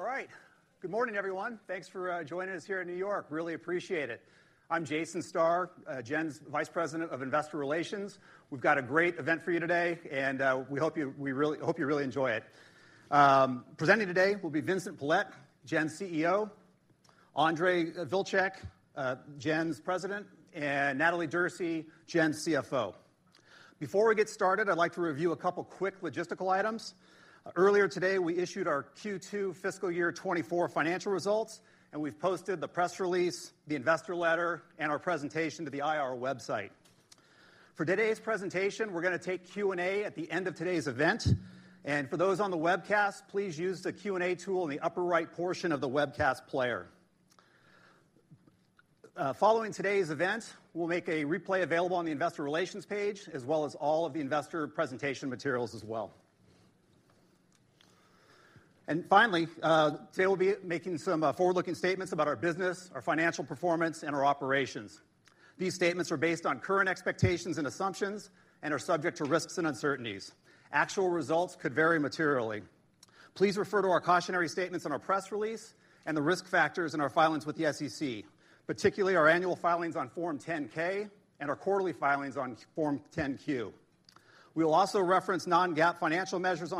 All right. Good morning, everyone. Thanks for joining us here in New York. Really appreciate it. I'm Jason Starr, Gen's Vice President of Investor Relations. We've got a great event for you today, and we hope you-- we really-- hope you really enjoy it. Presenting today will be Vincent Pilette, Gen's CEO; Ondřej Vlcek, Gen's President; and Natalie Derse, Gen's CFO. Before we get started, I'd like to review a couple quick logistical items. Earlier today, we issued our Q2 fiscal year 2024 financial results, and we've posted the press release, the investor letter, and our presentation to the IR website. For today's presentation, we're gonna take Q&A at the end of today's event, and for those on the webcast, please use the Q&A tool in the upper right portion of the webcast player. Following today's event, we'll make a replay available on the Investor Relations page, as well as all of the investor presentation materials as well. And finally, today we'll be making some forward-looking statements about our business, our financial performance, and our operations. These statements are based on current expectations and assumptions and are subject to risks and uncertainties. Actual results could vary materially. Please refer to our cautionary statements on our press release and the risk factors in our filings with the SEC, particularly our annual filings on Form 10-K and our quarterly filings on Form 10-Q. We will also reference non-GAAP financial measures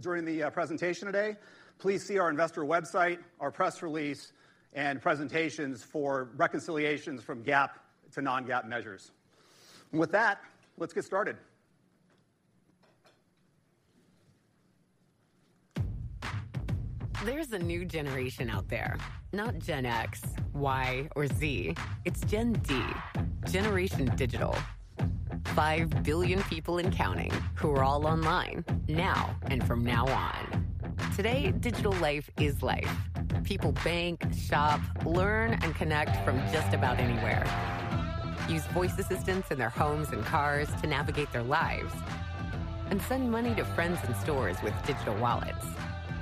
during the presentation today. Please see our investor website, our press release, and presentations for reconciliations from GAAP to non-GAAP measures. And with that, let's get started. There's a new generation out there. Not Gen X, Y, or Z. It's Gen D, Generation Digital. 5 billion people and counting, who are all online, now and from now on. Today, digital life is life. People bank, shop, learn, and connect from just about anywhere, use voice assistants in their homes and cars to navigate their lives, and send money to friends and stores with digital wallets.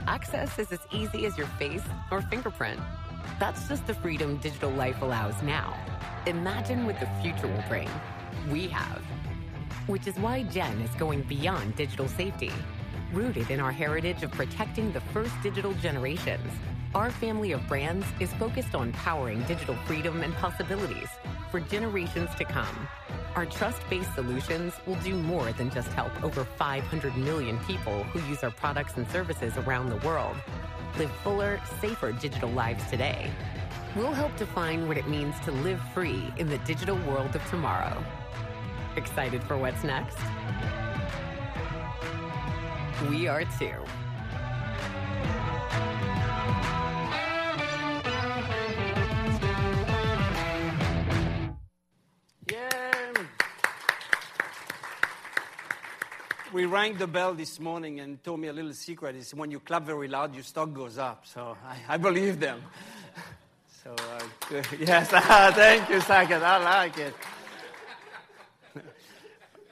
Access is as easy as your face or fingerprint. That's just the freedom digital life allows now. Imagine what the future will bring. We have, which is why Gen is going beyond digital safety. Rooted in our heritage of protecting the first digital generations, our family of brands is focused on powering digital freedom and possibilities for generations to come. Our trust-based solutions will do more than just help over 500 million people who use our products and services around the world live fuller, safer digital lives today. We'll help define what it means to live free in the digital world of tomorrow. Excited for what's next? We are, too. Yay! We rang the bell this morning, and they told me a little secret is when you clap very loud, your stock goes up. So I, I believe them. So, yes. Thank you, Saket, I like it.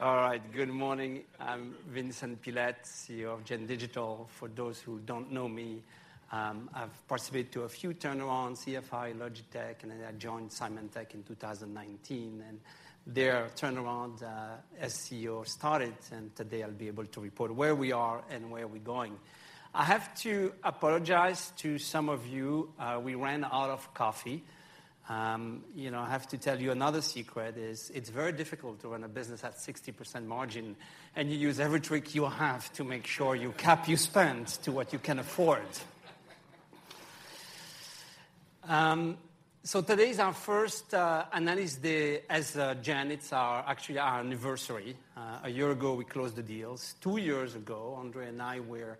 All right. Good morning, I'm Vincent Pilette, CEO of Gen Digital. For those who don't know me, I've participated to a few turnarounds, CFI, Logitech, and then I joined Symantec in 2019, and their turnaround, as CEO started, and today I'll be able to report where we are and where we're going. I have to apologize to some of you. We ran out of coffee. You know, I have to tell you another secret is, it's very difficult to run a business at 60% margin, and you use every trick you have to make sure you cap your spend to what you can afford. So today is our first analysis day as Gen. It's actually our anniversary. A year ago, we closed the deals. Two years ago, Ondřej and I were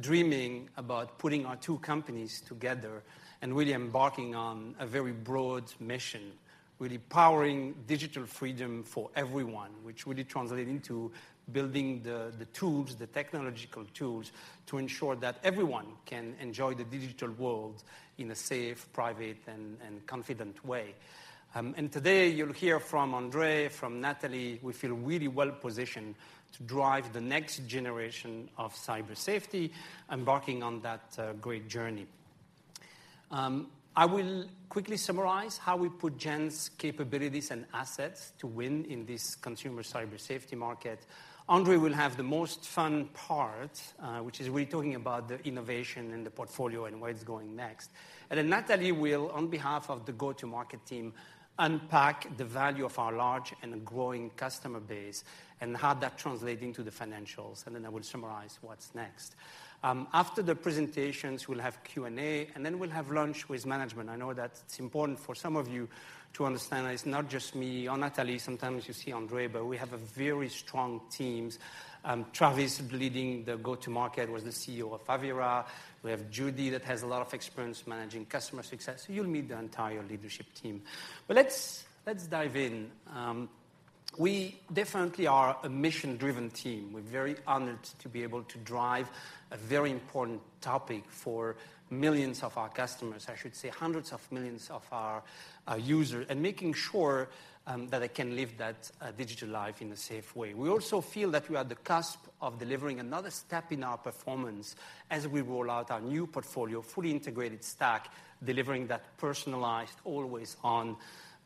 dreaming about putting our two companies together and really embarking on a very broad mission, really powering digital freedom for everyone, which really translate into building the tools, the technological tools, to ensure that everyone can enjoy the digital world in a safe, private, and confident way. And today you'll hear from Ondřej, from Natalie. We feel really well-positioned to drive the next generation of Cyber Safety, embarking on that great journey. I will quickly summarize how we put Gen's capabilities and assets to win in this consumer Cyber Safety market. Ondřej will have the most fun part, which is really talking about the innovation and the portfolio and where it's going next. Then Natalie will, on behalf of the go-to-market team, unpack the value of our large and growing customer base and how that translate into the financials, and then I will summarize what's next. After the presentations, we'll have Q&A, and then we'll have lunch with management. I know that it's important for some of you to understand that it's not just me or Natalie, sometimes you see Ondřej, but we have a very strong teams. Travis, leading the go-to-market, was the CEO of Avira. We have Judy, that has a lot of experience managing customer success, so you'll meet the entire leadership team. But let's dive in. We definitely are a mission-driven team. We're very honored to be able to drive a very important topic for millions of our customers, I should say, hundreds of millions of our user, and making sure that they can live that digital life in a safe way. We also feel that we are at the cusp of delivering another step in our performance as we roll out our new portfolio, fully integrated stack, delivering that personalized, always-on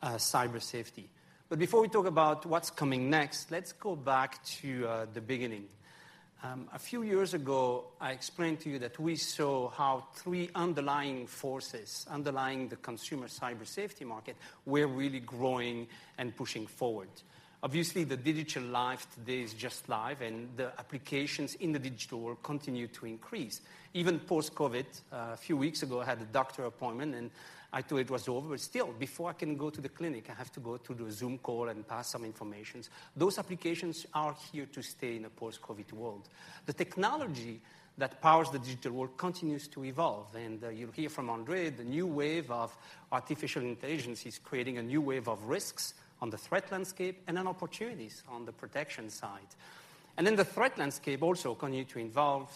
Cyber Safety. But before we talk about what's coming next, let's go back to the beginning. A few years ago, I explained to you that we saw how three underlying forces, underlying the consumer Cyber Safety market, were really growing and pushing forward. Obviously, the digital life today is just live, and the applications in the digital world continue to increase. Even post-COVID, a few weeks ago, I had a doctor appointment, and I thought it was over, but still, before I can go to the clinic, I have to go to do a Zoom call and pass some information. Those applications are here to stay in a post-COVID world. The technology that powers the digital world continues to evolve, and you'll hear from Ondřej, the new wave of artificial intelligence is creating a new wave of risks on the threat landscape and then opportunities on the protection side. Then the threat landscape also continue to evolve.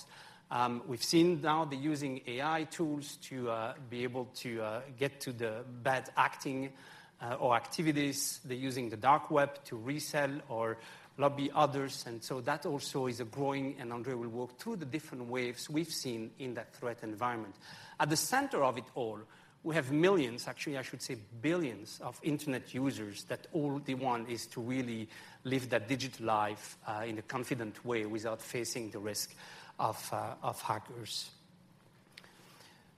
We've seen now they're using AI tools to be able to get to the bad acting or activities. They're using the Dark Web to resell or lobby others, and so that also is a growing, and Ondřej will walk through the different waves we've seen in that threat environment. At the center of it all, we have millions, actually, I should say billions, of internet users that all they want is to really live that digital life in a confident way without facing the risk of hackers.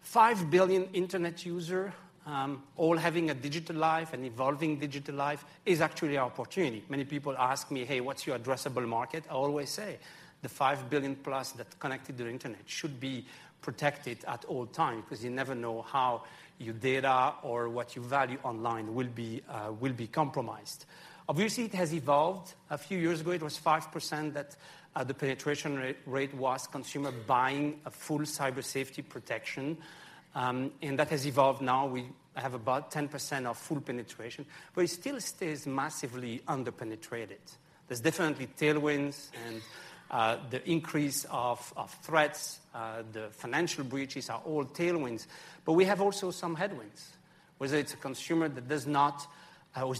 5 billion internet user, all having a digital life, an evolving digital life, is actually an opportunity. Many people ask me, "Hey, what's your addressable market?" I always say, "The 5 billion-plus that connected to the internet should be protected at all time," 'cause you never know how your data or what you value online will be compromised. Obviously, it has evolved. A few years ago, it was 5% that the penetration rate was consumer buying a full Cyber Safety protection, and that has evolved. Now we have about 10% of full penetration, but it still stays massively under-penetrated. There's definitely tailwinds and the increase of threats, the financial breaches are all tailwinds. But we have also some headwinds, whether it's a consumer that was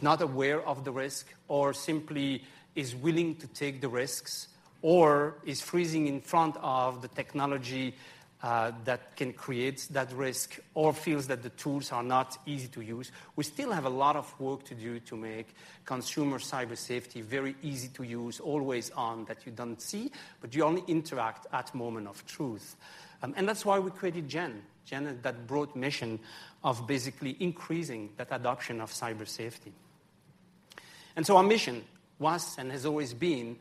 not aware of the risk or simply is willing to take the risks or is freezing in front of the technology that can create that risk or feels that the tools are not easy to use. We still have a lot of work to do to make consumer Cyber Safety very easy to use, always on, that you don't see, but you only interact at moment of truth. And that's why we created Gen. Gen is that broad mission of basically increasing that adoption of Cyber Safety. And so our mission was, and has always been,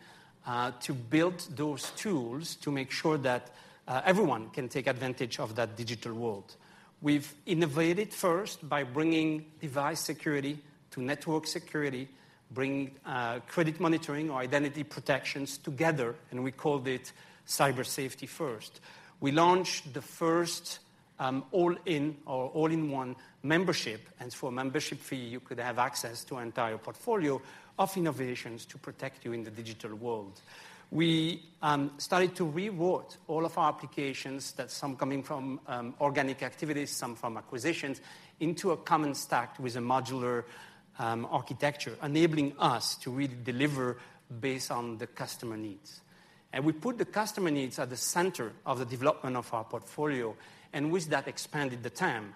to build those tools to make sure that everyone can take advantage of that digital world. We've innovated first by bringing device security to network security, bringing credit monitoring or identity protections together, and we called it Cyber Safety First. We launched the first all-in or all-in-one membership, and for a membership fee, you could have access to entire portfolio of innovations to protect you in the digital world. We started to reward all of our applications that some coming from organic activities, some from acquisitions, into a common stack with a modular architecture, enabling us to really deliver based on the customer needs. We put the customer needs at the center of the development of our portfolio, and with that expanded the TAM.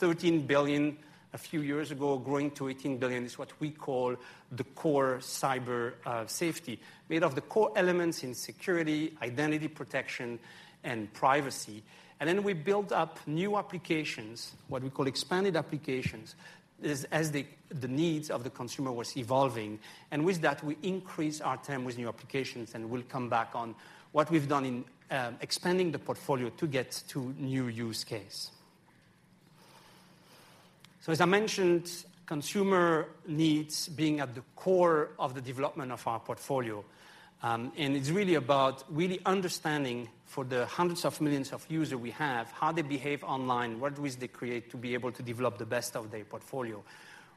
$13 billion a few years ago, growing to $18 billion, is what we call the core Cyber Safety. Made of the core elements in security, identity protection, and privacy. Then we built up new applications, what we call expanded applications, as the needs of the consumer was evolving. And with that, we increased our TAM with new applications, and we'll come back on what we've done in expanding the portfolio to get to new use case. So as I mentioned, consumer needs being at the core of the development of our portfolio, and it's really about really understanding for the hundreds of millions of user we have, how they behave online, what risks they create to be able to develop the best of their portfolio.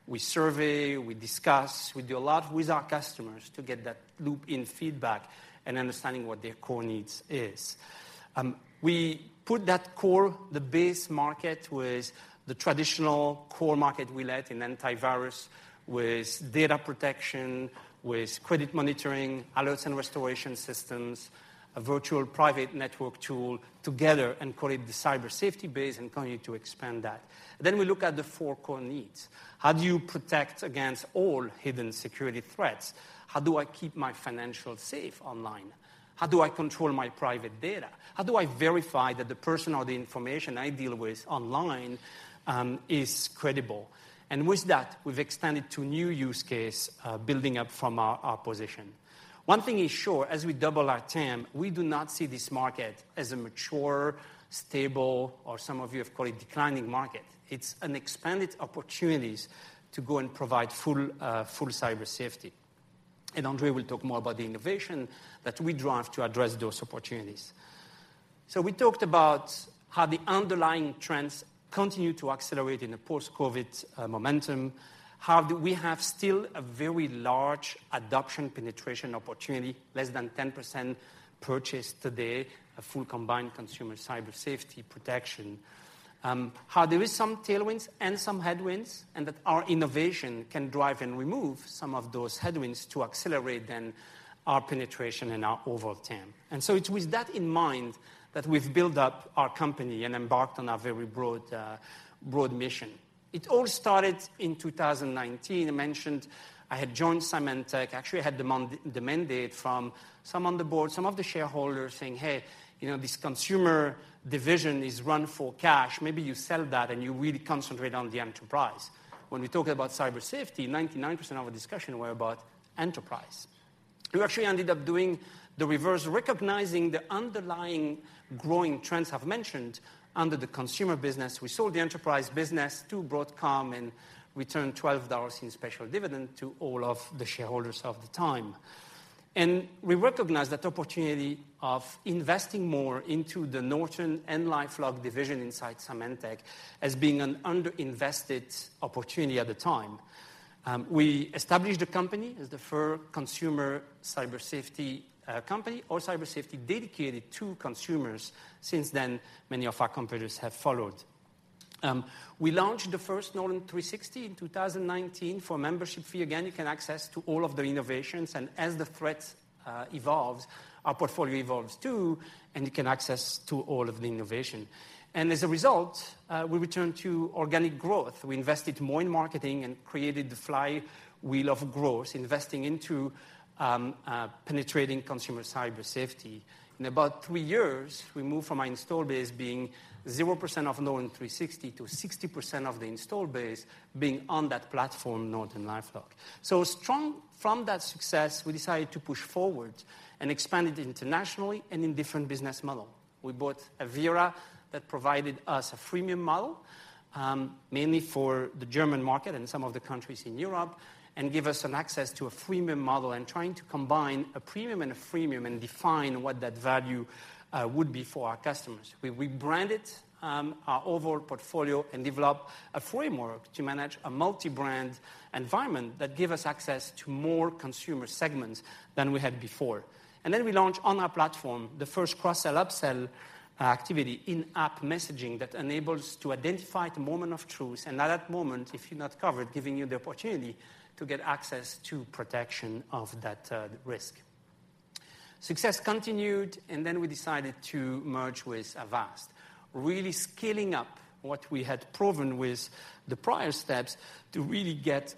We survey, we discuss, we do a lot with our customers to get that loop in feedback and understanding what their core needs is. We put that core, the base market, with the traditional core market we led in antivirus, with data protection, with credit monitoring, alerts and restoration systems, a virtual private network tool together and call it the Cyber Safety base and continue to expand that. Then we look at the four core needs. How do you protect against all hidden security threats? How do I keep my financial safe online? How do I control my private data? How do I verify that the person or the information I deal with online is credible? And with that, we've extended to new use case, building up from our position. One thing is sure, as we double our TAM, we do not see this market as a mature, stable, or some of you have called it declining market. It's an expanded opportunities to go and provide full Cyber Safety. And Ondřej will talk more about the innovation that we drive to address those opportunities. So we talked about how the underlying trends continue to accelerate in a post-COVID momentum. How do we have still a very large adoption penetration opportunity, less than 10% purchase today, a full combined consumer Cyber Safety protection. How there is some tailwinds and some headwinds, and that our innovation can drive and remove some of those headwinds to accelerate then our penetration and our overall TAM. And so it's with that in mind, that we've built up our company and embarked on a very broad, broad mission. It all started in 2019. I mentioned I had joined Symantec. Actually, I had the mandate from some on the board, some of the shareholders saying, "Hey, you know, this consumer division is run for cash. Maybe you sell that, and you really concentrate on the enterprise." When we talk about Cyber Safety, 99% of our discussion were about enterprise.... We actually ended up doing the reverse, recognizing the underlying growing trends I've mentioned under the consumer business. We sold the enterprise business to Broadcom, and returned $12 in special dividend to all of the shareholders of the time. We recognized that the opportunity of investing more into the Norton and LifeLock division inside Symantec as being an underinvested opportunity at the time. We established a company as the first consumer Cyber Safety company, or Cyber Safety dedicated to consumers. Since then, many of our competitors have followed. We launched the first Norton 360 in 2019 for a membership fee. Again, you can access to all of the innovations, and as the threat evolves, our portfolio evolves, too, and you can access to all of the innovation. As a result, we returned to organic growth. We invested more in marketing and created the flywheel of growth, investing into penetrating consumer Cyber Safety. In about three years, we moved from our install base being 0% of Norton 360 to 60% of the install base being on that platform, NortonLifeLock. So strong from that success, we decided to push forward and expand it internationally and in different business model. We bought Avira that provided us a freemium model, mainly for the German market and some of the countries in Europe, and give us an access to a freemium model and trying to combine a premium and a freemium and define what that value would be for our customers. We rebranded our overall portfolio and developed a framework to manage a multi-brand environment that give us access to more consumer segments than we had before. And then we launched on our platform, the first cross-sell, upsell, activity in-app messaging that enables to identify the moment of truth, and at that moment, if you're not covered, giving you the opportunity to get access to protection of that, risk. Success continued, and then we decided to merge with Avast, really scaling up what we had proven with the prior steps to really get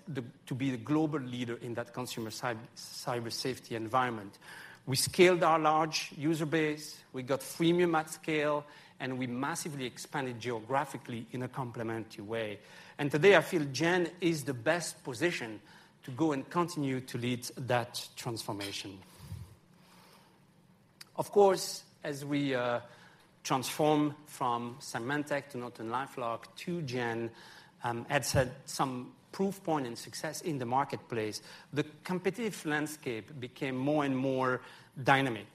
to be the global leader in that consumer Cyber Safety environment. We scaled our large user base, we got freemium at scale, and we massively expanded geographically in a complementary way. And today, I feel Gen is the best position to go and continue to lead that transformation. Of course, as we transform from Symantec to NortonLifeLock to Gen, had set some proof point and success in the marketplace, the competitive landscape became more and more dynamic.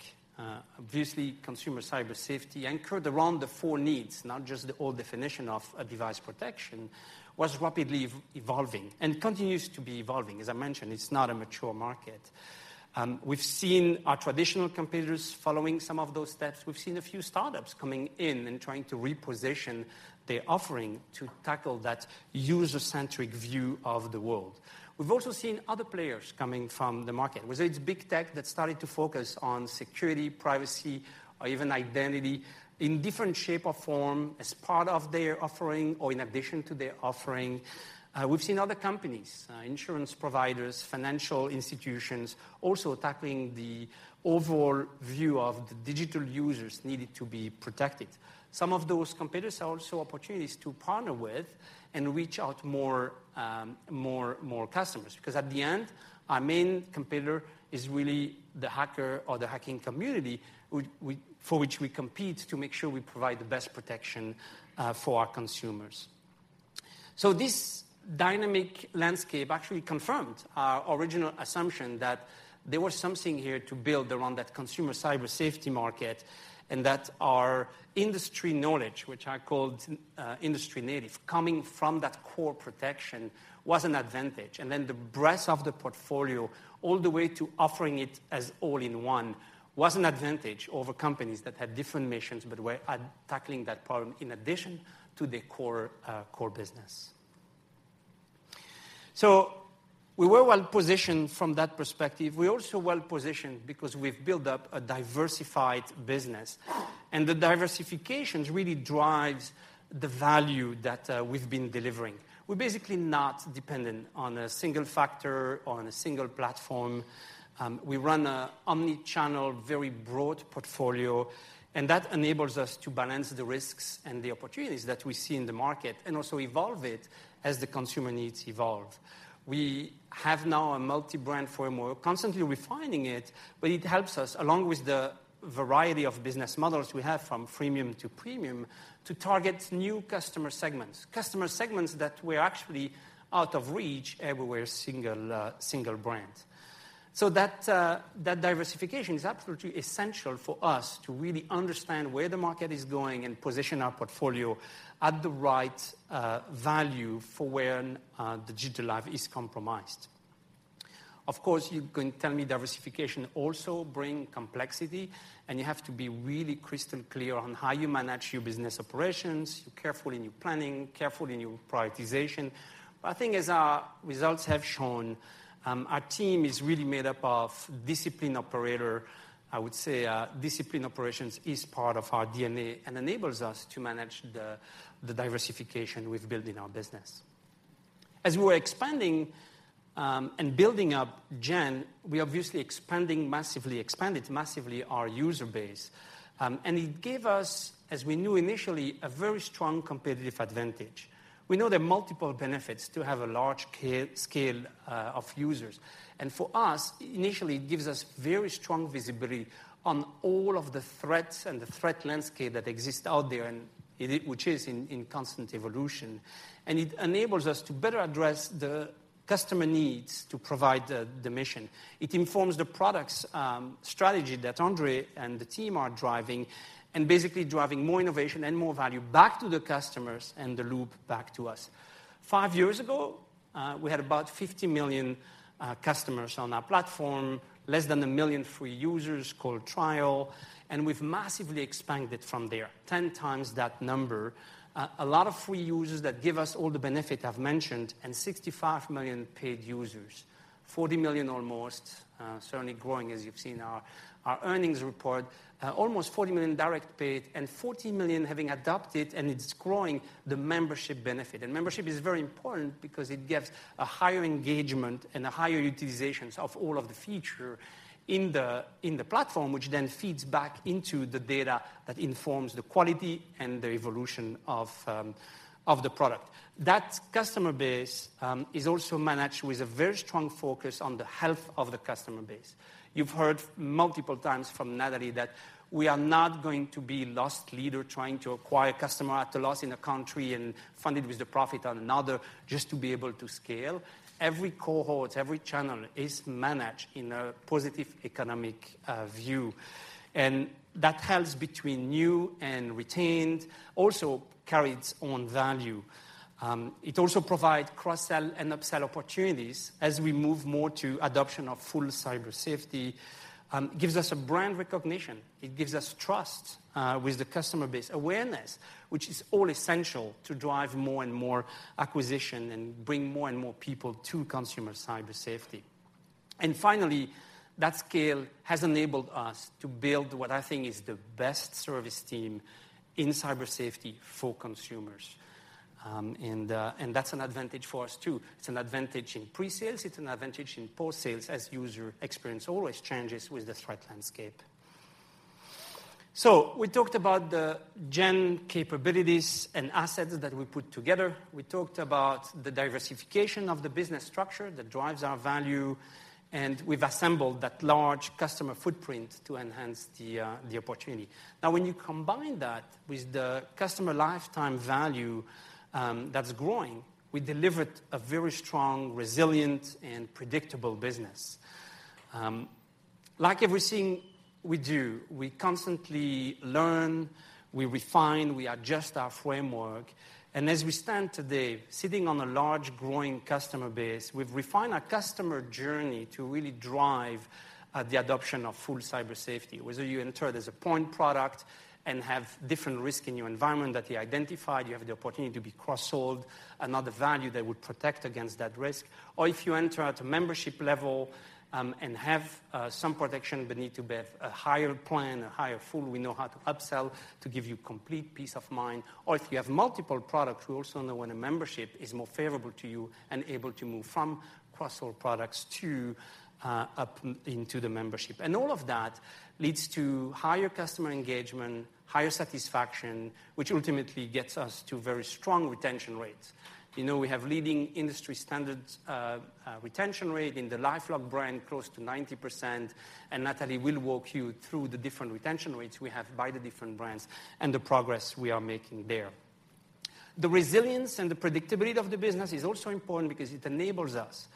Obviously, consumer Cyber Safety anchored around the four needs, not just the old definition of a device protection, was rapidly evolving and continues to be evolving. As I mentioned, it's not a mature market. We've seen our traditional competitors following some of those steps. We've seen a few startups coming in and trying to reposition their offering to tackle that user-centric view of the world. We've also seen other players coming from the market, whether it's big tech that started to focus on security, privacy, or even identity in different shape or form as part of their offering or in addition to their offering. We've seen other companies, insurance providers, financial institutions, also tackling the overall view of the digital users needed to be protected. Some of those competitors are also opportunities to partner with and reach out more customers, because at the end, our main competitor is really the hacker or the hacking community, for which we compete to make sure we provide the best protection for our consumers. So this dynamic landscape actually confirmed our original assumption that there was something here to build around that consumer Cyber Safety market, and that our industry knowledge, which I called industry native, coming from that core protection, was an advantage. And then the breadth of the portfolio, all the way to offering it as all-in-one, was an advantage over companies that had different missions but were tackling that problem in addition to their core business. So we were well positioned from that perspective. We're also well positioned because we've built up a diversified business, and the diversifications really drives the value that we've been delivering. We're basically not dependent on a single factor or on a single platform. We run a omni-channel, very broad portfolio, and that enables us to balance the risks and the opportunities that we see in the market and also evolve it as the consumer needs evolve. We have now a multi-brand framework, constantly refining it, but it helps us, along with the variety of business models we have, from freemium to premium, to target new customer segments, customer segments that were actually out of reach everywhere, single, single brand. So that that diversification is absolutely essential for us to really understand where the market is going and position our portfolio at the right value for when digital life is compromised. Of course, you can tell me diversification also bring complexity, and you have to be really crystal clear on how you manage your business operations. You're careful in your planning, careful in your prioritization. But I think as our results have shown, our team is really made up of disciplined operator. I would say, disciplined operations is part of our DNA and enables us to manage the, the diversification with building our business. As we were expanding, and building up Gen, we obviously expanding massively, expanded massively our user base. And it gave us, as we knew initially, a very strong competitive advantage. We know there are multiple benefits to have a large scale, scale, of users. For us, initially, it gives us very strong visibility on all of the threats and the threat landscape that exists out there, and it, which is in constant evolution. It enables us to better address the customer needs to provide the mission. It informs the products strategy that Ondřej and the team are driving, and basically driving more innovation and more value back to the customers and the loop back to us. Five years ago, we had about 50 million customers on our platform, less than 1 million free users called Trial, and we've massively expanded from there, 10x that number. A lot of free users that give us all the benefit I've mentioned, and 65 million paid users. 40 million almost, certainly growing, as you've seen our earnings report. Almost 40 million direct paid and 14 million having adopted, and it's growing, the membership benefit. And membership is very important because it gives a higher engagement and a higher utilizations of all of the feature in the platform, which then feeds back into the data that informs the quality and the evolution of the product. That customer base is also managed with a very strong focus on the health of the customer base. You've heard multiple times from Natalie that we are not going to be loss leader trying to acquire customer at a loss in a country and fund it with the profit on another just to be able to scale. Every cohort, every channel is managed in a positive economic view, and that helps between new and retained, also carries own value. It also provide cross-sell and upsell opportunities as we move more to adoption of full Cyber Safety. Gives us a brand recognition. It gives us trust with the customer base. Awareness, which is all essential to drive more and more acquisition and bring more and more people to consumer Cyber Safety. And finally, that scale has enabled us to build what I think is the best service team in Cyber Safety for consumers. And that's an advantage for us too. It's an advantage in pre-sales, it's an advantage in post-sales, as user experience always changes with the threat landscape. So we talked about the Gen capabilities and assets that we put together. We talked about the diversification of the business structure that drives our value, and we've assembled that large customer footprint to enhance the opportunity. Now, when you combine that with the customer lifetime value, that's growing, we delivered a very strong, resilient, and predictable business. Like everything we do, we constantly learn, we refine, we adjust our framework, and as we stand today, sitting on a large, growing customer base, we've refined our customer journey to really drive the adoption of full Cyber Safety. Whether you enter as a point product and have different risk in your environment that you identified, you have the opportunity to be cross-sold another value that would protect against that risk. Or if you enter at a membership level, and have some protection but need to have a higher plan, a higher full, we know how to upsell to give you complete peace of mind. Or if you have multiple products, we also know when a membership is more favorable to you and able to move from cross-sell products to up into the membership. And all of that leads to higher customer engagement, higher satisfaction, which ultimately gets us to very strong retention rates. You know, we have leading industry standards retention rate in the LifeLock brand, close to 90%, and Natalie will walk you through the different retention rates we have by the different brands and the progress we are making there. The resilience and the predictability of the business is also important because it enables us,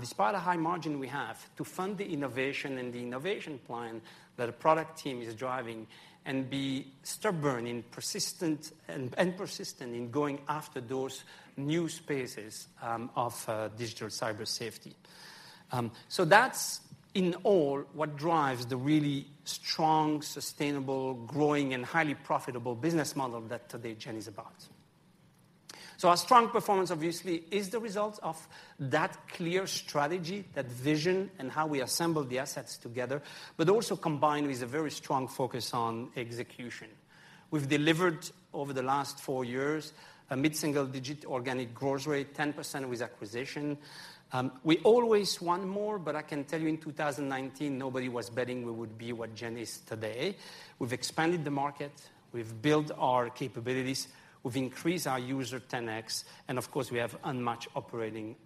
despite the high margin we have, to fund the innovation and the innovation plan that a product team is driving and be stubborn and persistent, and persistent in going after those new spaces of digital Cyber Safety. So that's in all what drives the really strong, sustainable, growing, and highly profitable business model that today Gen is about. So our strong performance obviously is the result of that clear strategy, that vision, and how we assemble the assets together, but also combined with a very strong focus on execution. We've delivered over the last four years, a mid-single-digit organic growth rate, 10% with acquisition. We always want more, but I can tell you in 2019, nobody was betting we would be what Gen is today. We've expanded the market, we've built our capabilities, we've increased our user 10x, and of course, we have unmatched operating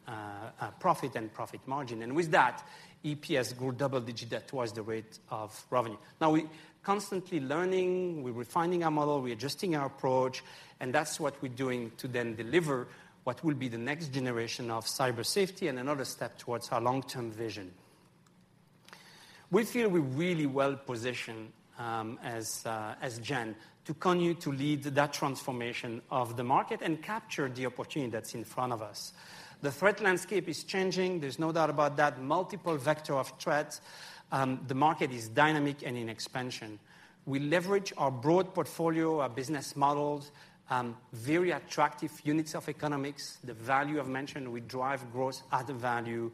profit and profit margin. And with that, EPS grew double digit, towards the rate of revenue. Now we constantly learning, we're refining our model, we're adjusting our approach, and that's what we're doing to then deliver what will be the next generation of Cyber Safety and another step towards our long-term vision. We feel we're really well positioned, as Gen, to continue to lead that transformation of the market and capture the opportunity that's in front of us. The threat landscape is changing, there's no doubt about that. Multiple vector of threats, the market is dynamic and in expansion. We leverage our broad portfolio, our business models, very attractive units of economics, the value I've mentioned, we drive growth at the value.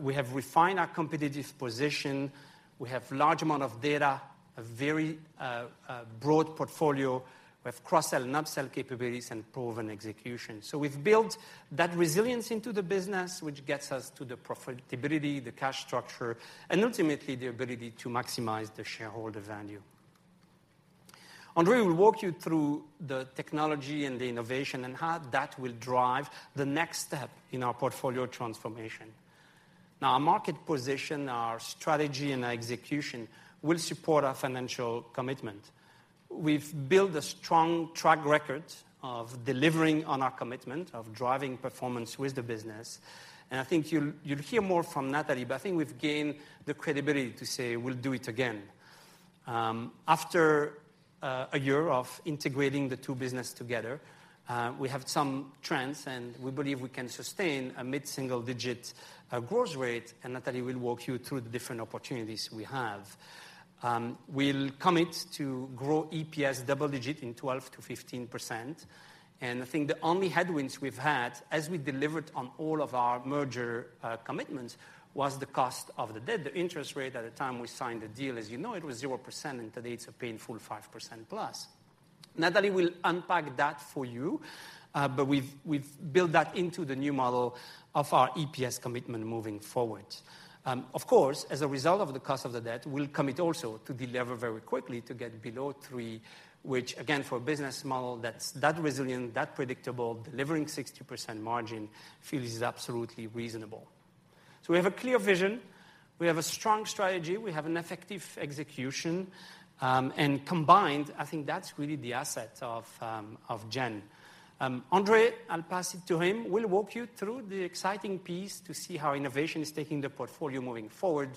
We have refined our competitive position. We have large amount of data a very broad portfolio with cross-sell and upsell capabilities and proven execution. So we've built that resilience into the business, which gets us to the profitability, the cash structure, and ultimately, the ability to maximize the shareholder value. Ondřej will walk you through the technology and the innovation and how that will drive the next step in our portfolio transformation. Now, our market position, our strategy, and our execution will support our financial commitment. We've built a strong track record of delivering on our commitment of driving performance with the business, and I think you'll, you'll hear more from Natalie, but I think we've gained the credibility to say we'll do it again. After a year of integrating the two businesses together, we have some trends, and we believe we can sustain a mid-single-digit growth rate, and Natalie will walk you through the different opportunities we have. We'll commit to grow EPS double-digit 12%-15%, and I think the only headwinds we've had as we delivered on all of our merger commitments was the cost of the debt. The interest rate at the time we signed the deal, as you know, it was 0%, and today it's a painful 5%+. Natalie will unpack that for you, but we've built that into the new model of our EPS commitment moving forward. Of course, as a result of the cost of the debt, we'll commit also to delever very quickly to get below three, which again, for a business model that's that resilient, that predictable, delivering 60% margin feels absolutely reasonable. So we have a clear vision, we have a strong strategy, we have an effective execution, and combined, I think that's really the asset of, of Gen. Ondřej, I'll pass it to him, will walk you through the exciting piece to see how innovation is taking the portfolio moving forward,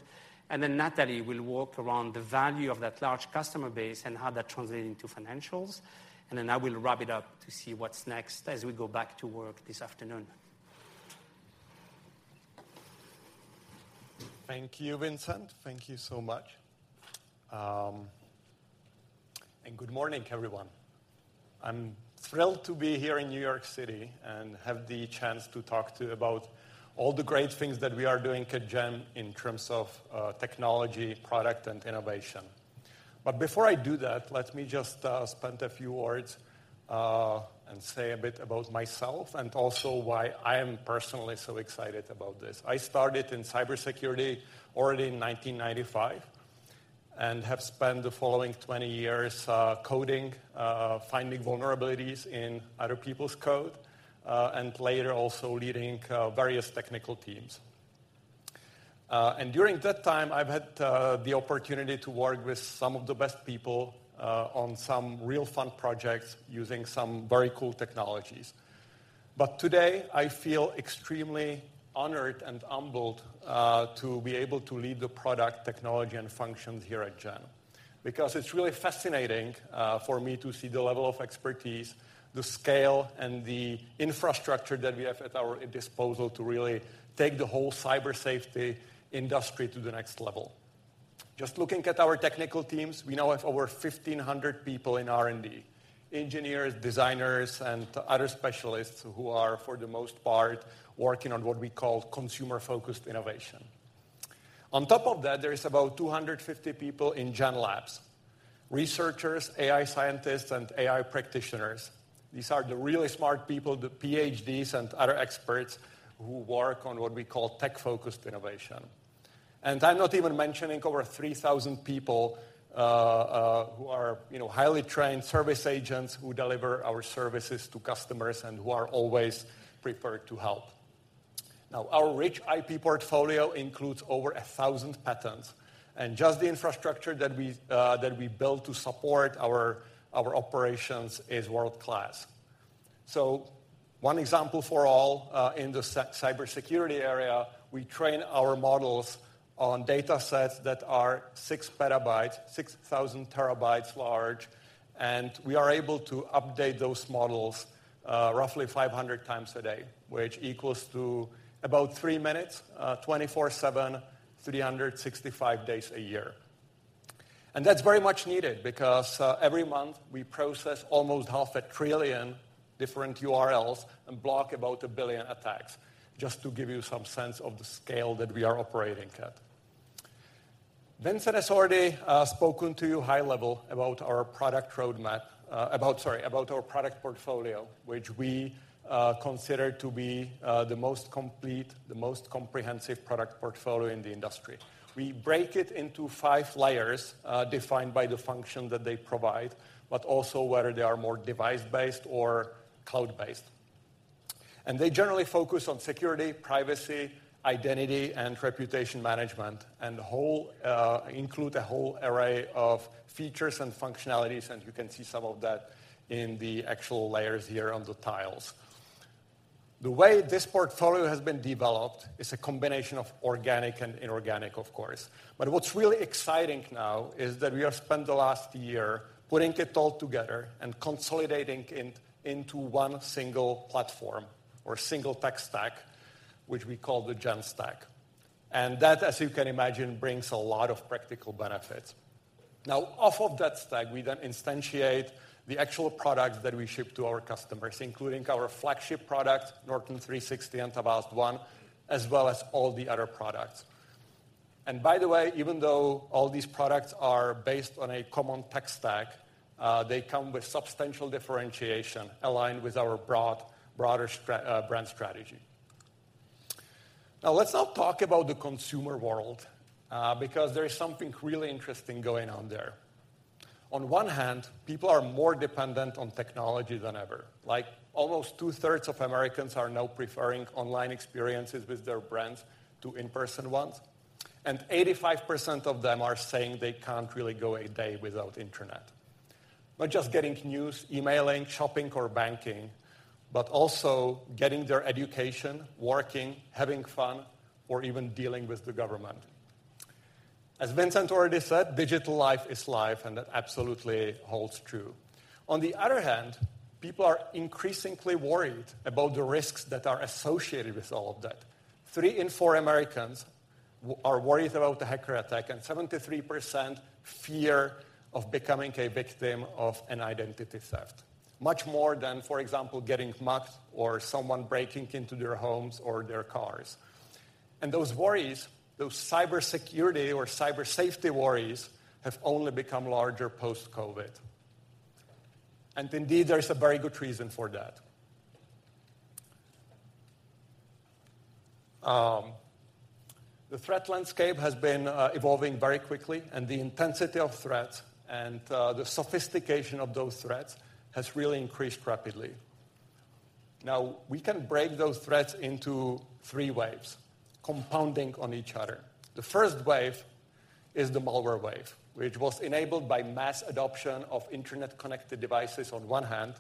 and then Natalie will walk around the value of that large customer base and how that translates into financials. And then I will wrap it up to see what's next as we go back to work this afternoon. Thank you, Vincent. Thank you so much. And good morning, everyone. I'm thrilled to be here in New York City and have the chance to talk to you about all the great things that we are doing at Gen in terms of, technology, product, and innovation. But before I do that, let me just, spend a few words, and say a bit about myself and also why I am personally so excited about this. I started in cybersecurity already in 1995 and have spent the following 20 years, coding, finding vulnerabilities in other people's code, and later also leading, various technical teams. And during that time, I've had, the opportunity to work with some of the best people, on some real fun projects using some very cool technologies. Today, I feel extremely honored and humbled to be able to lead the product, technology, and functions here at Gen. Because it's really fascinating for me to see the level of expertise, the scale, and the infrastructure that we have at our disposal to really take the whole Cyber Safety industry to the next level. Just looking at our technical teams, we now have over 1,500 people in R&D, engineers, designers, and other specialists who are, for the most part, working on what we call consumer-focused innovation. On top of that, there is about 250 people in Gen Labs, researchers, AI scientists, and AI practitioners. These are the really smart people, the PhDs and other experts who work on what we call tech-focused innovation. And I'm not even mentioning over 3,000 people who are, you know, highly trained service agents who deliver our services to customers and who are always prepared to help. Now, our rich IP portfolio includes over 1,000 patents, and just the infrastructure that we built to support our operations is world-class. So one example for all, in the cybersecurity area, we train our models on datasets that are 6 PB, 6,000 TB large, and we are able to update those models roughly 500x a day, which equals to about three minutes, 24/7, 365 days a year. That's very much needed because, every month, we process almost 500 billion different URLs and block about 1 billion attacks, just to give you some sense of the scale that we are operating at. Vincent has already spoken to you high level about our product roadmap, about... Sorry, about our product portfolio, which we consider to be the most complete, the most comprehensive product portfolio in the industry. We break it into five layers, defined by the function that they provide, but also whether they are more device-based or cloud-based. And they generally focus on security, privacy, identity, and reputation management, and include a whole array of features and functionalities, and you can see some of that in the actual layers here on the tiles. The way this portfolio has been developed is a combination of organic and inorganic, of course. But what's really exciting now is that we have spent the last year putting it all together and consolidating into one single platform or single tech stack, which we call the GenStack. And that, as you can imagine, brings a lot of practical benefits. Now, off of that stack, we then instantiate the actual products that we ship to our customers, including our flagship product, Norton 360 and Avast One, as well as all the other products.... And by the way, even though all these products are based on a common tech stack, they come with substantial differentiation aligned with our broader brand strategy. Now, let's talk about the consumer world, because there is something really interesting going on there. On one hand, people are more dependent on technology than ever. Like, almost 2/3 of Americans are now preferring online experiences with their brands to in-person ones, and 85% of them are saying they can't really go a day without internet. Not just getting news, emailing, shopping, or banking, but also getting their education, working, having fun, or even dealing with the government. As Vincent already said, digital life is life, and that absolutely holds true. On the other hand, people are increasingly worried about the risks that are associated with all of that. Three in four Americans are worried about a hacker attack, and 73% fear of becoming a victim of an identity theft. Much more than, for example, getting mugged or someone breaking into their homes or their cars. And those worries, those cybersecurity or Cyber Safety worries, have only become larger post-COVID. Indeed, there's a very good reason for that. The threat landscape has been evolving very quickly, and the intensity of threats and the sophistication of those threats has really increased rapidly. Now, we can break those threats into three waves compounding on each other. The first wave is the malware wave, which was enabled by mass adoption of internet-connected devices on one hand,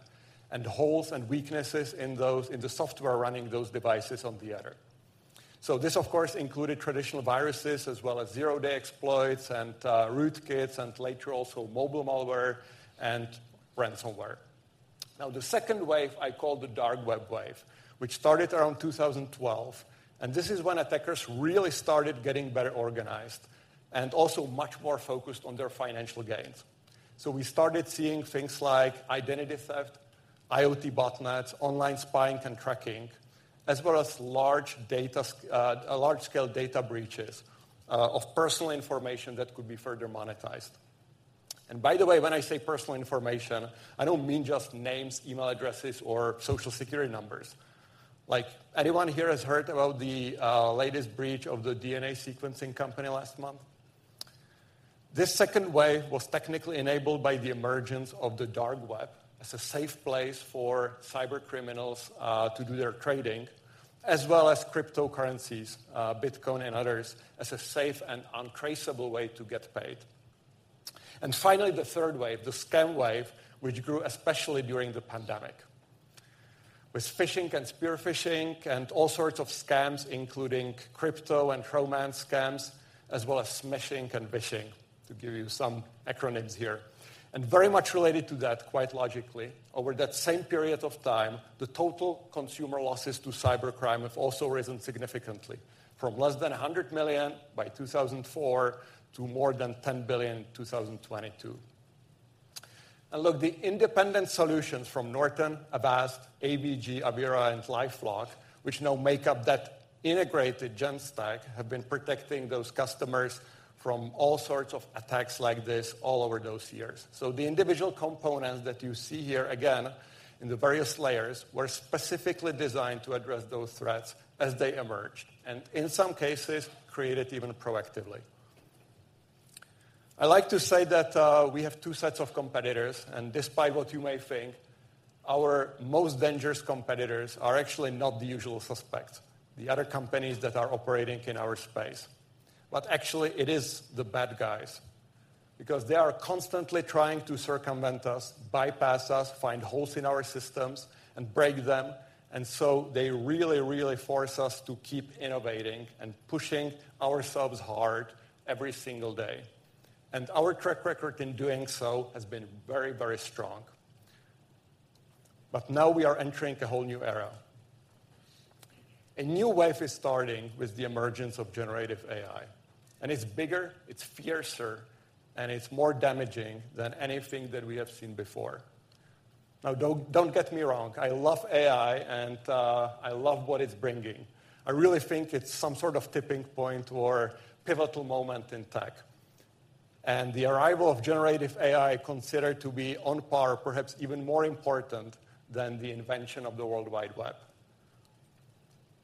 and holes and weaknesses in those, in the software running those devices on the other. So this, of course, included traditional viruses as well as zero-day exploits and rootkits, and later also mobile malware and ransomware. Now, the second wave I call the Dark Web wave, which started around 2012, and this is when attackers really started getting better organized and also much more focused on their financial gains. So we started seeing things like identity theft, IoT botnets, online spying and tracking, as well as large-scale data breaches of personal information that could be further monetized. And by the way, when I say personal information, I don't mean just names, email addresses, or Social Security numbers. Like, anyone here has heard about the latest breach of the DNA sequencing company last month? This second wave was technically enabled by the emergence of the Dark Web as a safe place for cybercriminals to do their trading, as well as cryptocurrencies, Bitcoin and others, as a safe and untraceable way to get paid. And finally, the third wave, the scam wave, which grew especially during the pandemic, with phishing and spear phishing and all sorts of scams, including crypto and romance scams, as well as smishing and vishing, to give you some acronyms here. And very much related to that, quite logically, over that same period of time, the total consumer losses to cybercrime have also risen significantly from less than $100 million in 2004 to more than $10 billion in 2022. And look, the independent solutions from Norton, Avast, AVG, Avira, and LifeLock, which now make up that integrated GenStack, have been protecting those customers from all sorts of attacks like this all over those years. So the individual components that you see here, again, in the various layers, were specifically designed to address those threats as they emerged, and in some cases, created even proactively. I like to say that we have two sets of competitors, and despite what you may think, our most dangerous competitors are actually not the usual suspects, the other companies that are operating in our space, but actually it is the bad guys because they are constantly trying to circumvent us, bypass us, find holes in our systems, and break them, and so they really, really force us to keep innovating and pushing ourselves hard every single day. Our track record in doing so has been very, very strong. Now we are entering a whole new era. A new wave is starting with the emergence of generative AI, and it's bigger, it's fiercer, and it's more damaging than anything that we have seen before. Now, don't, don't get me wrong, I love AI, and, I love what it's bringing. I really think it's some sort of tipping point or pivotal moment in tech, and the arrival of generative AI considered to be on par, perhaps even more important than the invention of the World Wide Web.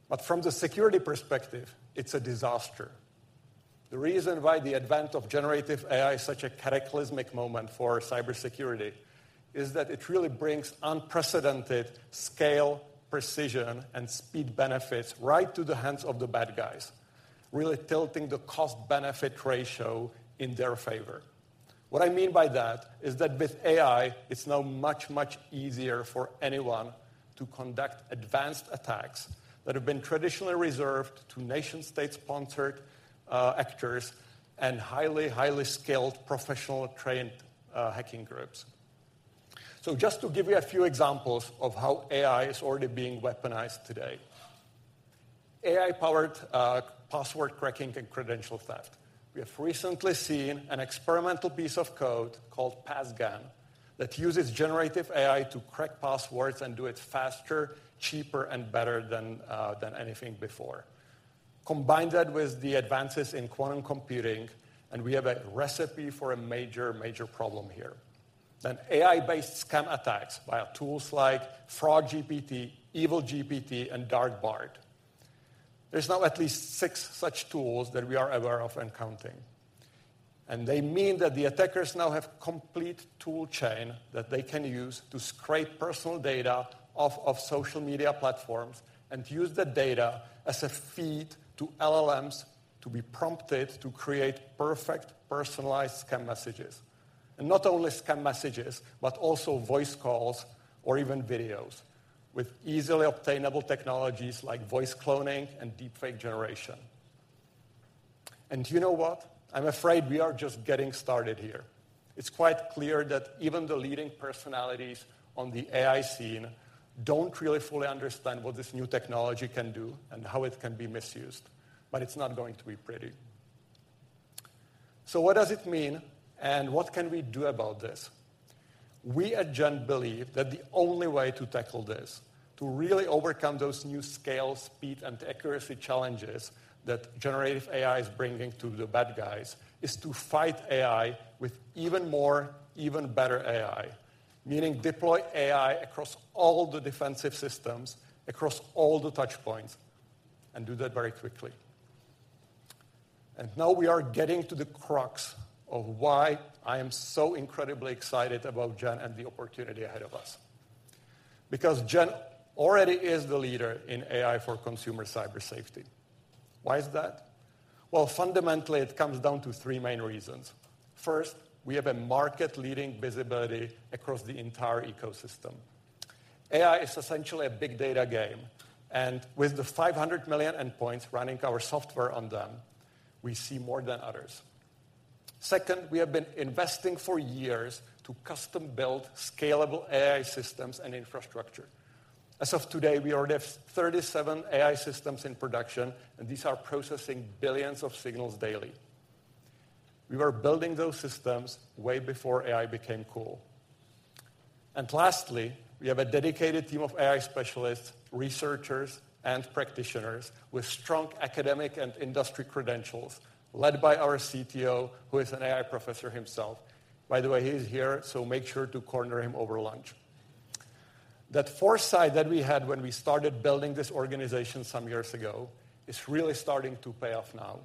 But from the security perspective, it's a disaster. The reason why the advent of generative AI is such a cataclysmic moment for cybersecurity is that it really brings unprecedented scale, precision, and speed benefits right to the hands of the bad guys, really tilting the cost-benefit ratio in their favor. What I mean by that is that with AI, it's now much, much easier for anyone to conduct advanced attacks that have been traditionally reserved to nation-state-sponsored actors and highly, highly skilled, professional, trained hacking groups. So just to give you a few examples of how AI is already being weaponized today. AI-powered password cracking and credential theft. We have recently seen an experimental piece of code called PassGAN that uses generative AI to crack passwords and do it faster, cheaper, and better than than anything before. Combine that with the advances in quantum computing, and we have a recipe for a major, major problem here. Then AI-based scam attacks via tools like FraudGPT, EvilGPT, and DarkBART. There's now at least six such tools that we are aware of and counting, and they mean that the attackers now have complete tool chain that they can use to scrape personal data off of social media platforms and use that data as a feed to LLMs to be prompted to create perfect personalized scam messages. And not only scam messages, but also voice calls or even videos with easily obtainable technologies like voice cloning and deepfake generation. And you know what? I'm afraid we are just getting started here. It's quite clear that even the leading personalities on the AI scene don't really fully understand what this new technology can do and how it can be misused, but it's not going to be pretty. So what does it mean, and what can we do about this? We at Gen believe that the only way to tackle this, to really overcome those new scale, speed, and accuracy challenges that generative AI is bringing to the bad guys, is to fight AI with even more, even better AI. Meaning deploy AI across all the defensive systems, across all the touch points, and do that very quickly. Now we are getting to the crux of why I am so incredibly excited about Gen and the opportunity ahead of us. Because Gen already is the leader in AI for consumer Cyber Safety. Why is that? Well, fundamentally, it comes down to three main reasons. First, we have a market-leading visibility across the entire ecosystem. AI is essentially a big data game, and with the 500 million endpoints running our software on them, we see more than others. Second, we have been investing for years to custom-build scalable AI systems and infrastructure. As of today, we already have 37 AI systems in production, and these are processing billions of signals daily. We were building those systems way before AI became cool. And lastly, we have a dedicated team of AI specialists, researchers, and practitioners with strong academic and industry credentials, led by our CTO, who is an AI professor himself. By the way, he is here, so make sure to corner him over lunch. That foresight that we had when we started building this organization some years ago is really starting to pay off now,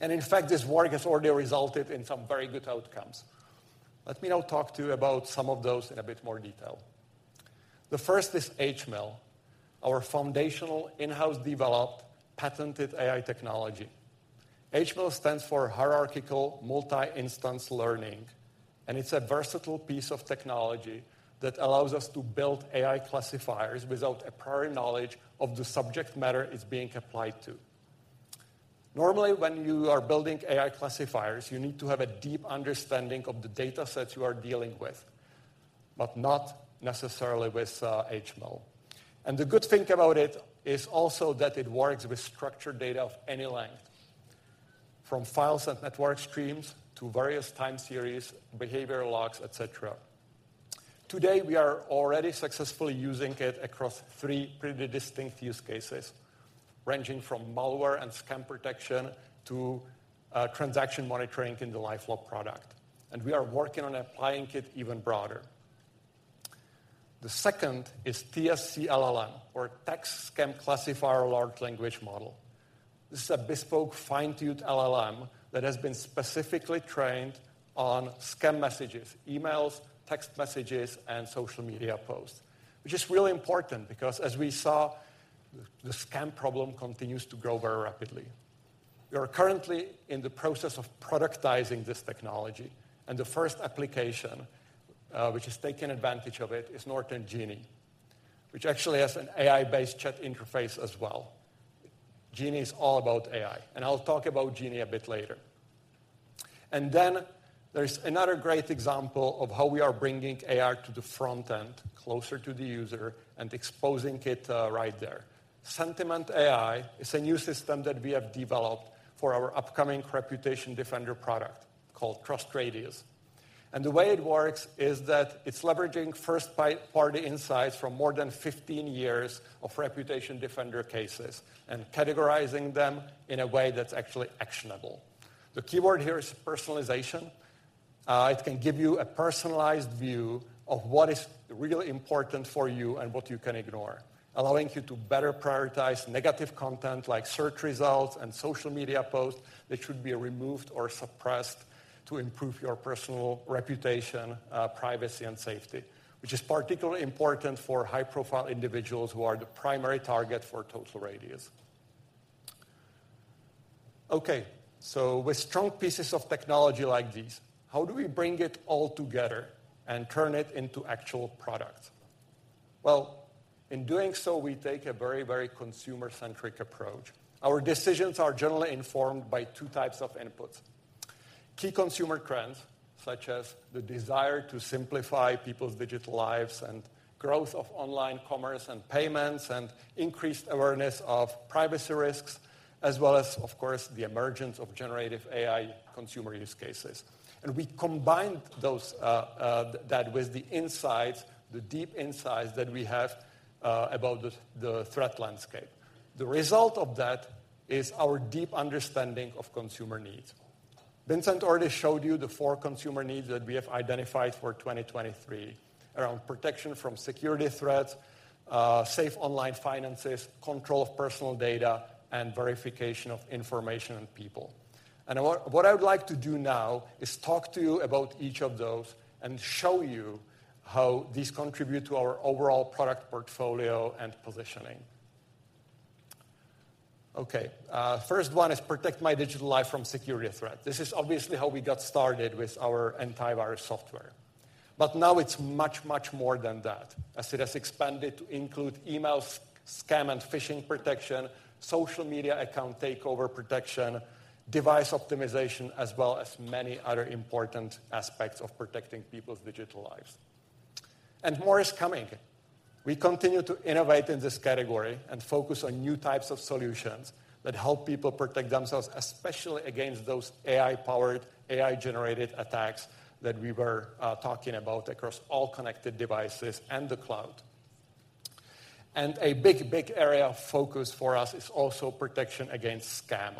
and in fact, this work has already resulted in some very good outcomes. Let me now talk to you about some of those in a bit more detail. The first is HMIL, our foundational, in-house developed, patented AI technology. HMIL stands for Hierarchical Multi-Instance Learning, and it's a versatile piece of technology that allows us to build AI classifiers without a prior knowledge of the subject matter it's being applied to. Normally, when you are building AI classifiers, you need to have a deep understanding of the data sets you are dealing with, but not necessarily with HMIL. And the good thing about it is also that it works with structured data of any length, from files and network streams to various time series, behavior logs, et cetera. Today, we are already successfully using it across three pretty distinct use cases, ranging from malware and scam protection to transaction monitoring in the LifeLock product, and we are working on applying it even broader. The second is TSC-LLM, or Text Scam Classifier Large Language Model. This is a bespoke, fine-tuned LLM that has been specifically trained on scam messages, emails, text messages, and social media posts, which is really important because, as we saw, the scam problem continues to grow very rapidly. We are currently in the process of productizing this technology, and the first application, which is taking advantage of it, is Norton Genie, which actually has an AI-based chat interface as well. Genie is all about AI, and I'll talk about Genie a bit later. And then there's another great example of how we are bringing AI to the front end, closer to the user, and exposing it, right there. Sentiment AI is a new system that we have developed for our upcoming ReputationDefender product called TrustRadius. The way it works is that it's leveraging first-party insights from more than 15 years of ReputationDefender cases and categorizing them in a way that's actually actionable. The keyword here is personalization. It can give you a personalized view of what is really important for you and what you can ignore, allowing you to better prioritize negative content like search results and social media posts that should be removed or suppressed to improve your personal reputation, privacy, and safety, which is particularly important for high-profile individuals who are the primary target for TrustRadius. Okay, so with strong pieces of technology like these, how do we bring it all together and turn it into actual products? Well, in doing so, we take a very, very consumer-centric approach. Our decisions are generally informed by two types of inputs.... Key consumer trends, such as the desire to simplify people's digital lives and growth of online commerce and payments, and increased awareness of privacy risks, as well as, of course, the emergence of generative AI consumer use cases. We combined those that with the insights, the deep insights that we have, about the threat landscape. The result of that is our deep understanding of consumer needs. Vincent already showed you the four consumer needs that we have identified for 2023, around protection from security threats, safe online finances, control of personal data, and verification of information and people. What I would like to do now is talk to you about each of those and show you how these contribute to our overall product portfolio and positioning. Okay, first one is protect my digital life from security threat. This is obviously how we got started with our antivirus software. But now it's much, much more than that, as it has expanded to include email scam and phishing protection, social media account takeover protection, device optimization, as well as many other important aspects of protecting people's digital lives. And more is coming. We continue to innovate in this category and focus on new types of solutions that help people protect themselves, especially against those AI-powered, AI-generated attacks that we were talking about across all connected devices and the cloud. And a big, big area of focus for us is also protection against scam,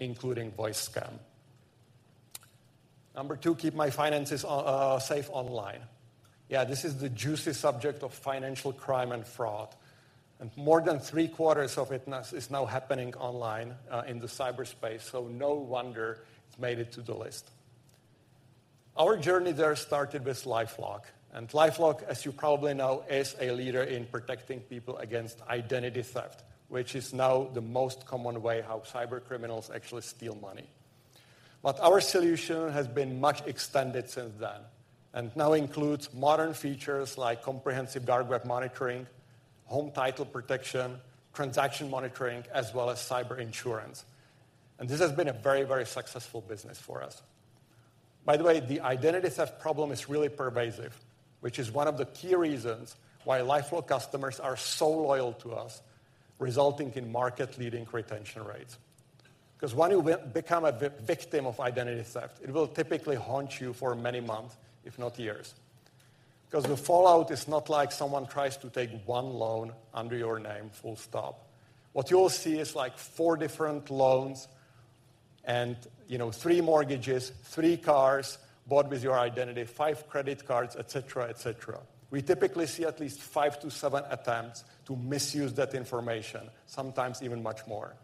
including voice scam. Number two, keep my finances safe online. Yeah, this is the juicy subject of financial crime and fraud, and more than three-quarters of it now is now happening online, in the cyberspace, so no wonder it's made it to the list. Our journey there started with LifeLock, and LifeLock, as you probably know, is a leader in protecting people against identity theft, which is now the most common way how cybercriminals actually steal money. But our solution has been much extended since then and now includes modern features like comprehensive Dark Web monitoring, home title protection, transaction monitoring, as well as cyber insurance. And this has been a very, very successful business for us. By the way, the identity theft problem is really pervasive, which is one of the key reasons why LifeLock customers are so loyal to us, resulting in market-leading retention rates. Because when you become a victim of identity theft, it will typically haunt you for many months, if not years. Because the fallout is not like someone tries to take one loan under your name, full stop. What you will see is, like, four different loans and, you know, three mortgages, three cars bought with your identity, five credit cards, et cetera, et cetera. We typically see at least five to seven attempts to misuse that information, sometimes even much more.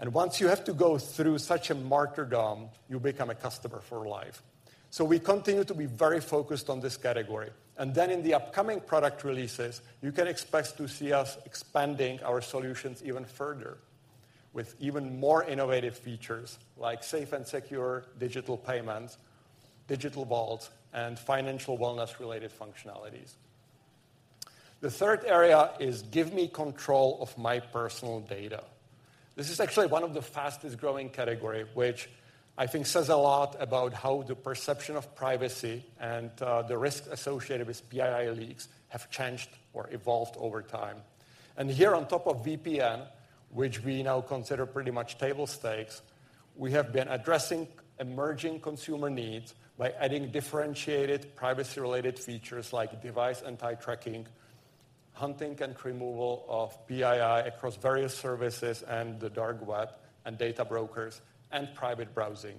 And once you have to go through such a martyrdom, you become a customer for life. So we continue to be very focused on this category. And then in the upcoming product releases, you can expect to see us expanding our solutions even further with even more innovative features, like safe and secure digital payments, digital vault, and financial wellness-related functionalities. The third area is give me control of my personal data. This is actually one of the fastest-growing category, which I think says a lot about how the perception of privacy and, the risk associated with PII leaks have changed or evolved over time. And here, on top of VPN, which we now consider pretty much table stakes, we have been addressing emerging consumer needs by adding differentiated privacy-related features like device anti-tracking, hunting and removal of PII across various services and the Dark Web, and data brokers, and private browsing.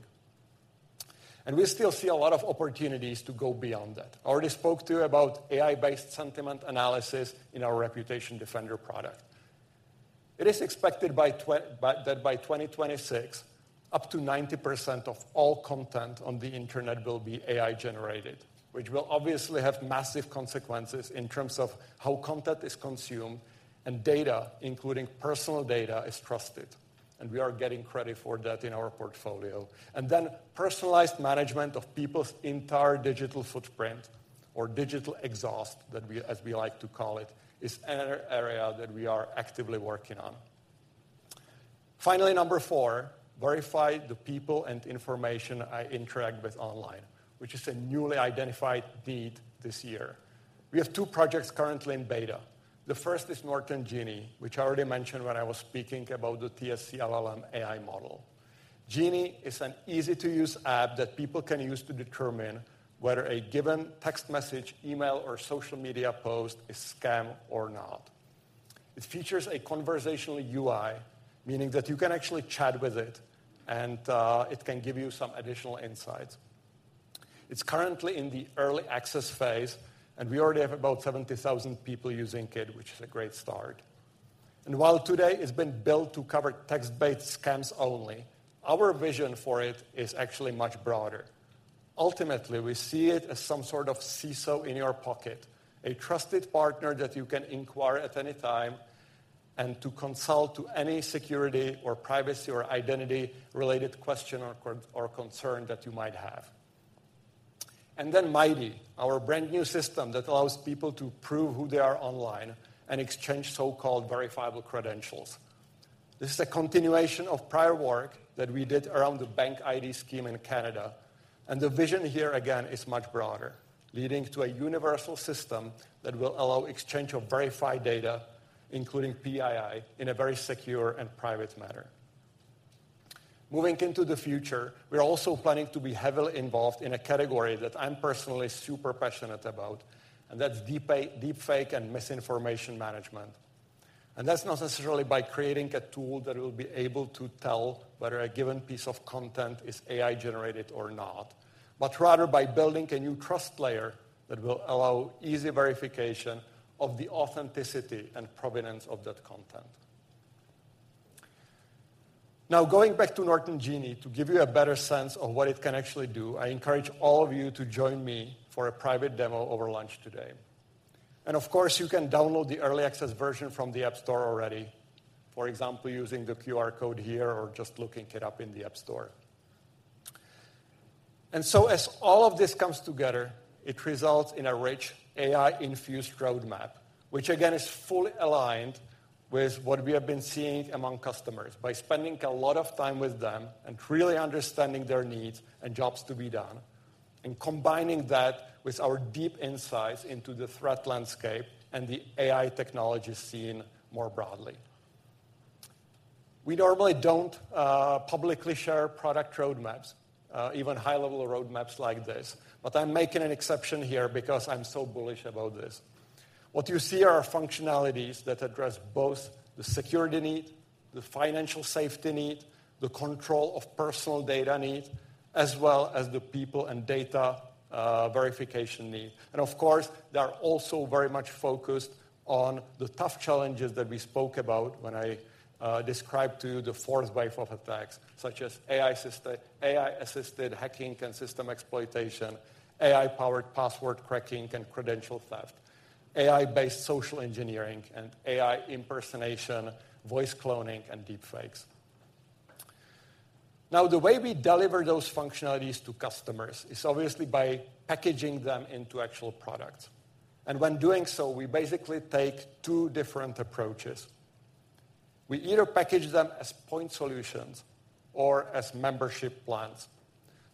And we still see a lot of opportunities to go beyond that. I already spoke to you about AI-based sentiment analysis in our ReputationDefender product. It is expected, by 2026, up to 90% of all content on the internet will be AI-generated, which will obviously have massive consequences in terms of how content is consumed and data, including personal data, is trusted, and we are getting credit for that in our portfolio. And then personalized management of people's entire digital footprint, or digital exhaust, that we, as we like to call it, is an area that we are actively working on. Finally, number four, verify the people and information I interact with online, which is a newly identified need this year. We have two projects currently in beta. The first is Norton Genie, which I already mentioned when I was speaking about the TSC LLM AI model. Genie is an easy-to-use app that people can use to determine whether a given text message, email, or social media post is scam or not. It features a conversational UI, meaning that you can actually chat with it and it can give you some additional insights. It's currently in the early access phase, and we already have about 70,000 people using it, which is a great start. And while today it's been built to cover text-based scams only, our vision for it is actually much broader. Ultimately, we see it as some sort of CISO in your pocket, a trusted partner that you can inquire at any time and to consult to any security or privacy or identity-related question or concern that you might have.... And then Mighty, our brand new system that allows people to prove who they are online and exchange so-called verifiable credentials. This is a continuation of prior work that we did around the bank ID scheme in Canada, and the vision here, again, is much broader, leading to a universal system that will allow exchange of verified data, including PII, in a very secure and private manner. Moving into the future, we are also planning to be heavily involved in a category that I'm personally super passionate about, and that's deepfake and misinformation management. That's not necessarily by creating a tool that will be able to tell whether a given piece of content is AI-generated or not, but rather by building a new trust layer that will allow easy verification of the authenticity and provenance of that content. Now, going back to Norton Genie, to give you a better sense of what it can actually do, I encourage all of you to join me for a private demo over lunch today. Of course, you can download the early access version from the App Store already. For example, using the QR code here or just looking it up in the App Store. So as all of this comes together, it results in a rich, AI-infused roadmap, which again, is fully aligned with what we have been seeing among customers by spending a lot of time with them and really understanding their needs and jobs to be done, and combining that with our deep insights into the threat landscape and the AI technologies seen more broadly. We normally don't publicly share product roadmaps, even high-level roadmaps like this, but I'm making an exception here because I'm so bullish about this. What you see are functionalities that address both the security need, the financial safety need, the control of personal data need, as well as the people and data verification need. And of course, they are also very much focused on the tough challenges that we spoke about when I described to you the fourth wave of attacks, such as AI-assisted hacking and system exploitation, AI-powered password cracking and credential theft, AI-based social engineering, and AI impersonation, voice cloning, and deepfakes. Now, the way we deliver those functionalities to customers is obviously by packaging them into actual products. And when doing so, we basically take two different approaches. We either package them as point solutions or as membership plans.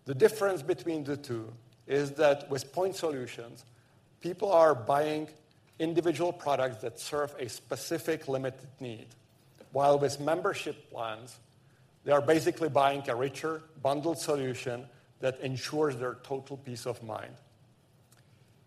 The difference between the two is that with point solutions, people are buying individual products that serve a specific, limited need. While with membership plans, they are basically buying a richer, bundled solution that ensures their total peace of mind.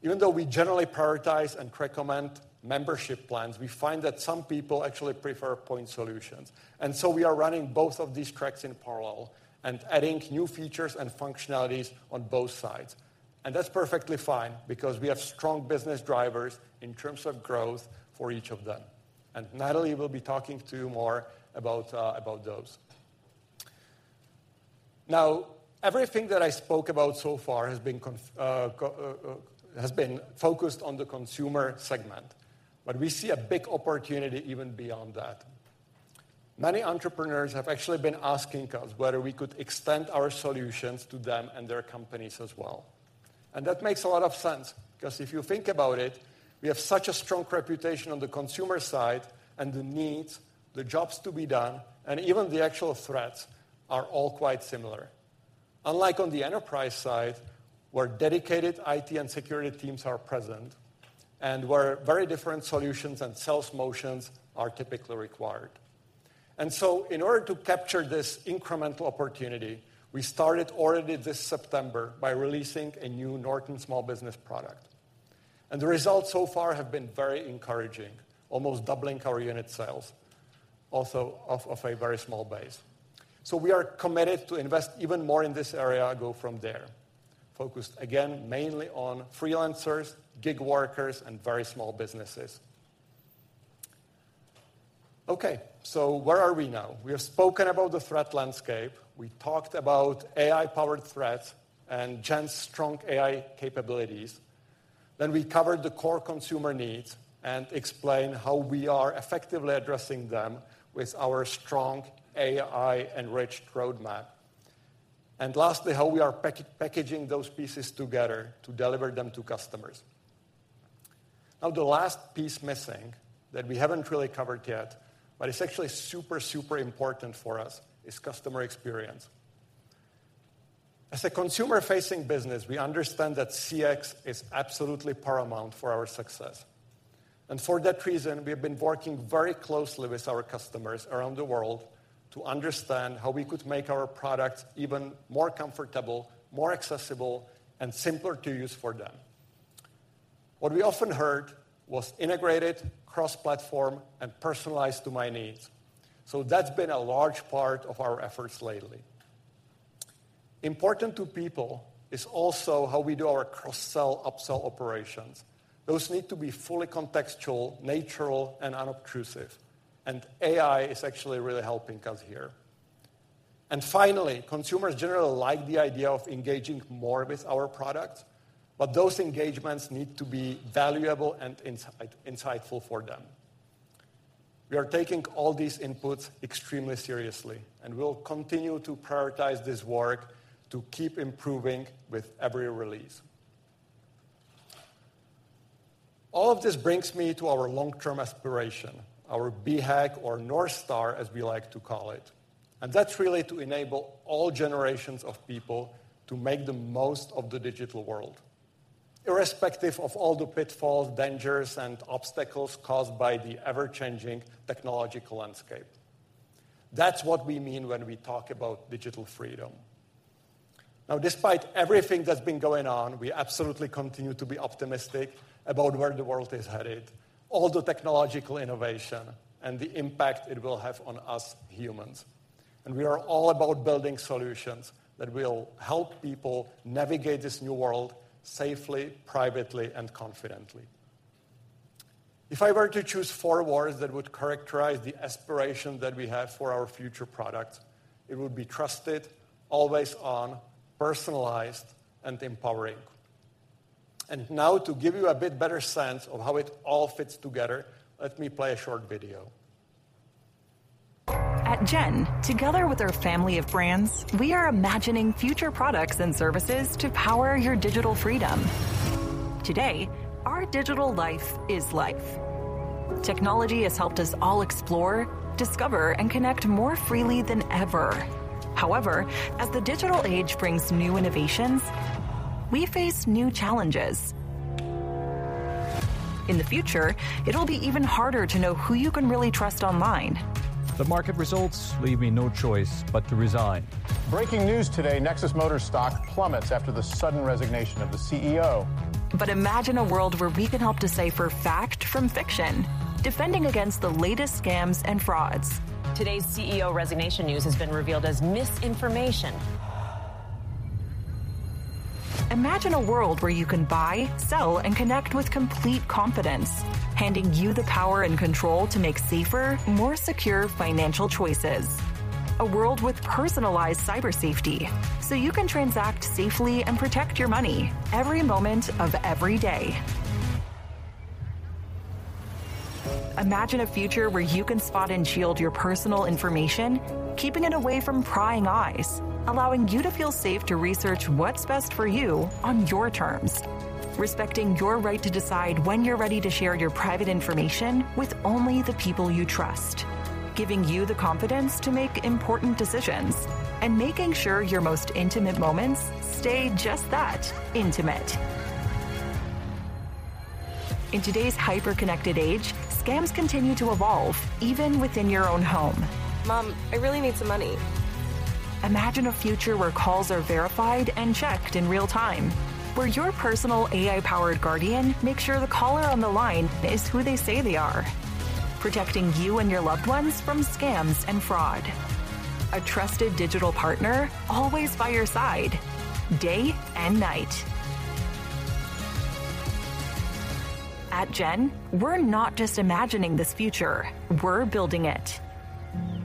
Even though we generally prioritize and recommend membership plans, we find that some people actually prefer point solutions, and so we are running both of these tracks in parallel and adding new features and functionalities on both sides. That's perfectly fine because we have strong business drivers in terms of growth for each of them, and Natalie will be talking to you more about, about those. Now, everything that I spoke about so far has been focused on the consumer segment, but we see a big opportunity even beyond that. Many entrepreneurs have actually been asking us whether we could extend our solutions to them and their companies as well. That makes a lot of sense, 'cause if you think about it, we have such a strong reputation on the consumer side, and the needs, the jobs to be done, and even the actual threats are all quite similar. Unlike on the enterprise side, where dedicated IT and security teams are present, and where very different solutions and sales motions are typically required. So in order to capture this incremental opportunity, we started already this September by releasing a new Norton Small Business product, and the results so far have been very encouraging, almost doubling our unit sales, also off a very small base. We are committed to invest even more in this area and go from there. Focused again, mainly on freelancers, gig workers, and very small businesses. Okay, so where are we now? We have spoken about the threat landscape. We talked about AI-powered threats and Gen's strong AI capabilities. Then we covered the core consumer needs and explained how we are effectively addressing them with our strong AI-enriched roadmap. And lastly, how we are packaging those pieces together to deliver them to customers. Now, the last piece missing that we haven't really covered yet, but it's actually super, super important for us, is customer experience. As a consumer-facing business, we understand that CX is absolutely paramount for our success. And for that reason, we have been working very closely with our customers around the world to understand how we could make our product even more comfortable, more accessible, and simpler to use for them. What we often heard was integrated, cross-platform, and personalized to my needs. So that's been a large part of our efforts lately. Important to people is also how we do our cross-sell, upsell operations. Those need to be fully contextual, natural, and unobtrusive, and AI is actually really helping us here. And finally, consumers generally like the idea of engaging more with our product, but those engagements need to be valuable and insightful for them. We are taking all these inputs extremely seriously, and we'll continue to prioritize this work to keep improving with every release. All of this brings me to our long-term aspiration, our BHAG or North Star, as we like to call it, and that's really to enable all generations of people to make the most of the digital world, irrespective of all the pitfalls, dangers, and obstacles caused by the ever-changing technological landscape. That's what we mean when we talk about digital freedom. Now, despite everything that's been going on, we absolutely continue to be optimistic about where the world is headed, all the technological innovation, and the impact it will have on us humans. We are all about building solutions that will help people navigate this new world safely, privately, and confidently. If I were to choose four words that would characterize the aspiration that we have for our future product, it would be trusted, always on, personalized, and empowering. Now, to give you a bit better sense of how it all fits together, let me play a short video. At Gen, together with our family of brands, we are imagining future products and services to power your digital freedom. Today, our digital life is life. Technology has helped us all explore, discover, and connect more freely than ever. However, as the digital age brings new innovations, we face new challenges. In the future, it'll be even harder to know who you can really trust online. The market results leave me no choice but to resign. Breaking news today, Nexus Motor stock plummets after the sudden resignation of the CEO. But imagine a world where we can help decipher fact from fiction, defending against the latest scams and frauds. Today's CEO resignation news has been revealed as misinformation. Imagine a world where you can buy, sell, and connect with complete confidence, handing you the power and control to make safer, more secure financial choices. A world with personalized Cyber Safety, so you can transact safely and protect your money every moment of every day. Imagine a future where you can spot and shield your personal information, keeping it away from prying eyes, allowing you to feel safe to research what's best for you on your terms, respecting your right to decide when you're ready to share your private information with only the people you trust, giving you the confidence to make important decisions, and making sure your most intimate moments stay just that, intimate. In today's hyper-connected age, scams continue to evolve, even within your own home. Mom, I really need some money. Imagine a future where calls are verified and checked in real time, where your personal AI-powered guardian makes sure the caller on the line is who they say they are, protecting you and your loved ones from scams and fraud. A trusted digital partner, always by your side, day and night. At Gen, we're not just imagining this future. We're building it.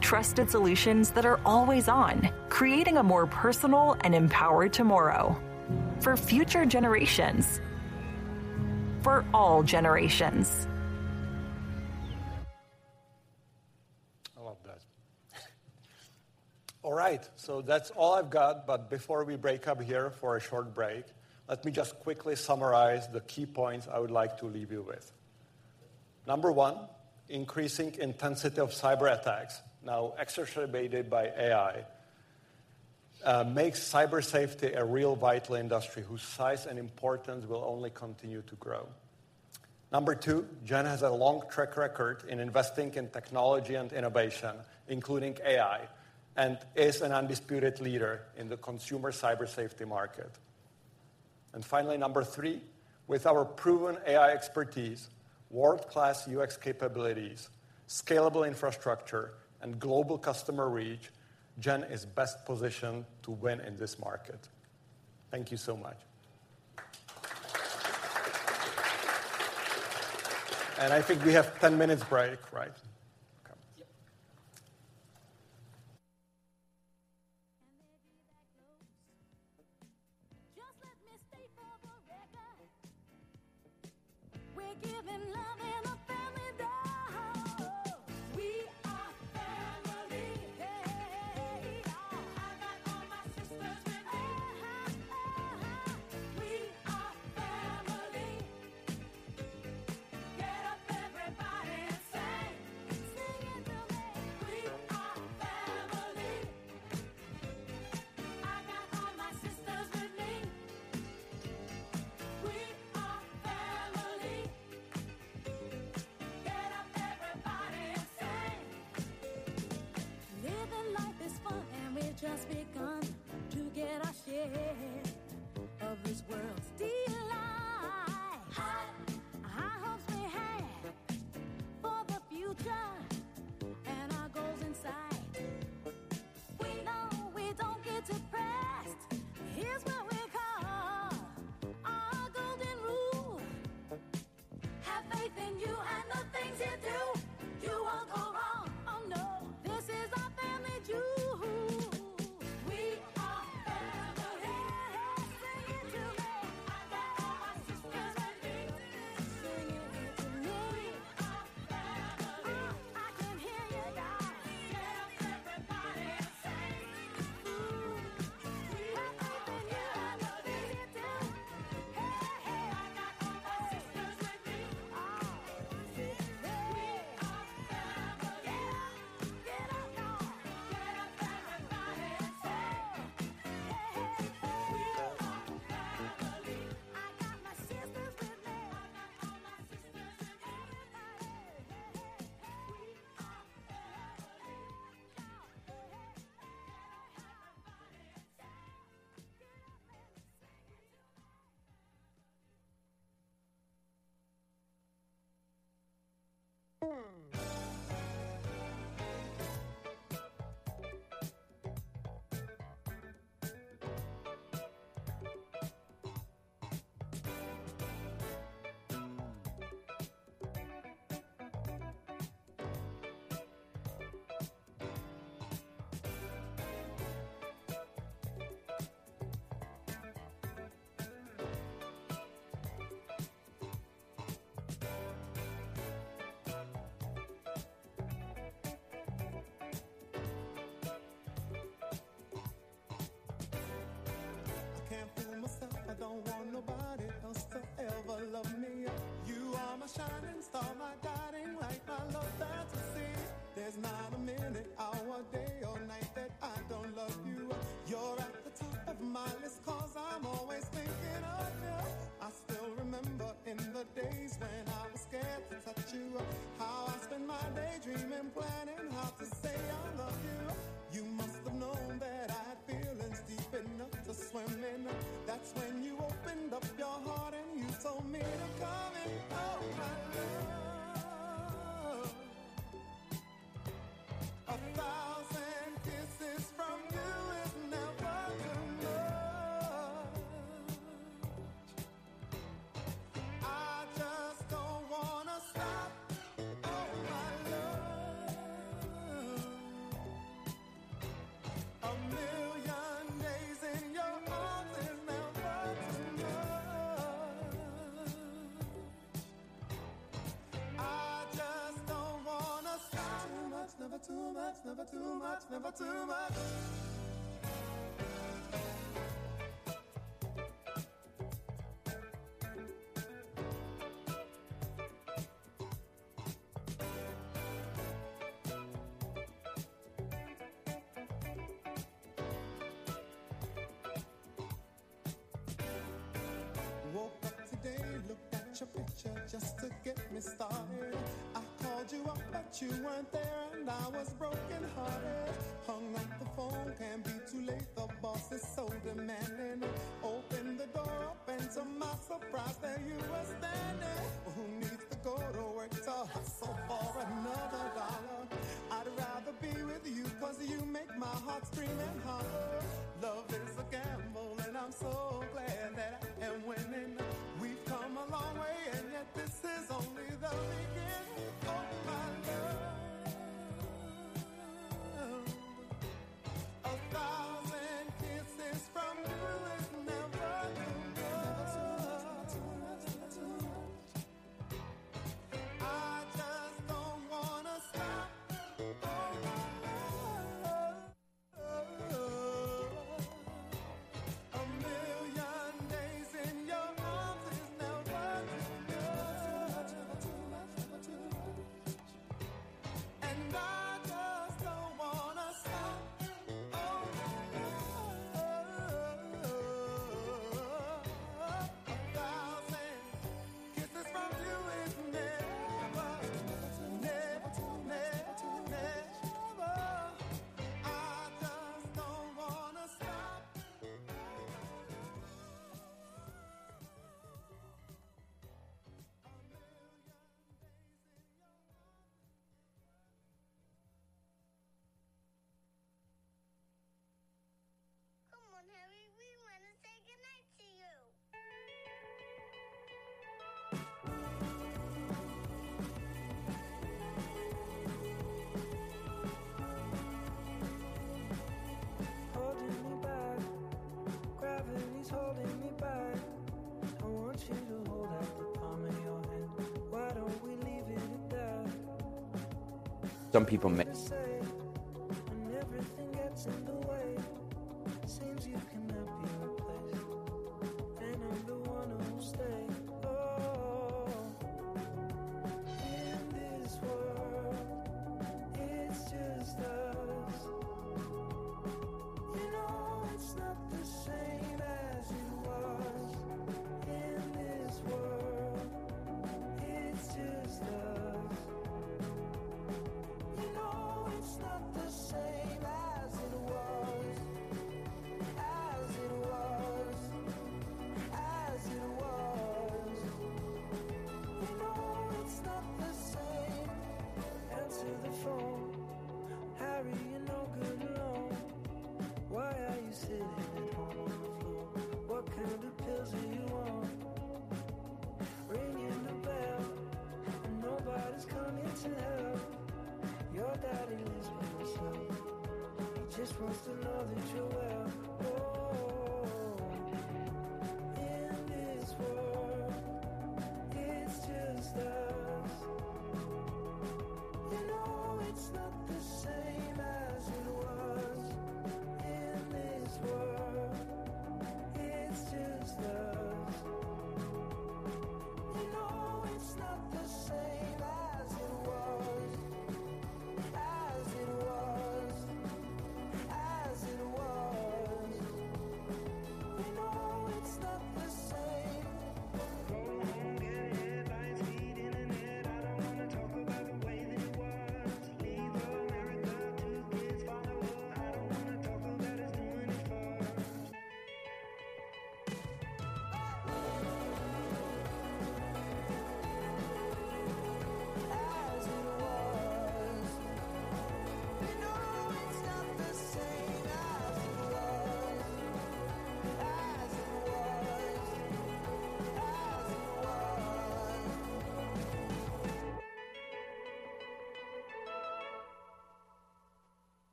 Trusted solutions that are always on, creating a more personal and empowered tomorrow for future generations, for all generations. I love that. All right, so that's all I've got, but before we break up here for a short break, let me just quickly summarize the key points I would like to leave you with. Number one, increasing intensity of cyberattacks, now exacerbated by AI, makes Cyber Safety a real vital industry whose size and importance will only continue to grow. Number two, Gen has a long track record in investing in technology and innovation, including AI, and is an undisputed leader in the consumer Cyber Safety market. And finally, number three, with our proven AI expertise, world-class UX capabilities, scalable infrastructure, and global customer reach, Gen is best positioned to win in this market. Thank you so much. And I think we have 10 minutes break, right?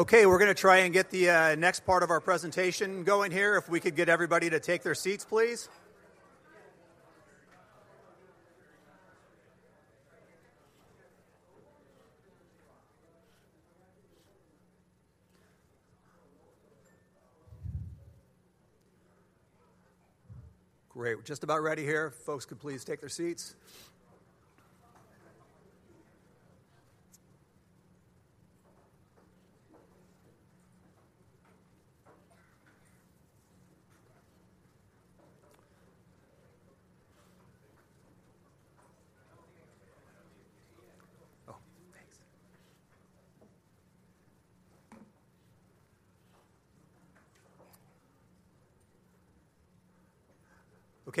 Okay, we're gonna try and get the next part of our presentation going here. If we could get everybody to take their seats, please. Great. We're just about ready here. If folks could please take their seats.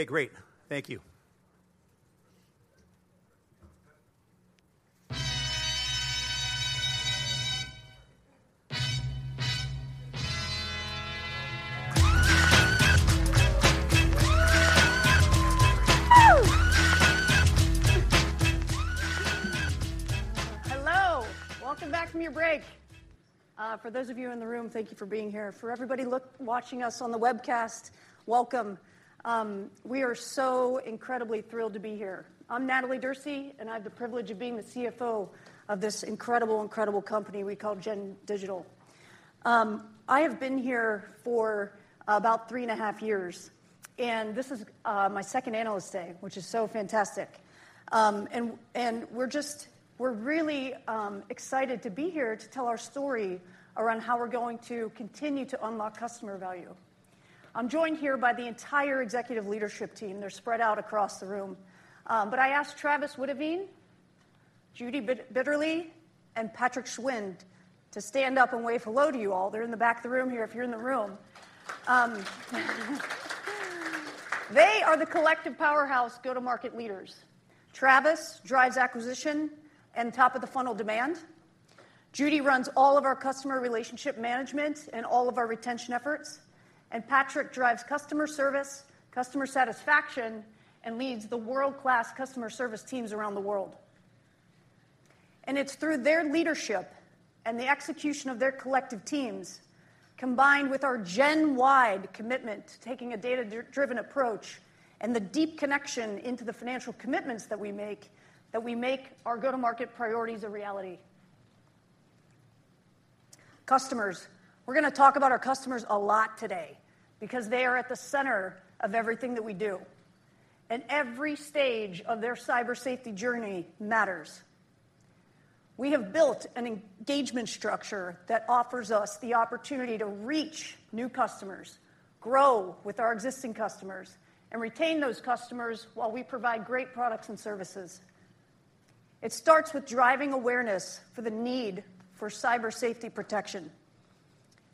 Oh, thanks. Okay, great. Thank you. Hello, welcome back from your break. For those of you in the room, thank you for being here. For everybody looking, watching us on the webcast, welcome. We are so incredibly thrilled to be here. I'm Natalie Derse, and I have the privilege of being the CFO of this incredible, incredible company we call Gen Digital. I have been here for about three and a half years, and this is my second Analyst Day, which is so fantastic. And, and we're just, we're really excited to be here to tell our story around how we're going to continue to unlock customer value. I'm joined here by the entire executive leadership team. They're spread out across the room. But I asked Travis Witteveen, Judith Bitterli, and Patrick Schwind to stand up and wave hello to you all. They're in the back of the room here, if you're in the room. They are the collective powerhouse go-to-market leaders. Travis drives acquisition and top-of-the-funnel demand, Judy runs all of our customer relationship management and all of our retention efforts, and Patrick drives customer service, customer satisfaction, and leads the world-class customer service teams around the world. And it's through their leadership and the execution of their collective teams, combined with our Gen-wide commitment to taking a data-driven approach and the deep connection into the financial commitments that we make, that we make our go-to-market priorities a reality. Customers. We're gonna talk about our customers a lot today because they are at the center of everything that we do, and every stage of their Cyber Safety journey matters. We have built an engagement structure that offers us the opportunity to reach new customers, grow with our existing customers, and retain those customers while we provide great products and services. It starts with driving awareness for the need for Cyber Safety protection.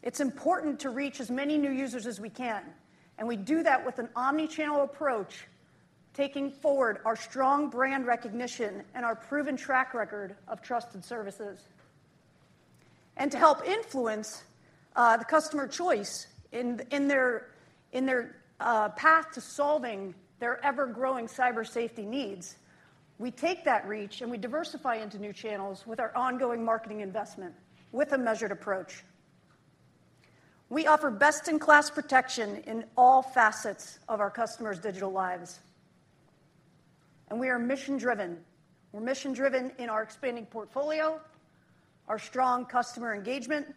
It's important to reach as many new users as we can, and we do that with an omni-channel approach, taking forward our strong brand recognition and our proven track record of trusted services. And to help influence the customer choice in their path to solving their ever-growing Cyber Safety needs, we take that reach and we diversify into new channels with our ongoing marketing investment with a measured approach. We offer best-in-class protection in all facets of our customers' digital lives, and we are mission-driven. We're mission-driven in our expanding portfolio, our strong customer engagement,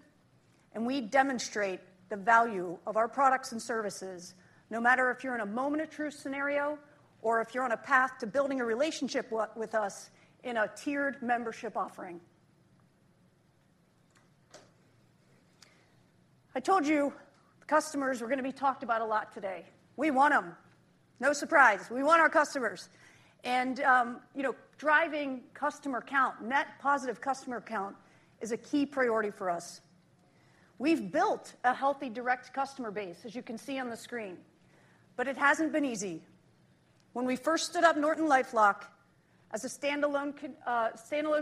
and we demonstrate the value of our products and services, no matter if you're in a moment of truth scenario or if you're on a path to building a relationship with, with us in a tiered membership offering. I told you the customers were gonna be talked about a lot today. We want them. No surprise. We want our customers. And, you know, driving customer count, net positive customer count, is a key priority for us. We've built a healthy direct customer base, as you can see on the screen, but it hasn't been easy. When we first stood up NortonLifeLock as a standalone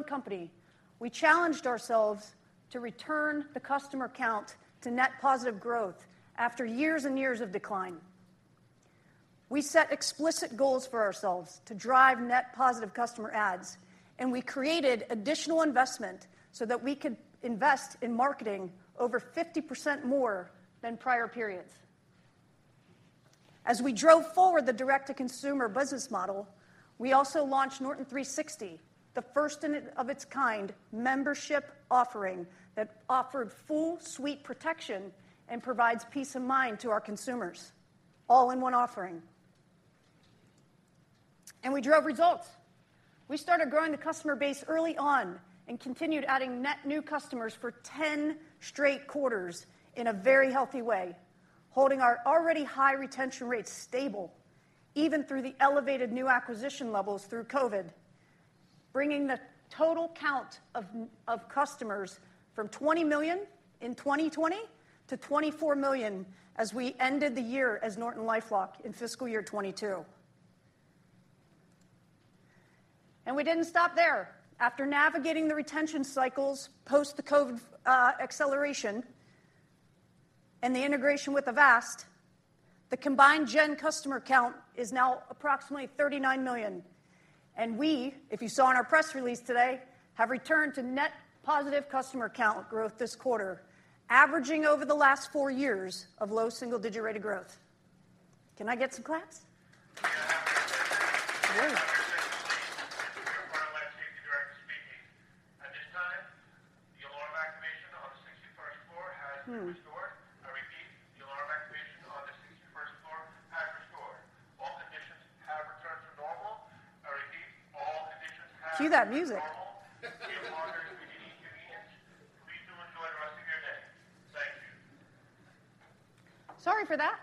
company, we challenged ourselves to return the customer count to net positive growth after years and years of decline. We set explicit goals for ourselves to drive net positive customer adds, and we created additional investment so that we could invest in marketing over 50% more than prior periods. As we drove forward the direct-to-consumer business model, we also launched Norton 360, the first of its kind membership offering that offered full suite protection and provides peace of mind to our consumers, all in one offering. And we drove results. We started growing the customer base early on and continued adding net new customers for 10 straight quarters in a very healthy way, holding our already high retention rates stable, even through the elevated new acquisition levels through COVID, bringing the total count of customers from 20 million in 2020 to 24 million as we ended the year as NortonLifeLock in fiscal year 2022. And we didn't stop there. After navigating the retention cycles, post the COVID acceleration and the integration with Avast, the combined Gen customer count is now approximately 39 million. We, if you saw in our press release today, have returned to net positive customer count growth this quarter, averaging over the last four years of low single-digit rate of growth. Can I get some claps? Great. Cue that music. We apologize for any inconvenience. Please do enjoy the rest of your day. Thank you. Sorry for that.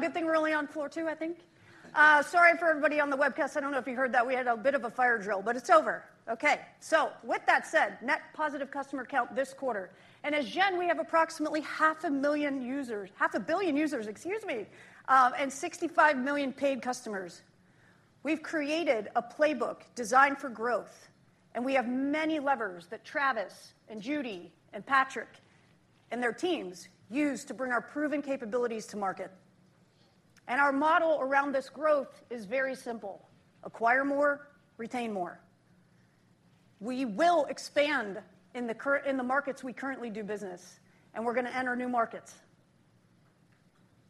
Good thing we're only on floor 2, I think. Sorry for everybody on the webcast. I don't know if you heard that. We had a bit of a fire drill, but it's over. Okay, so with that said, net positive customer count this quarter. As Gen, we have approximately 500,000 users, 500 million users, excuse me, and 65 million paid customers. We've created a playbook designed for growth, and we have many levers that Travis and Judy and Patrick and their teams use to bring our proven capabilities to market. Our model around this growth is very simple: acquire more, retain more. We will expand in the current, in the markets we currently do business, and we're gonna enter new markets.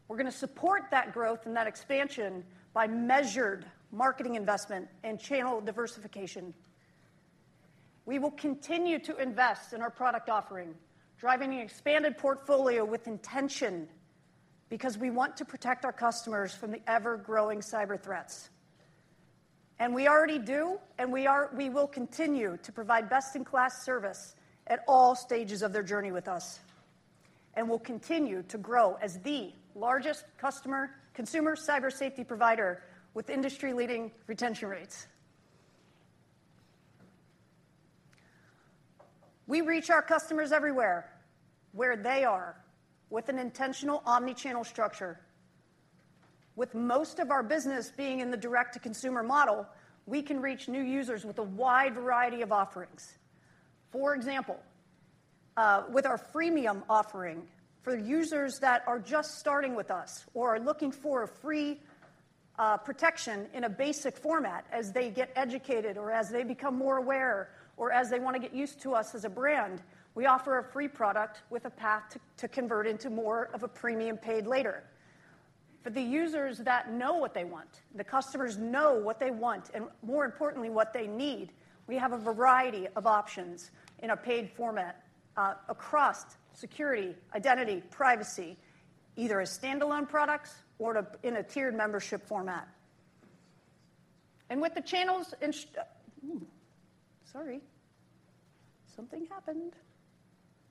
We're gonna support that growth and that expansion by measured marketing investment and channel diversification. We will continue to invest in our product offering, driving an expanded portfolio with intention, because we want to protect our customers from the ever-growing cyber threats. We already do, and we will continue to provide best-in-class service at all stages of their journey with us, and we'll continue to grow as the largest customer, consumer Cyber Safety provider with industry-leading retention rates. We reach our customers everywhere, where they are, with an intentional omni-channel structure. With most of our business being in the direct-to-consumer model, we can reach new users with a wide variety of offerings. For example, with our freemium offering, for users that are just starting with us or are looking for a free, protection in a basic format as they get educated or as they become more aware, or as they wanna get used to us as a brand, we offer a free product with a path to, to convert into more of a premium paid later. For the users that know what they want, the customers know what they want, and more importantly, what they need, we have a variety of options in a paid format, across security, identity, privacy, either as standalone products or to, in a tiered membership format. And with the channels and sh- Ooh! Sorry.... Something happened.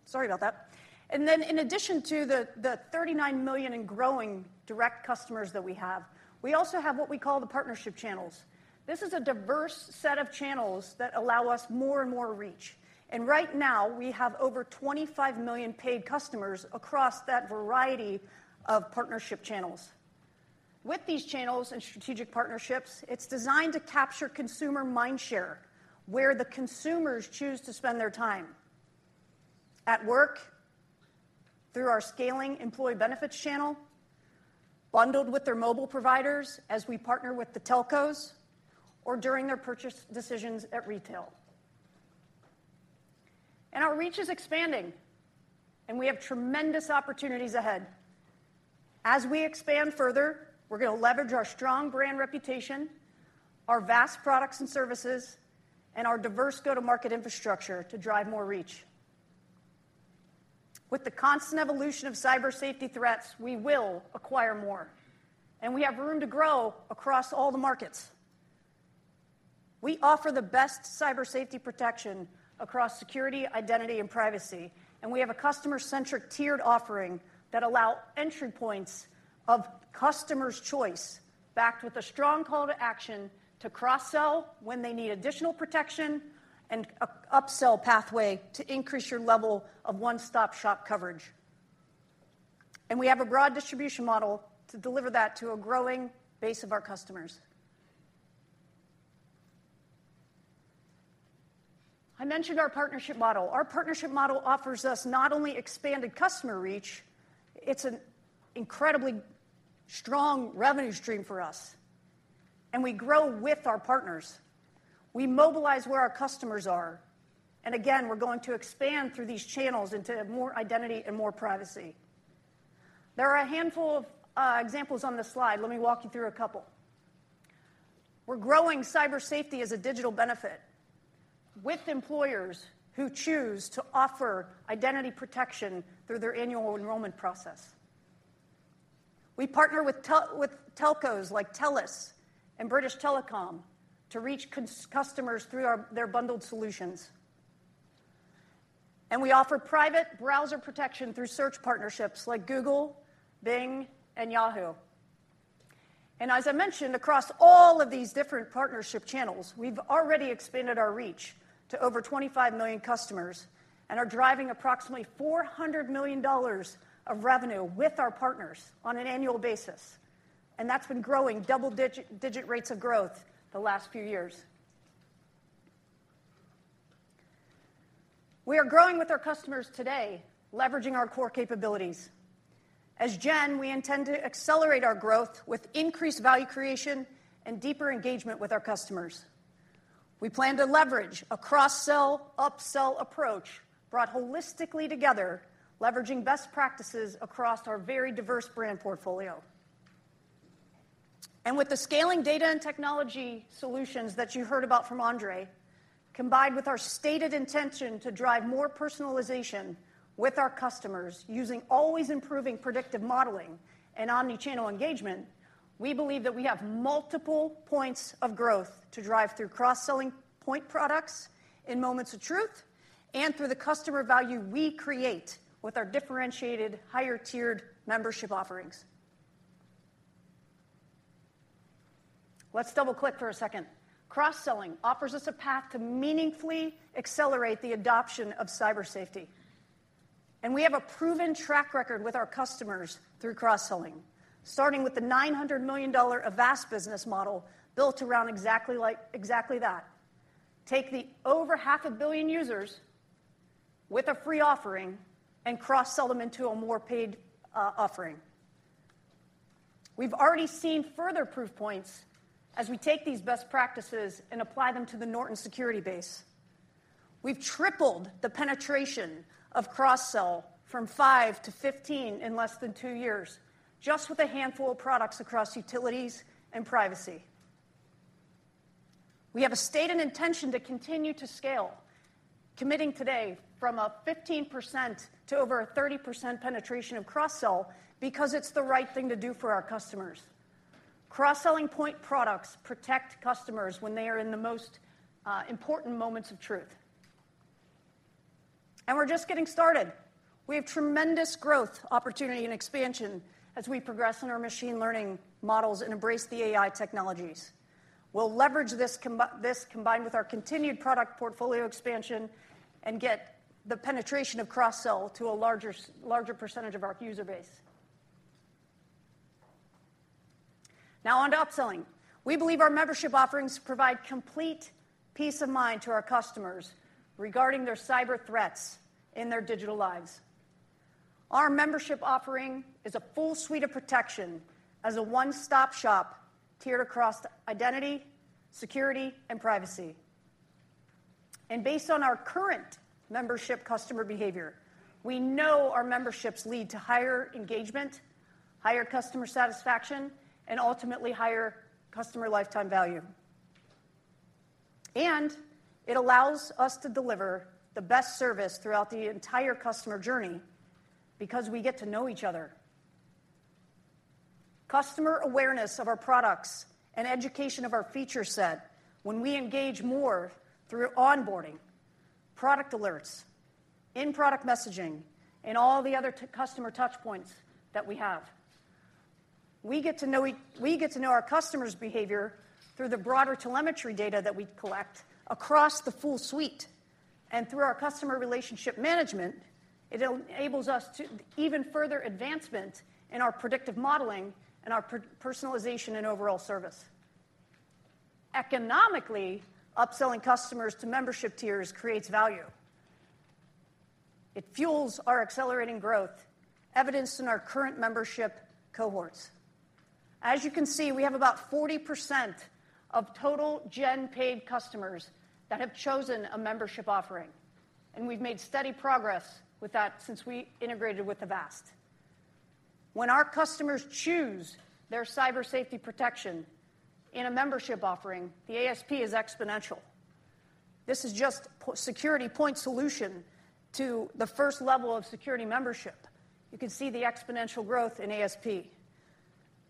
Sorry about that. And then in addition to the, the 39 million and growing direct customers that we have, we also have what we call the partnership channels. This is a diverse set of channels that allow us more and more reach. Right now, we have over 25 million paid customers across that variety of partnership channels. With these channels and strategic partnerships, it's designed to capture consumer mind share, where the consumers choose to spend their time: at work, through our scaling employee benefits channel, bundled with their mobile providers as we partner with the telcos, or during their purchase decisions at retail. Our reach is expanding, and we have tremendous opportunities ahead. As we expand further, we're gonna leverage our strong brand reputation, our vast products and services, and our diverse go-to-market infrastructure to drive more reach. With the constant evolution of Cyber Safety threats, we will acquire more, and we have room to grow across all the markets. We offer the best Cyber Safety protection across security, identity, and privacy, and we have a customer-centric tiered offering that allow entry points of customers' choice, backed with a strong call to action to cross-sell when they need additional protection and an up-sell pathway to increase your level of one-stop-shop coverage. We have a broad distribution model to deliver that to a growing base of our customers. I mentioned our partnership model. Our partnership model offers us not only expanded customer reach, it's an incredibly strong revenue stream for us, and we grow with our partners. We mobilize where our customers are, and again, we're going to expand through these channels into more identity and more privacy. There are a handful of examples on this slide. Let me walk you through a couple. We're growing Cyber Safety as a digital benefit with employers who choose to offer identity protection through their annual enrollment process. We partner with telcos like Telus and British Telecom to reach customers through their bundled solutions. We offer private browser protection through search partnerships like Google, Bing, and Yahoo!. As I mentioned, across all of these different partnership channels, we've already expanded our reach to over 25 million customers and are driving approximately $400 million of revenue with our partners on an annual basis, and that's been growing double-digit rates of growth the last few years. We are growing with our customers today, leveraging our core capabilities. As Gen, we intend to accelerate our growth with increased value creation and deeper engagement with our customers. We plan to leverage a cross-sell, up-sell approach brought holistically together, leveraging best practices across our very diverse brand portfolio. And with the scaling data and technology solutions that you heard about from Ondřej, combined with our stated intention to drive more personalization with our customers, using always improving predictive modeling and omni-channel engagement, we believe that we have multiple points of growth to drive through cross-selling point products in moments of truth and through the customer value we create with our differentiated, higher-tiered membership offerings. Let's double-click for a second. Cross-selling offers us a path to meaningfully accelerate the adoption of Cyber Safety, and we have a proven track record with our customers through cross-selling, starting with the $900 million Avast business model built around exactly like... exactly that. Take the over 500 million users with a free offering and cross-sell them into a more paid offering. We've already seen further proof points as we take these best practices and apply them to the Norton security base. We've tripled the penetration of cross-sell from 5 to 15 in less than two years, just with a handful of products across utilities and privacy. We have a stated intention to continue to scale, committing today from a 15% to over a 30% penetration of cross-sell because it's the right thing to do for our customers. Cross-selling point products protect customers when they are in the most important moments of truth. We're just getting started. We have tremendous growth, opportunity, and expansion as we progress in our machine learning models and embrace the AI technologies. We'll leverage this, combined with our continued product portfolio expansion and get the penetration of cross-sell to a larger percentage of our user base. Now, on to up-selling. We believe our membership offerings provide complete peace of mind to our customers regarding their cyber threats in their digital lives. Our membership offering is a full suite of protection as a one-stop shop tiered across identity, security, and privacy. And based on our current membership customer behavior, we know our memberships lead to higher engagement, higher customer satisfaction, and ultimately, higher customer lifetime value. And it allows us to deliver the best service throughout the entire customer journey because we get to know each other. Customer awareness of our products and education of our feature set when we engage more through onboarding, product alerts, in-product messaging, and all the other customer touch points that we have. We get to know our customers' behavior through the broader telemetry data that we collect across the full suite, and through our customer relationship management, it enables us to even further advancement in our predictive modeling and our personalization and overall service. Economically, upselling customers to membership tiers creates value. It fuels our accelerating growth, evidenced in our current membership cohorts. As you can see, we have about 40% of total Gen paid customers that have chosen a membership offering, and we've made steady progress with that since we integrated with Avast. When our customers choose their Cyber Safety protection in a membership offering, the ASP is exponential. This is just security point solution to the first level of security membership. You can see the exponential growth in ASP.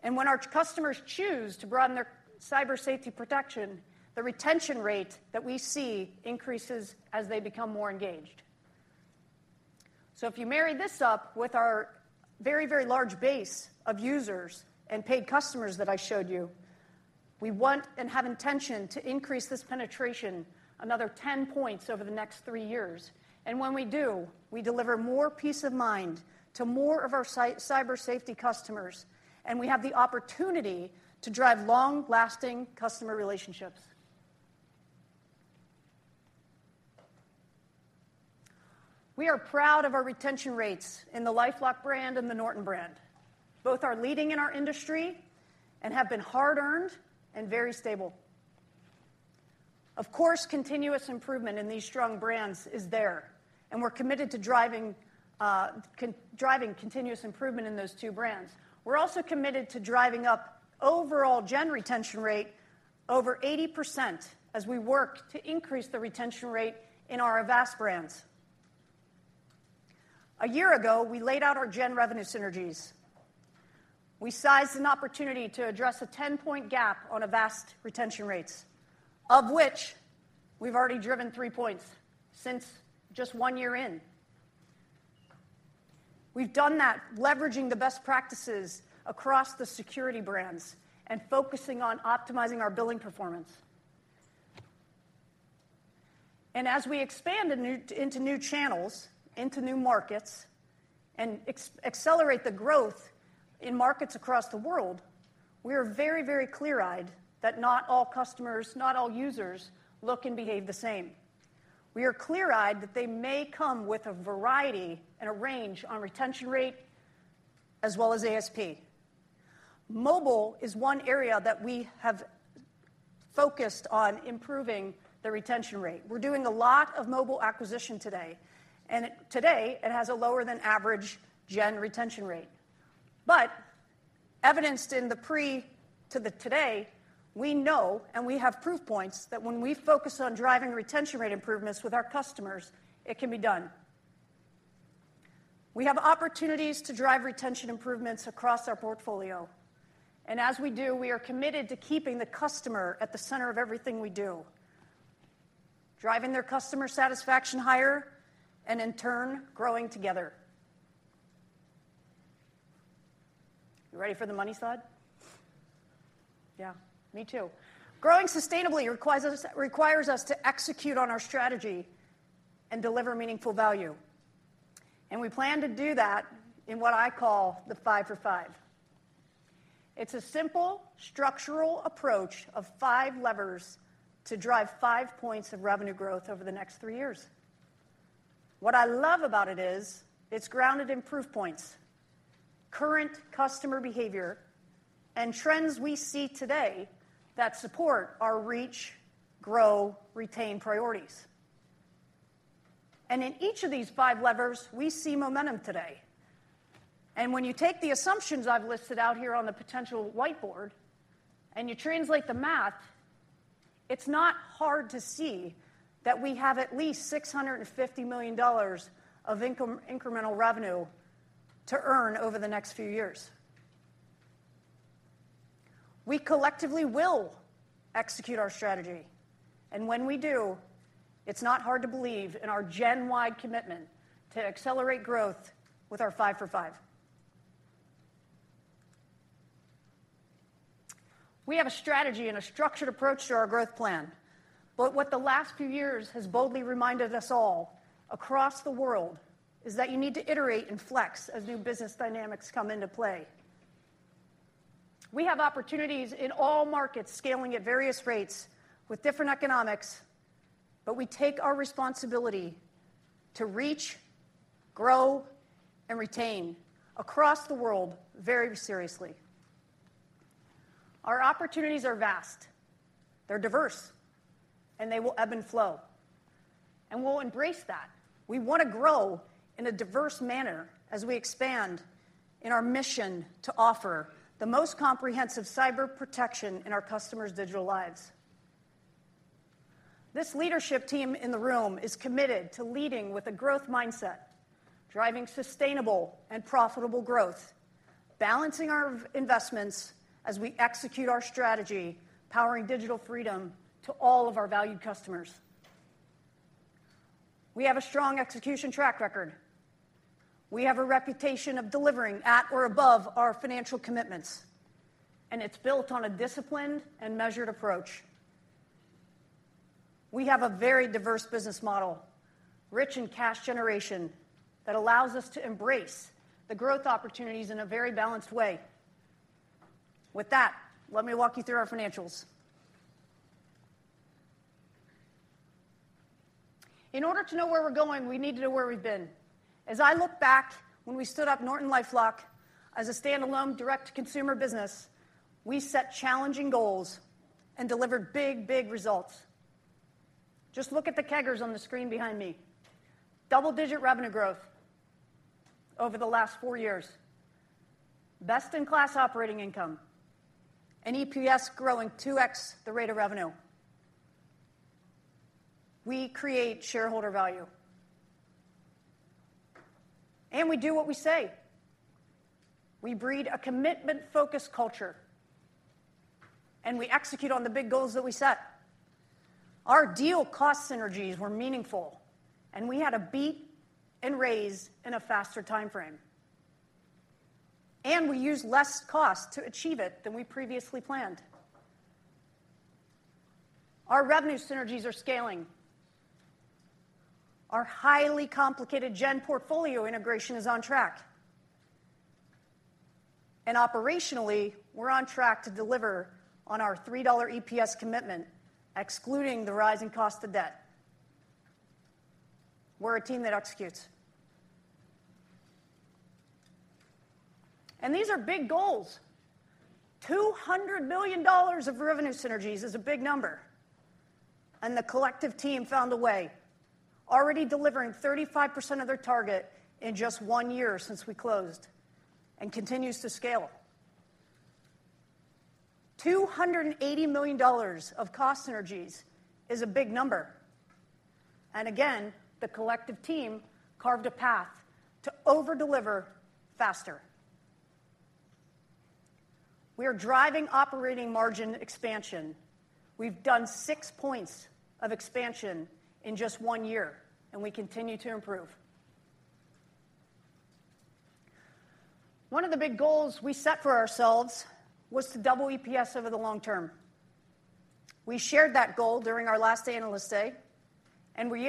And when our customers choose to broaden their Cyber Safety protection, the retention rate that we see increases as they become more engaged. So if you marry this up with our very, very large base of users and paid customers that I showed you, we want and have intention to increase this penetration another 10 points over the next three years. And when we do, we deliver more peace of mind to more of our Cyber Safety customers, and we have the opportunity to drive long-lasting customer relationships. We are proud of our retention rates in the LifeLock brand and the Norton brand. Both are leading in our industry and have been hard-earned and very stable. Of course, continuous improvement in these strong brands is there, and we're committed to driving continuous improvement in those two brands. We're also committed to driving up overall Gen retention rate over 80% as we work to increase the retention rate in our Avast brands. A year ago, we laid out our Gen revenue synergies. We sized an opportunity to address a 10-point gap on Avast retention rates, of which we've already driven three points since just one year in. We've done that leveraging the best practices across the security brands and focusing on optimizing our billing performance. As we expand into new channels, into new markets, and accelerate the growth in markets across the world, we are very, very clear-eyed that not all customers, not all users, look and behave the same. We are clear-eyed that they may come with a variety and a range on retention rate as well as ASP. Mobile is one area that we have focused on improving the retention rate. We're doing a lot of mobile acquisition today, and it today has a lower than average Gen retention rate. But evidenced in the pre to the today, we know, and we have proof points, that when we focus on driving retention rate improvements with our customers, it can be done. We have opportunities to drive retention improvements across our portfolio, and as we do, we are committed to keeping the customer at the center of everything we do, driving their customer satisfaction higher and in turn, growing together. You ready for the money slide? Yeah, me too. Growing sustainably requires us to execute on our strategy and deliver meaningful value, and we plan to do that in what I call the 5-for-5. It's a simple structural approach of 5 levers to drive 5 points of revenue growth over the next three years. What I love about it is, it's grounded in proof points, current customer behavior, and trends we see today that support our reach, grow, retain priorities. In each of these five levers, we see momentum today. When you take the assumptions I've listed out here on the potential whiteboard and you translate the math, it's not hard to see that we have at least $650 million of incremental revenue to earn over the next few years. We collectively will execute our strategy, and when we do, it's not hard to believe in our Gen-wide commitment to accelerate growth with our 5-for-5. We have a strategy and a structured approach to our growth plan, but what the last few years has boldly reminded us all across the world is that you need to iterate and flex as new business dynamics come into play. We have opportunities in all markets, scaling at various rates with different economics, but we take our responsibility to reach, grow, and retain across the world very seriously. Our opportunities are vast, they're diverse, and they will ebb and flow, and we'll embrace that. We wanna grow in a diverse manner as we expand in our mission to offer the most comprehensive cyber protection in our customers' digital lives.... This leadership team in the room is committed to leading with a growth mindset, driving sustainable and profitable growth, balancing our investments as we execute our strategy, powering digital freedom to all of our valued customers. We have a strong execution track record. We have a reputation of delivering at or above our financial commitments, and it's built on a disciplined and measured approach. We have a very diverse business model, rich in cash generation, that allows us to embrace the growth opportunities in a very balanced way. With that, let me walk you through our financials. In order to know where we're going, we need to know where we've been. As I look back when we stood up NortonLifeLock as a standalone direct-to-consumer business, we set challenging goals and delivered big, big results. Just look at the key graphs on the screen behind me. Double-digit revenue growth over the last four years, best-in-class operating income, and EPS growing 2x the rate of revenue. We create shareholder value, and we do what we say. We breed a commitment-focused culture, and we execute on the big goals that we set. Our deal cost synergies were meaningful, and we had a beat and raise in a faster time frame. We used less cost to achieve it than we previously planned. Our revenue synergies are scaling. Our highly complicated Gen portfolio integration is on track. Operationally, we're on track to deliver on our $3 EPS commitment, excluding the rising cost of debt. We're a team that executes. These are big goals. $200 million of revenue synergies is a big number, and the collective team found a way, already delivering 35% of their target in just one year since we closed, and continues to scale. $280 million of cost synergies is a big number, and again, the collective team carved a path to over-deliver faster. We are driving operating margin expansion. We've done six points of expansion in just one year, and we continue to improve. One of the big goals we set for ourselves was to double EPS over the long term. We shared that goal during our last Analyst Day, and we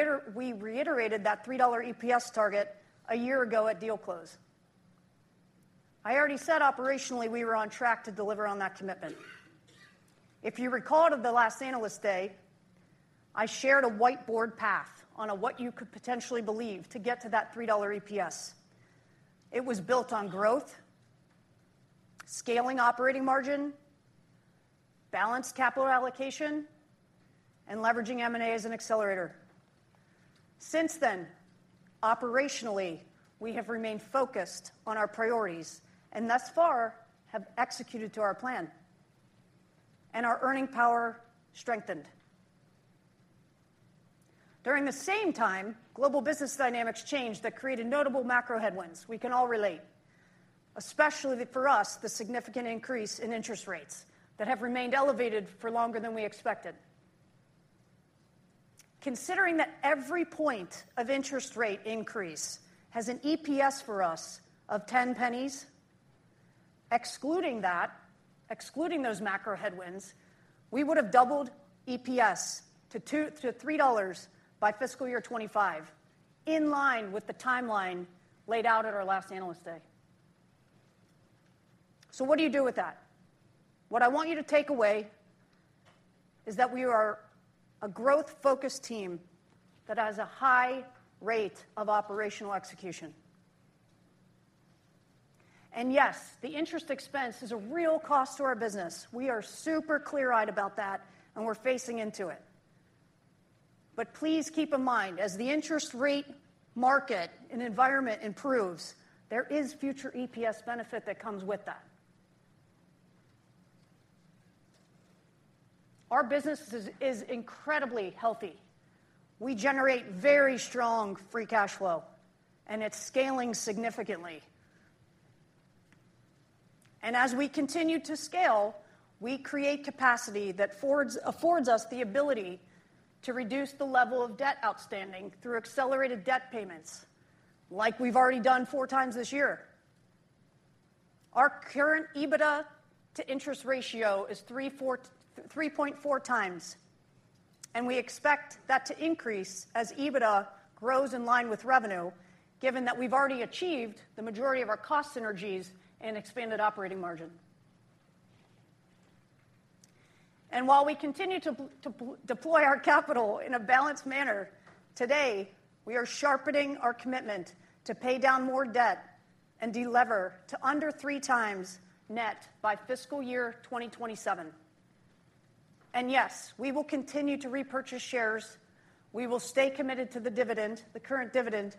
reiterated that $3 EPS target one year ago at deal close. I already said operationally, we were on track to deliver on that commitment. If you recall at the last Analyst Day, I shared a whiteboard path on a what you could potentially believe to get to that $3 EPS. It was built on growth, scaling operating margin, balanced capital allocation, and leveraging M&A as an accelerator. Since then, operationally, we have remained focused on our priorities, and thus far, have executed to our plan, and our earning power strengthened. During the same time, global business dynamics changed that created notable macro headwinds. We can all relate, especially for us, the significant increase in interest rates that have remained elevated for longer than we expected. Considering that every point of interest rate increase has an EPS for us of $0.10, excluding that, excluding those macro headwinds, we would have doubled EPS to $2-$3 by fiscal year 2025, in line with the timeline laid out at our last Analyst Day. So what do you do with that? What I want you to take away is that we are a growth-focused team that has a high rate of operational execution. And yes, the interest expense is a real cost to our business. We are super clear-eyed about that, and we're facing into it. But please keep in mind, as the interest rate market and environment improves, there is future EPS benefit that comes with that. Our business is incredibly healthy. We generate very strong free cash flow, and it's scaling significantly. And as we continue to scale, we create capacity that affords us the ability to reduce the level of debt outstanding through accelerated debt payments, like we've already done 4x this year. Our current EBITDA to interest ratio is 3.4x, and we expect that to increase as EBITDA grows in line with revenue, given that we've already achieved the majority of our cost synergies and expanded operating margin. And while we continue to deploy our capital in a balanced manner, today, we are sharpening our commitment to pay down more debt and delever to under 3x net by fiscal year 2027. And yes, we will continue to repurchase shares. We will stay committed to the dividend, the current dividend.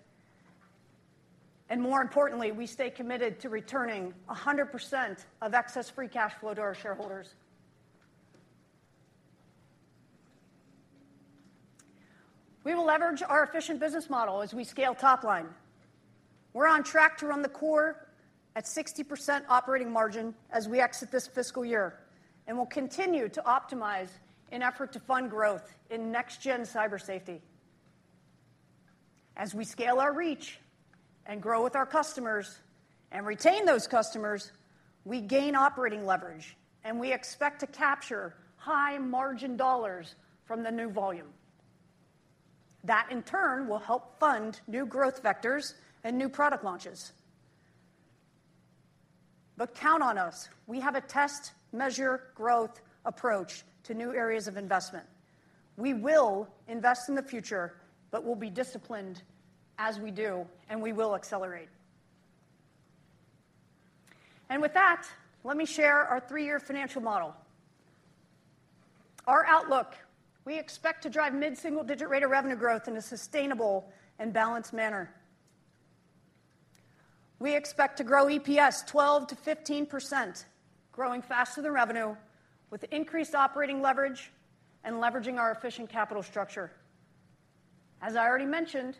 And more importantly, we stay committed to returning 100% of excess free cash flow to our shareholders. We will leverage our efficient business model as we scale top line. We're on track to run the core at 60% operating margin as we exit this fiscal year, and we'll continue to optimize in effort to fund growth in next-gen Cyber Safety. As we scale our reach and grow with our customers and retain those customers, we gain operating leverage, and we expect to capture high-margin dollars from the new volume. That, in turn, will help fund new growth vectors and new product launches. But count on us, we have a test measure growth approach to new areas of investment. We will invest in the future, but we'll be disciplined as we do, and we will accelerate. And with that, let me share our three-year financial model. Our outlook: we expect to drive mid-single-digit rate of revenue growth in a sustainable and balanced manner. We expect to grow EPS 12%-15%, growing faster than revenue, with increased operating leverage and leveraging our efficient capital structure. As I already mentioned,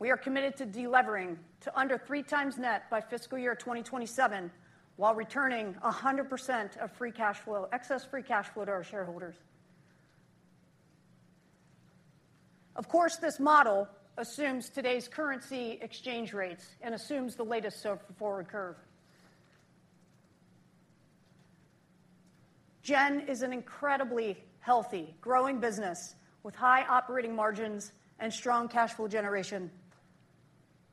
we are committed to delevering to under 3x net by fiscal year 2027, while returning 100% of free cash flow, excess free cash flow to our shareholders. Of course, this model assumes today's currency exchange rates and assumes the latest SOFR forward curve. Gen is an incredibly healthy, growing business with high operating margins and strong cash flow generation,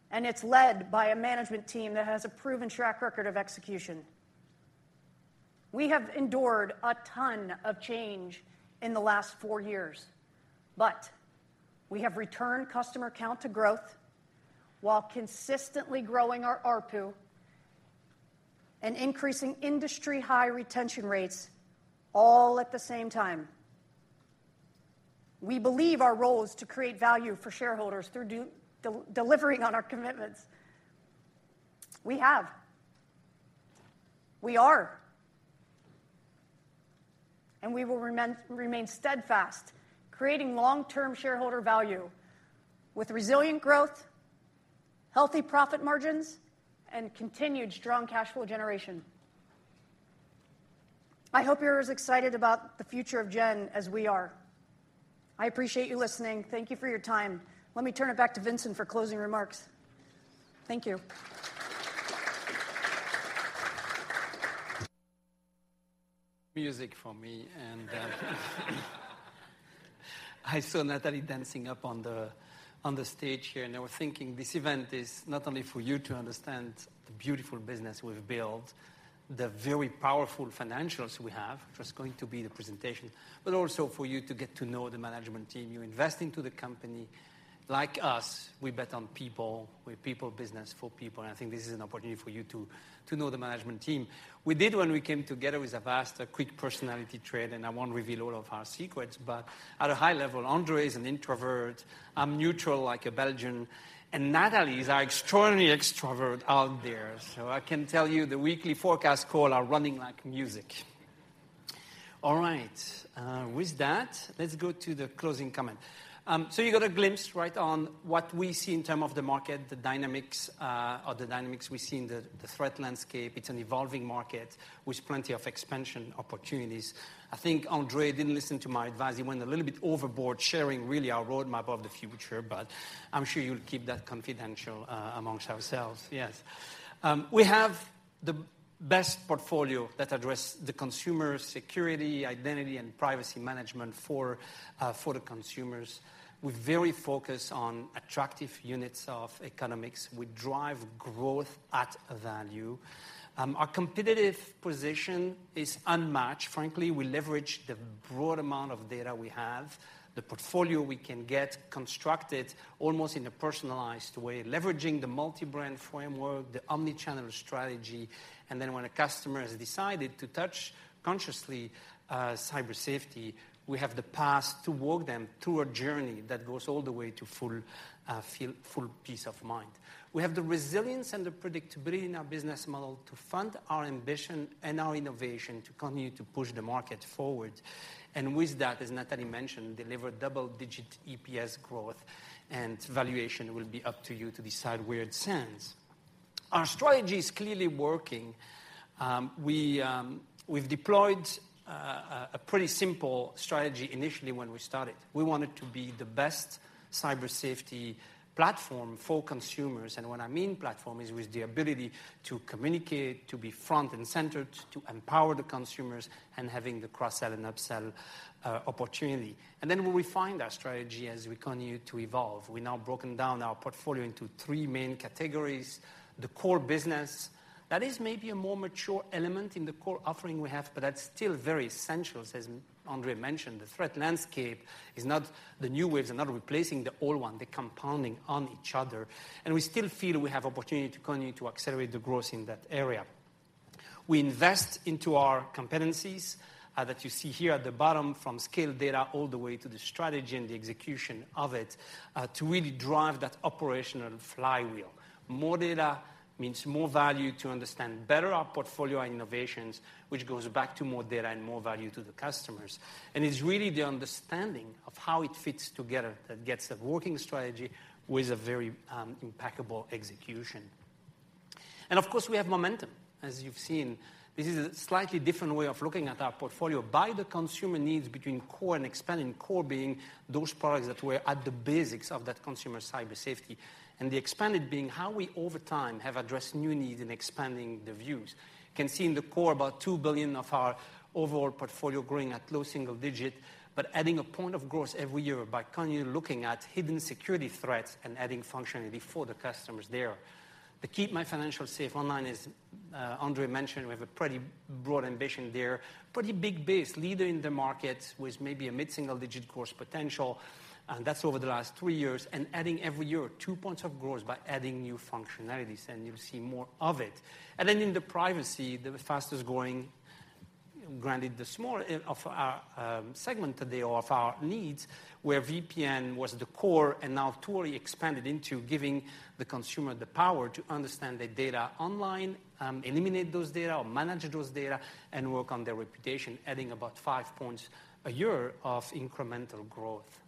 and it's led by a management team that has a proven track record of execution. We have endured a ton of change in the last four years, but we have returned customer count to growth while consistently growing our ARPU and increasing industry high retention rates all at the same time. We believe our role is to create value for shareholders through delivering on our commitments. We have, we are, and we will remain steadfast, creating long-term shareholder value with resilient growth, healthy profit margins, and continued strong cash flow generation. I hope you're as excited about the future of Gen as we are. I appreciate you listening. Thank you for your time. Let me turn it back to Vincent for closing remarks. Thank you. Music for me, and I saw Natalie dancing up on the, on the stage here, and I was thinking, this event is not only for you to understand the beautiful business we've built, the very powerful financials we have, which is going to be the presentation, but also for you to get to know the management team. You're investing to the company. Like us, we bet on people. We're a people business for people, and I think this is an opportunity for you to, to know the management team. We did when we came together with Avast, a quick personality trait, and I won't reveal all of our secrets, but at a high level, Ondřej is an introvert, I'm neutral like a Belgian, and Natalie is our extraordinary extrovert out there. So I can tell you, the weekly forecast call are running like music. All right, with that, let's go to the closing comment. So you got a glimpse right on what we see in terms of the market, the dynamics, or the dynamics we see in the threat landscape. It's an evolving market with plenty of expansion opportunities. I think Ondřej didn't listen to my advice. He went a little bit overboard, sharing really our roadmap of the future, but I'm sure you'll keep that confidential, amongst ourselves. Yes. We have the best portfolio that address the consumer security, identity, and privacy management for the consumers. We're very focused on attractive units of economics. We drive growth at value. Our competitive position is unmatched. Frankly, we leverage the broad amount of data we have, the portfolio we can get constructed almost in a personalized way, leveraging the multi-brand framework, the omni-channel strategy, and then when a customer has decided to touch, consciously, Cyber Safety, we have the path to walk them through a journey that goes all the way to full, feel, full peace of mind. We have the resilience and the predictability in our business model to fund our ambition and our innovation to continue to push the market forward, and with that, as Natalie mentioned, deliver double-digit EPS growth and valuation will be up to you to decide where it stands. Our strategy is clearly working. We've deployed a pretty simple strategy initially when we started. We wanted to be the best Cyber Safety platform for consumers, and what I mean platform is with the ability to communicate, to be front and centered, to empower the consumers, and having the cross-sell and up-sell opportunity. And then when we refined our strategy as we continued to evolve, we now broken down our portfolio into three main categories. The core business, that is maybe a more mature element in the core offering we have, but that's still very essential. As Ondřej mentioned, the threat landscape is not, the new waves are not replacing the old one, they're compounding on each other, and we still feel we have opportunity to continue to accelerate the growth in that area.... We invest into our competencies that you see here at the bottom, from scaled data all the way to the strategy and the execution of it, to really drive that operational flywheel. More data means more value to understand better our portfolio and innovations, which goes back to more data and more value to the customers. And it's really the understanding of how it fits together that gets a working strategy with a very impeccable execution. And of course, we have momentum. As you've seen, this is a slightly different way of looking at our portfolio by the consumer needs between core and expanded, core being those products that were at the basics of that consumer Cyber Safety, and the expanded being how we, over time, have addressed new needs in expanding the views. You can see in the core, about 2 billion of our overall portfolio growing at low single-digit, but adding a point of growth every year by continually looking at hidden security threats and adding functionality for the customers there. The Keep My Financials Safe Online, as Ondřej mentioned, we have a pretty broad ambition there. Pretty big base, leader in the market, with maybe a mid-single-digit growth potential, and that's over the last three years, and adding every year two points of growth by adding new functionalities, and you'll see more of it. Then in the privacy, the fastest-growing, granted, the smaller of our segment today of our needs, where VPN was the core and now totally expanded into giving the consumer the power to understand their data online, eliminate those data or manage those data, and work on their reputation, adding about five points a year of incremental growth.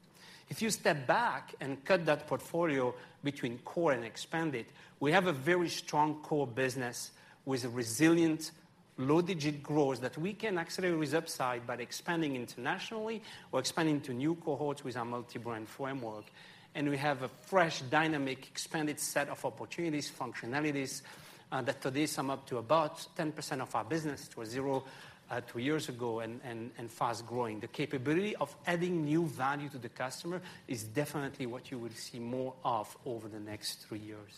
If you step back and cut that portfolio between core and expanded, we have a very strong core business with a resilient low-digit growth that we can accelerate with upside by expanding internationally or expanding to new cohorts with our multi-brand framework. We have a fresh, dynamic, expanded set of opportunities, functionalities that today sum up to about 10% of our business. It was zero, two years ago, and fast-growing. The capability of adding new value to the customer is definitely what you will see more of over the next three years.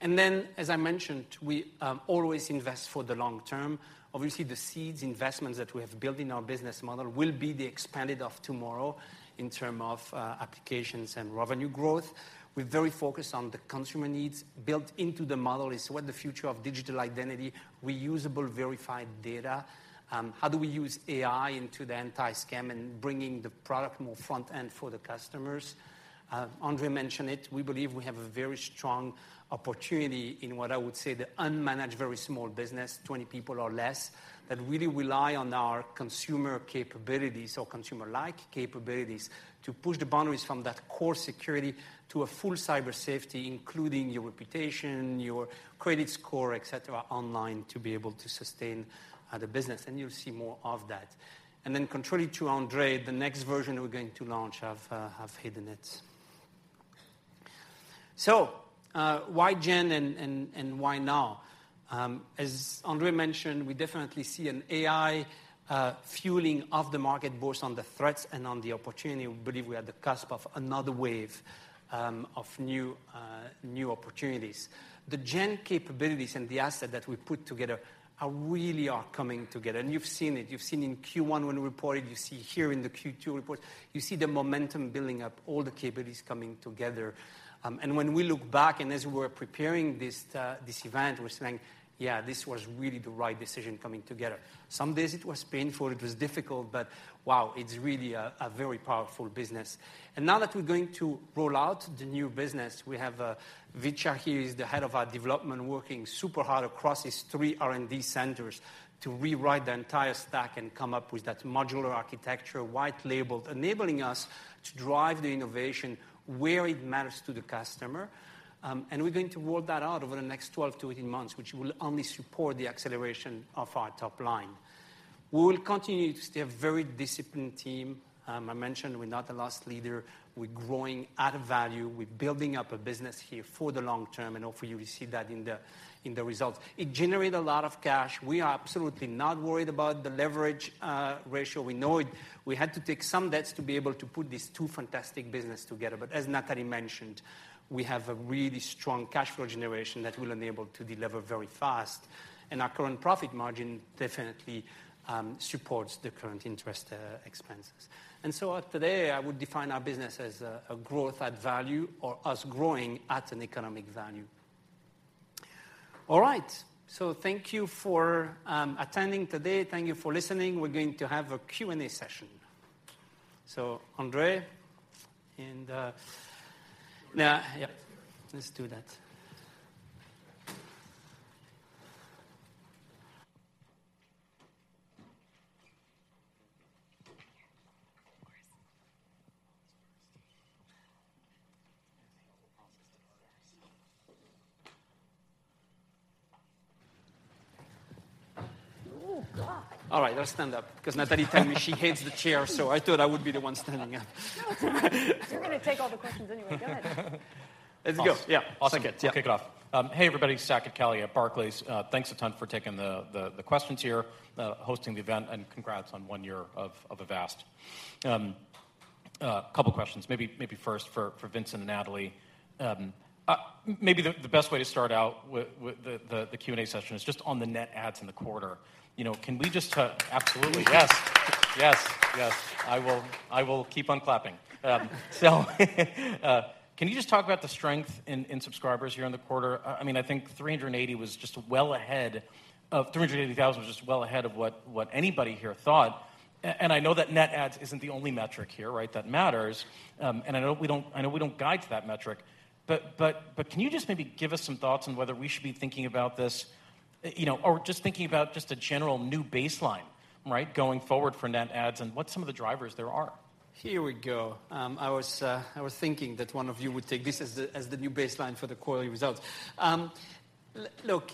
And then, as I mentioned, we always invest for the long term. Obviously, the seeds investments that we have built in our business model will be the expanded of tomorrow in term of applications and revenue growth. We're very focused on the consumer needs. Built into the model is what the future of digital identity, reusable, verified data, how do we use AI into the anti-scam and bringing the product more front-end for the customers? Ondřej mentioned it, we believe we have a very strong opportunity in what I would say, the unmanaged, very small business, 20 people or less, that really rely on our consumer capabilities or consumer-like capabilities to push the boundaries from that core security to a full Cyber Safety, including your reputation, your credit score, et cetera, online, to be able to sustain the business. And you'll see more of that. And then contrary to Ondřej, the next version we're going to launch, I've hidden it. So, why Gen and, and, and why now? As Ondřej mentioned, we definitely see an AI fueling of the market, both on the threats and on the opportunity. We believe we are at the cusp of another wave of new new opportunities. The Gen capabilities and the asset that we put together are really coming together, and you've seen it. You've seen in Q1 when we reported, you see here in the Q2 report, you see the momentum building up, all the capabilities coming together. And when we look back and as we were preparing this, this event, we're saying, "Yeah, this was really the right decision coming together." Some days it was painful, it was difficult, but wow, it's really a very powerful business. And now that we're going to roll out the new business, we have, Vita here, he's the head of our development, working super hard across his three R&D centers to rewrite the entire stack and come up with that modular architecture, white labeled, enabling us to drive the innovation where it matters to the customer. And we're going to work that out over the next 12-18 months, which will only support the acceleration of our top line. We will continue to stay a very disciplined team. I mentioned we're not the loss leader. We're growing at a value. We're building up a business here for the long term, and hopefully, you will see that in the, in the results. It generate a lot of cash. We are absolutely not worried about the leverage ratio. We know it. We had to take some debts to be able to put these two fantastic business together. But as Natalie mentioned, we have a really strong cash flow generation that will enable to deliver very fast, and our current profit margin definitely supports the current interest expenses. And so today, I would define our business as a growth at value or us growing at an economic value. All right. So thank you for attending today. Thank you for listening. We're going to have a Q&A session. So Ondřej, and... Now, yeah, let's do that. Oh, God! All right, let's stand up, because Natalie tell me she hates the chair, so I thought I would be the one standing up. No, it's all right. You're gonna take all the questions anyway. Go ahead. Let's go. Yeah. Awesome. I'll kick it off. Hey, everybody, Saket Kalia at Barclays. Thanks a ton for taking the questions here, hosting the event, and congrats on one year of Avast. Couple questions, maybe first for Vincent and Natalie. Maybe the best way to start out with the Q&A session is just on the net adds in the quarter. You know, can we just—absolutely, yes. Yes, yes. I will keep on clapping. So, can you just talk about the strength in subscribers here in the quarter? I mean, I think 380,000 was just well ahead of, 380,000 was just well ahead of what anybody here thought. I know that net adds isn't the only metric here, right, that matters, and I know we don't guide to that metric, but can you just maybe give us some thoughts on whether we should be thinking about this, you know, or just thinking about just a general new baseline, right, going forward for net adds and what some of the drivers there are? Here we go. I was thinking that one of you would take this as the new baseline for the quarterly results. Look,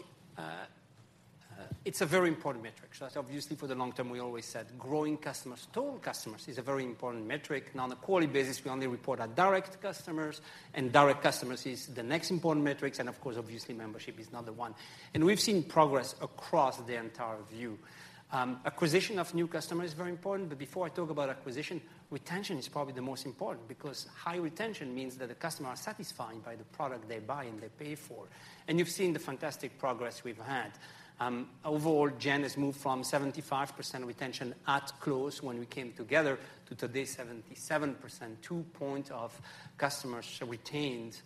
it's a very important metric. So that's obviously, for the long term, we always said growing customers, total customers, is a very important metric. Now, on a quarterly basis, we only report our direct customers, and direct customers is the next important metrics, and of course, obviously, membership is another one. And we've seen progress across the entire view. Acquisition of new customer is very important, but before I talk about acquisition, retention is probably the most important, because high retention means that the customer are satisfied by the product they buy and they pay for. And you've seen the fantastic progress we've had. Overall, Gen has moved from 75% retention at close when we came together to today, 77%, two points of customers retained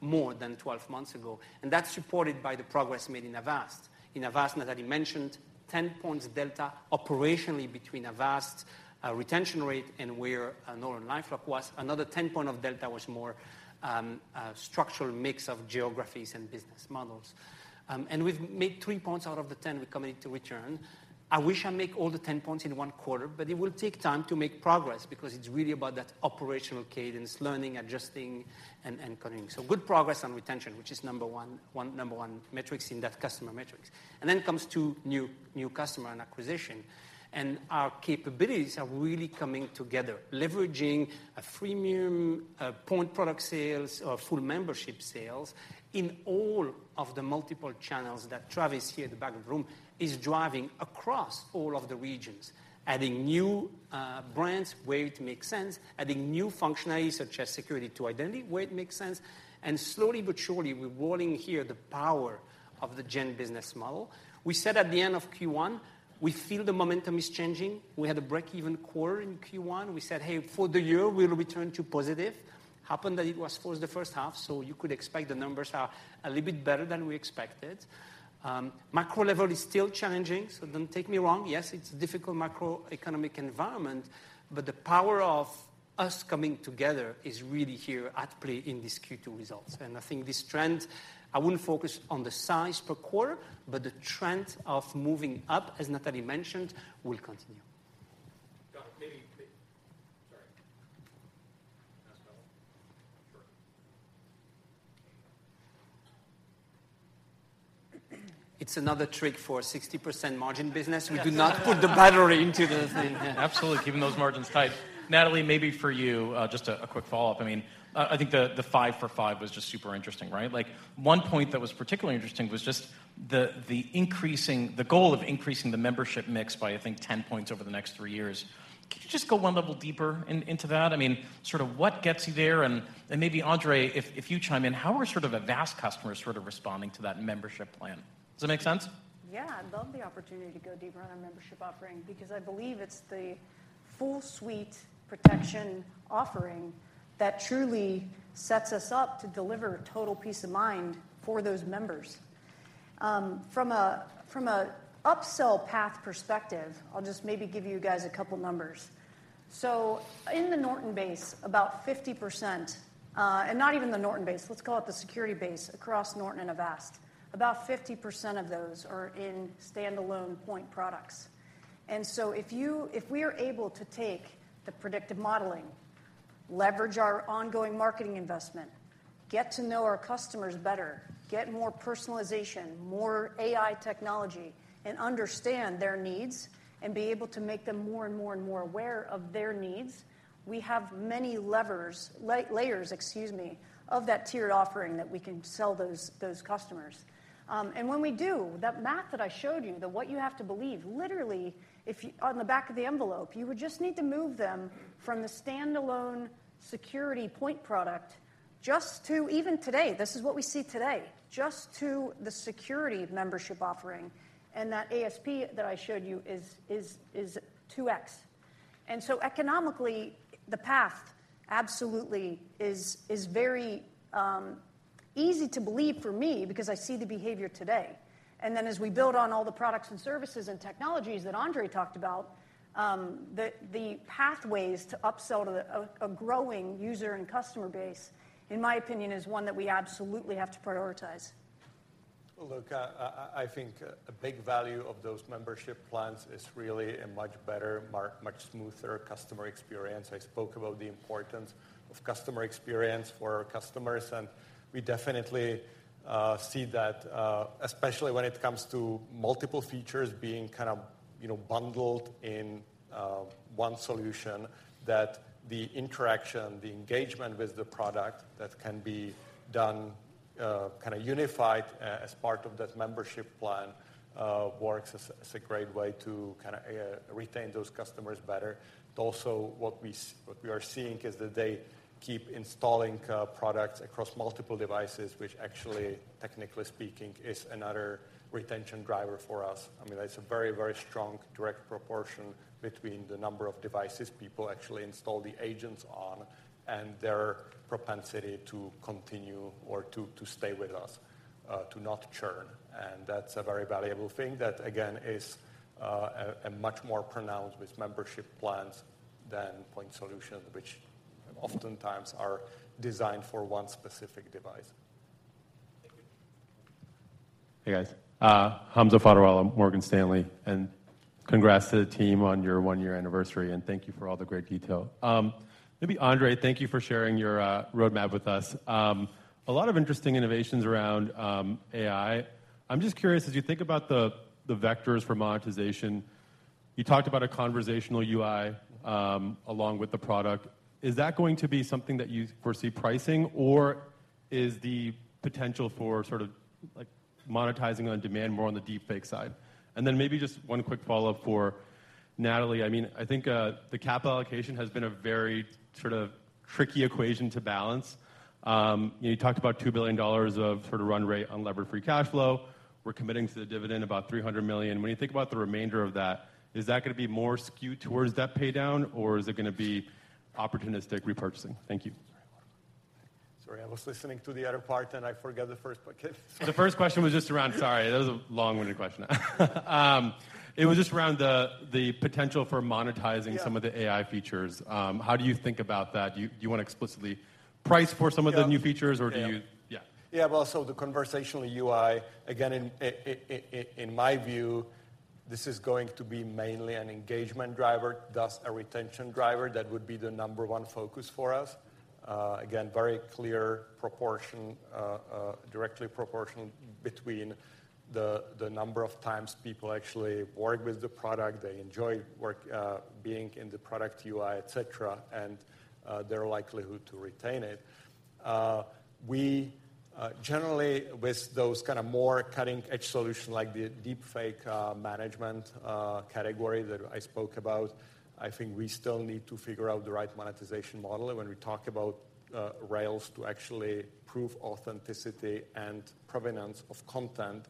more than 12 months ago, and that's supported by the progress made in Avast. In Avast, Natalie mentioned 10 points delta operationally between Avast, retention rate and where, NortonLifeLock was. Another 10-point delta was more, a structural mix of geographies and business models. We've made three points out of the 10 we committed to return. I wish I make all the 10 points in one quarter, but it will take time to make progress because it's really about that operational cadence, learning, adjusting, and cutting. So good progress on retention, which is number one, one, number one metrics in that customer metrics. Then comes to new customer acquisition, and our capabilities are really coming together, leveraging a freemium point product sales or full membership sales in all of the multiple channels that Travis here at the back of the room is driving across all of the regions, adding new brands where it makes sense, adding new functionality such as security to identity, where it makes sense, and slowly but surely, we're warning here the power of the Gen business model. We said at the end of Q1, we feel the momentum is changing. We had a break-even quarter in Q1. We said, "Hey, for the year, we'll return to positive." Happened that it was for the first half, so you could expect the numbers are a little bit better than we expected. Macro level is still challenging, so don't take me wrong. Yes, it's difficult macroeconomic environment, but the power of us coming together is really here at play in this Q2 results. I think this trend, I wouldn't focus on the size per quarter, but the trend of moving up, as Natalie mentioned, will continue. Got it. Maybe... Sorry. Can I ask another one? Sure. It's another trick for a 60% margin business. We do not put the battery into the thing. Yeah. Absolutely, keeping those margins tight. Natalie, maybe for you, just a quick follow-up. I mean, I think the 5-for-5 was just super interesting, right? Like, one point that was particularly interesting was just the increasing, the goal of increasing the membership mix by, I think, 10 points over the next three years. Can you just go one level deeper into that? I mean, sort of what gets you there? And maybe Ondřej if you chime in, how are sort of Avast customers sort of responding to that membership plan? Does that make sense? Yeah, I'd love the opportunity to go deeper on our membership offering because I believe it's the full suite protection offering that truly sets us up to deliver total peace of mind for those members. From a upsell path perspective, I'll just maybe give you guys a couple numbers. So in the Norton base, about 50%, and not even the Norton base, let's call it the security base across Norton and Avast, about 50% of those are in standalone point products. And so if we are able to take the predictive modeling, leverage our ongoing marketing investment, get to know our customers better, get more personalization, more AI technology, and understand their needs, and be able to make them more and more and more aware of their needs, we have many levers, layers, excuse me, of that tiered offering that we can sell those customers. And when we do, that math that I showed you, the what you have to believe, literally, if you, on the back of the envelope, you would just need to move them from the standalone security point product just to even today, this is what we see today, just to the security membership offering, and that ASP that I showed you is 2x. And so economically, the path absolutely is very easy to believe for me because I see the behavior today. And then as we build on all the products and services and technologies that Ondřej talked about, the pathways to upsell to a growing user and customer base, in my opinion, is one that we absolutely have to prioritize. Look, I think a big value of those membership plans is really a much better, much smoother customer experience. I spoke about the importance of customer experience for our customers, and we definitely see that, especially when it comes to multiple features being kind of, you know, bundled in one solution, that the interaction, the engagement with the product that can be done kind of unified as part of that membership plan works as a great way to kinda retain those customers better. But also, what we are seeing is that they keep installing products across multiple devices, which actually technically speaking, is another retention driver for us. I mean, there's a very, very strong direct proportion between the number of devices people actually install the agents on and their propensity to continue or to stay with us, to not churn. And that's a very valuable thing that, again, is a much more pronounced with membership plans than point solutions, which oftentimes are designed for one specific device. Thank you. Hey, guys. Hamza Fodderwala, Morgan Stanley, and congrats to the team on your one-year anniversary, and thank you for all the great detail. Maybe Ondřej, thank you for sharing your roadmap with us. A lot of interesting innovations around AI. I'm just curious, as you think about the vectors for monetization, you talked about a conversational UI along with the product. Is that going to be something that you foresee pricing, or is the potential for sort of like monetizing on demand more on the deepfake side? And then maybe just one quick follow-up for Natalie. I mean, I think the capital allocation has been a very sort of tricky equation to balance. You know, you talked about $2 billion of sort of run rate on levered free cash flow. We're committing to the dividend about $300 million. When you think about the remainder of that, is that gonna be more skewed towards debt paydown, or is it gonna be opportunistic repurchasing? Thank you. Sorry, I was listening to the other part, and I forgot the first part. The first question was just around. Sorry, that was a long-winded question. It was just around the potential for monetizing- Yeah. -some of the AI features. How do you think about that? Do you want to explicitly price for some of the new features- Yeah. or do you... Yeah. Yeah, well, so the conversational UI, again, in my view, this is going to be mainly an engagement driver, thus a retention driver. That would be the number one focus for us. Again, very clear proportion, directly proportional between the number of times people actually work with the product, they enjoy working in the product UI, etc., and their likelihood to retain it. We generally, with those kind of more cutting-edge solution, like the deepfake management category that I spoke about, I think we still need to figure out the right monetization model. And when we talk about rails to actually prove authenticity and provenance of content,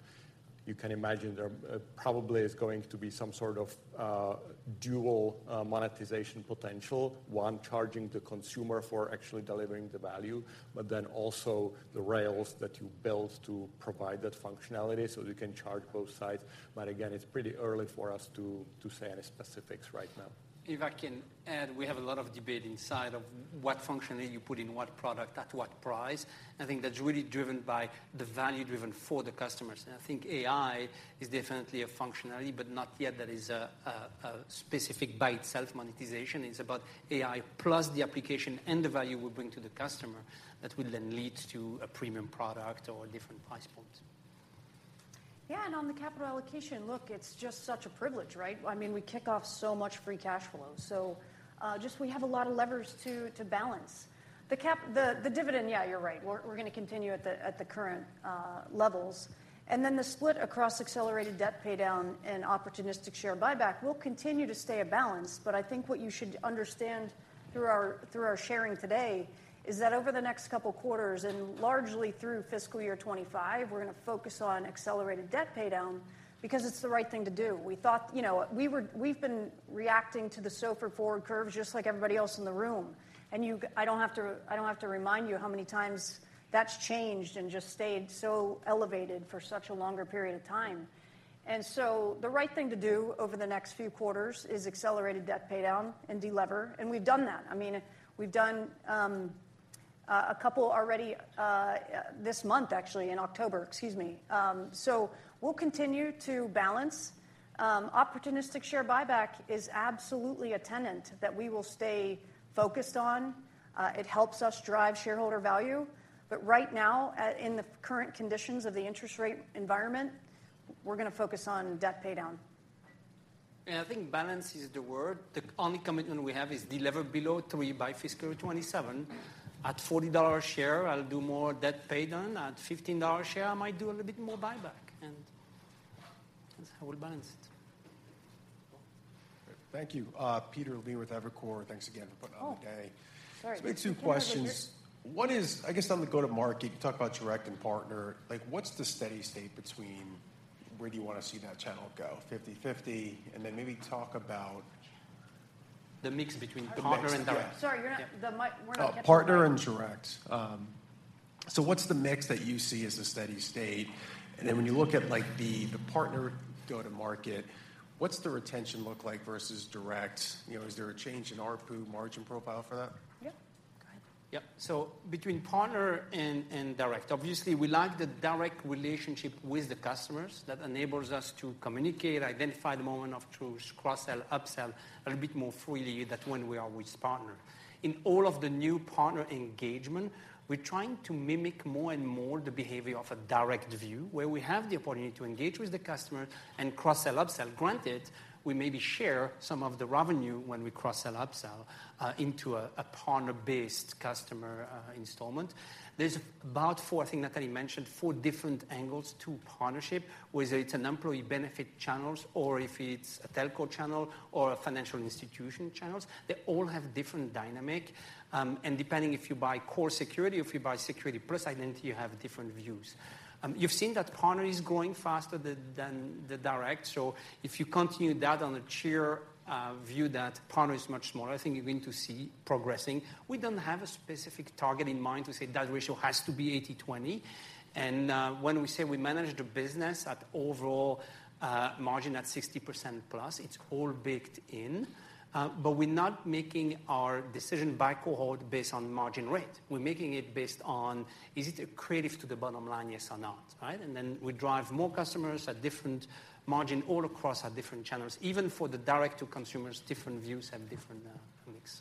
you can imagine there probably is going to be some sort of dual monetization potential. One, charging the consumer for actually delivering the value, but then also the rails that you build to provide that functionality, so you can charge both sides. But again, it's pretty early for us to say any specifics right now. If I can add, we have a lot of debate inside of what functionality you put in what product at what price. I think that's really driven by the value driven for the customers. I think AI is definitely a functionality, but not yet that is a specific by itself monetization. It's about AI plus the application and the value we bring to the customer that will then lead to a premium product or a different price point. Yeah, and on the capital allocation, look, it's just such a privilege, right? I mean, we kick off so much free cash flow. So, just we have a lot of levers to balance. The dividend, yeah, you're right. We're gonna continue at the current levels. And then the split across accelerated debt paydown and opportunistic share buyback will continue to stay at balance. But I think what you should understand through our sharing today is that over the next couple quarters, and largely through fiscal year 2025, we're gonna focus on accelerated debt paydown because it's the right thing to do. We thought, you know, we've been reacting to the SOFR forward curves just like everybody else in the room. I don't have to remind you how many times that's changed and just stayed so elevated for such a longer period of time. So the right thing to do over the next few quarters is accelerated debt paydown and delever, and we've done that. I mean, we've done a couple already this month, actually, in October, excuse me. So we'll continue to balance. Opportunistic share buyback is absolutely a tenet that we will stay focused on. It helps us drive shareholder value. But right now, in the current conditions of the interest rate environment, we're gonna focus on debt paydown. I think balance is the word. The only commitment we have is delever below three by fiscal year 2027. At $40 a share, I'll do more debt paydown. At $15 a share, I might do a little bit more buyback, and that's how we'll balance it. Cool. Thank you. Peter Levine with Evercore. Thanks again for putting on the day. Oh, sorry. I have two questions. What is, I guess, on the go-to-market, you talk about direct and partner. Like, what's the steady state between where do you want to see that channel go, 50/50? And then maybe talk about— The mix between partner and direct. Sorry, you're not... The mic, we're not getting the mic. Partner and direct. So what's the mix that you see as a steady state? And then when you look at, like, the partner go-to-market, what's the retention look like versus direct? You know, is there a change in ARPU margin profile for that? Yeah. Yep, so between partner and, and direct, obviously, we like the direct relationship with the customers. That enables us to communicate, identify the moment of truth, cross-sell, upsell a little bit more freely than when we are with partner. In all of the new partner engagement, we're trying to mimic more and more the behavior of a direct view, where we have the opportunity to engage with the customer and cross-sell, upsell. Granted, we maybe share some of the revenue when we cross-sell, upsell, into a, a partner-based customer, installment. There's about four, I think Natalie mentioned, four different angles to partnership, whether it's an employee benefit channels, or if it's a telco channel or a financial institution channels. They all have different dynamic, and depending if you buy core security, or if you buy security plus identity, you have different views. You've seen that partner is growing faster than the direct, so if you continue that on a sheer view, that partner is much smaller. I think you're going to see progressing. We don't have a specific target in mind to say that ratio has to be 80-20, and when we say we manage the business at overall margin at 60%+, it's all baked in. But we're not making our decision by cohort based on margin rate. We're making it based on, is it accretive to the bottom line, yes or no, right? And then we drive more customers at different margin all across our different channels. Even for the direct to consumers, different views have different mix.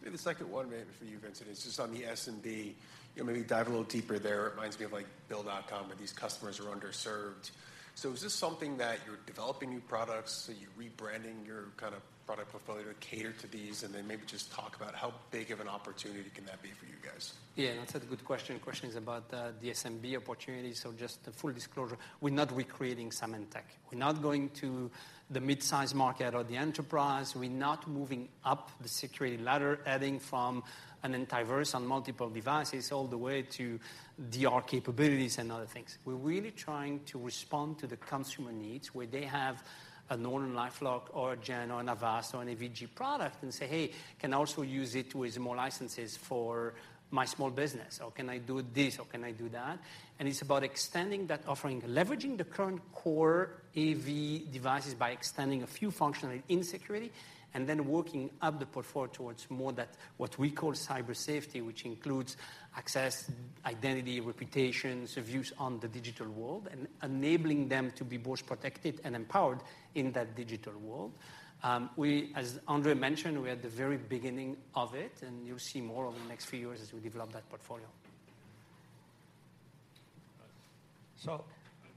Maybe the second one maybe for you, Vincent, is just on the SMB. You know, maybe dive a little deeper there. It reminds me of, like, Bill.com, where these customers are underserved. So is this something that you're developing new products, are you rebranding your kind of product portfolio to cater to these? And then maybe just talk about how big of an opportunity can that be for you guys. Yeah, that's a good question. Question is about the SMB opportunity. So just a full disclosure, we're not recreating Symantec. We're not going to the mid-size market or the enterprise. We're not moving up the security ladder, adding from an anti-virus on multiple devices all the way to DR capabilities and other things. We're really trying to respond to the consumer needs, where they have a NortonLifeLock or a Gen, an Avast, or an AVG product and say, "Hey, can I also use it with more licenses for my small business? Or can I do this, or can I do that?" It's about extending that offering, leveraging the current core AV devices by extending a few functionality in security and then working up the portfolio towards more that, what we call Cyber Safety, which includes access, identity, reputations, views on the digital world, and enabling them to be both protected and empowered in that digital world. We, as Ondřej mentioned, we're at the very beginning of it, and you'll see more over the next few years as we develop that portfolio.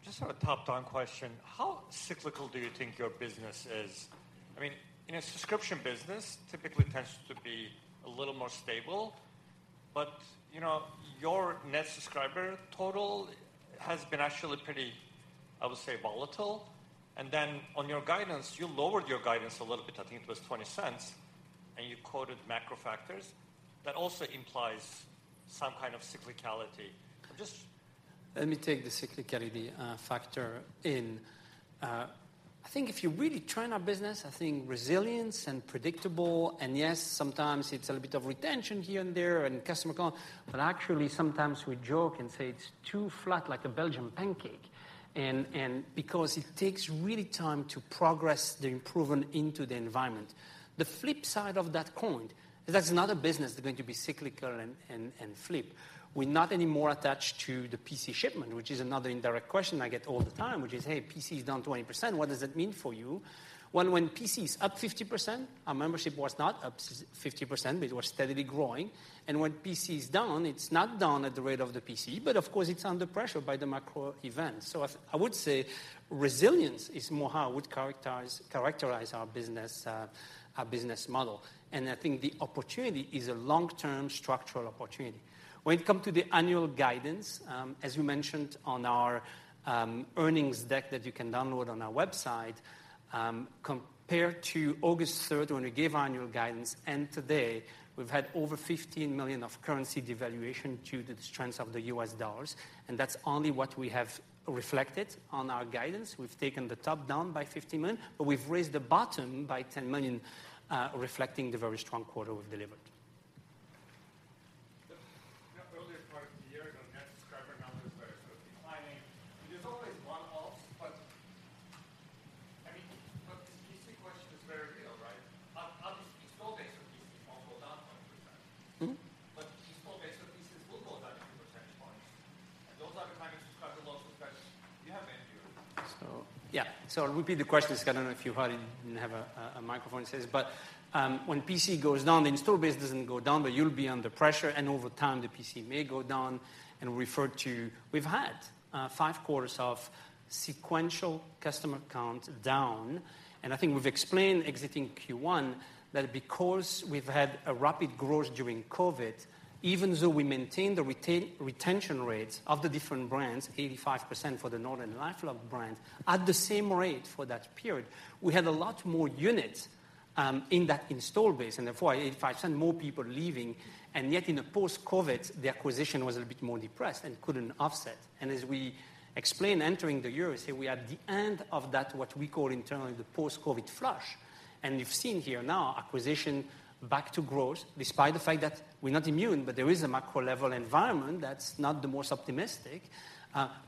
Just a top-down question: How cyclical do you think your business is? I mean, in a subscription business, typically tends to be a little more stable, but, you know, your net subscriber total has been actually pretty, I would say, volatile. And then on your guidance, you lowered your guidance a little bit. I think it was $0.20, and you quoted macro factors. That also implies some kind of cyclicality. Just let me take the cyclicality factor in. I think if you really view our business, I think resilience and predictable, and yes, sometimes it's a little bit of retention here and there and customer count, but actually, sometimes we joke and say it's too flat like a Belgian pancake. Because it takes really time to progress the improvement into the environment. The flip side of that coin, that's another business that's going to be cyclical and flip. We're not anymore attached to the PC shipment, which is another indirect question I get all the time, which is, "Hey, PC is down 20%. What does that mean for you?" Well, when PC is up 50%, our membership was not up 50%, but it was steadily growing. And when PC is down, it's not down at the rate of the PC, but of course, it's under pressure by the macro events. So I would say resilience is more how I would characterize our business, our business model. And I think the opportunity is a long-term structural opportunity. When it come to the annual guidance, as you mentioned on our earnings deck that you can download on our website, compared to August third, when we gave annual guidance, and today, we've had over $15 million of currency devaluation due to the strength of the U.S. dollars, and that's only what we have reflected on our guidance. We've taken the top down by $50 million, but we've raised the bottom by $10 million, reflecting the very strong quarter we've delivered. even though we maintained the retention rates of the different brands, 85% for the NortonLifeLock brand, at the same rate for that period, we had a lot more units in that install base, and therefore, 85% more people leaving. And yet in the post-COVID, the acquisition was a bit more depressed and couldn't offset. As we explained, entering the year, we say we are at the end of that, what we call internally, the post-COVID flush. We've seen here now, acquisition back to growth, despite the fact that we're not immune, but there is a macro-level environment that's not the most optimistic.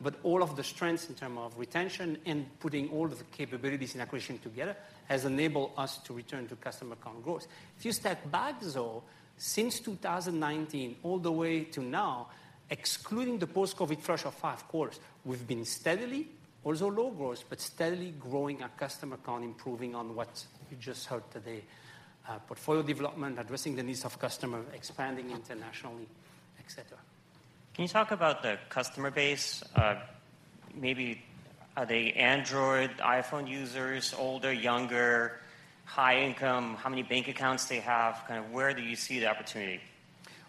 But all of the strengths in terms of retention and putting all of the capabilities and acquisition together has enabled us to return to customer count growth. If you step back, though, since 2019, all the way to now, excluding the post-COVID flush of five quarters, we've been steadily also low growth, but steadily growing our customer count, improving on what you just heard today. Portfolio development, addressing the needs of customers, expanding internationally, et cetera. Can you talk about the customer base? Maybe are they Android, iPhone users, older, younger, high income? How many bank accounts they have? Kind of where do you see the opportunity?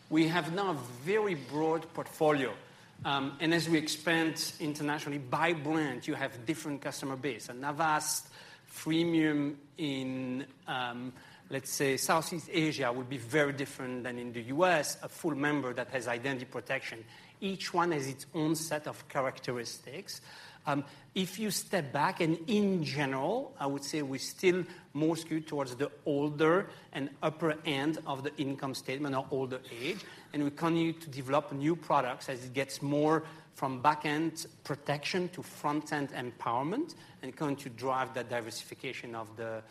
We have now a very broad portfolio. And as we expand internationally, by brand, you have different customer base. An Avast freemium in, let's say, Southeast Asia would be very different than in the U.S., a full member that has identity protection. Each one has its own set of characteristics. If you step back and in general, I would say we're still more skewed towards the older and upper end of the income statement or older age, and we continue to develop new products as it gets more from back-end protection to front-end empowerment and going to drive the diversification of the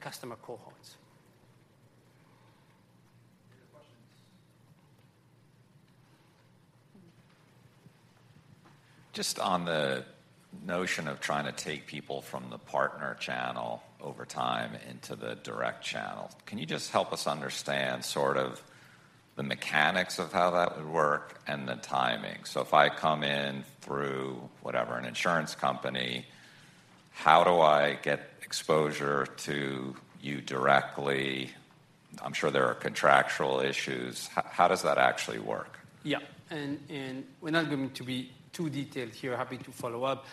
customer cohorts. Any other questions? Just on the notion of trying to take people from the partner channel over time into the direct channel, can you just help us understand sort of the mechanics of how that would work and the timing? So if I come in through, whatever, an insurance company, how do I get exposure to you directly? I'm sure there are contractual issues. How does that actually work? Yeah. We're not going to be too detailed here. Happy to follow up.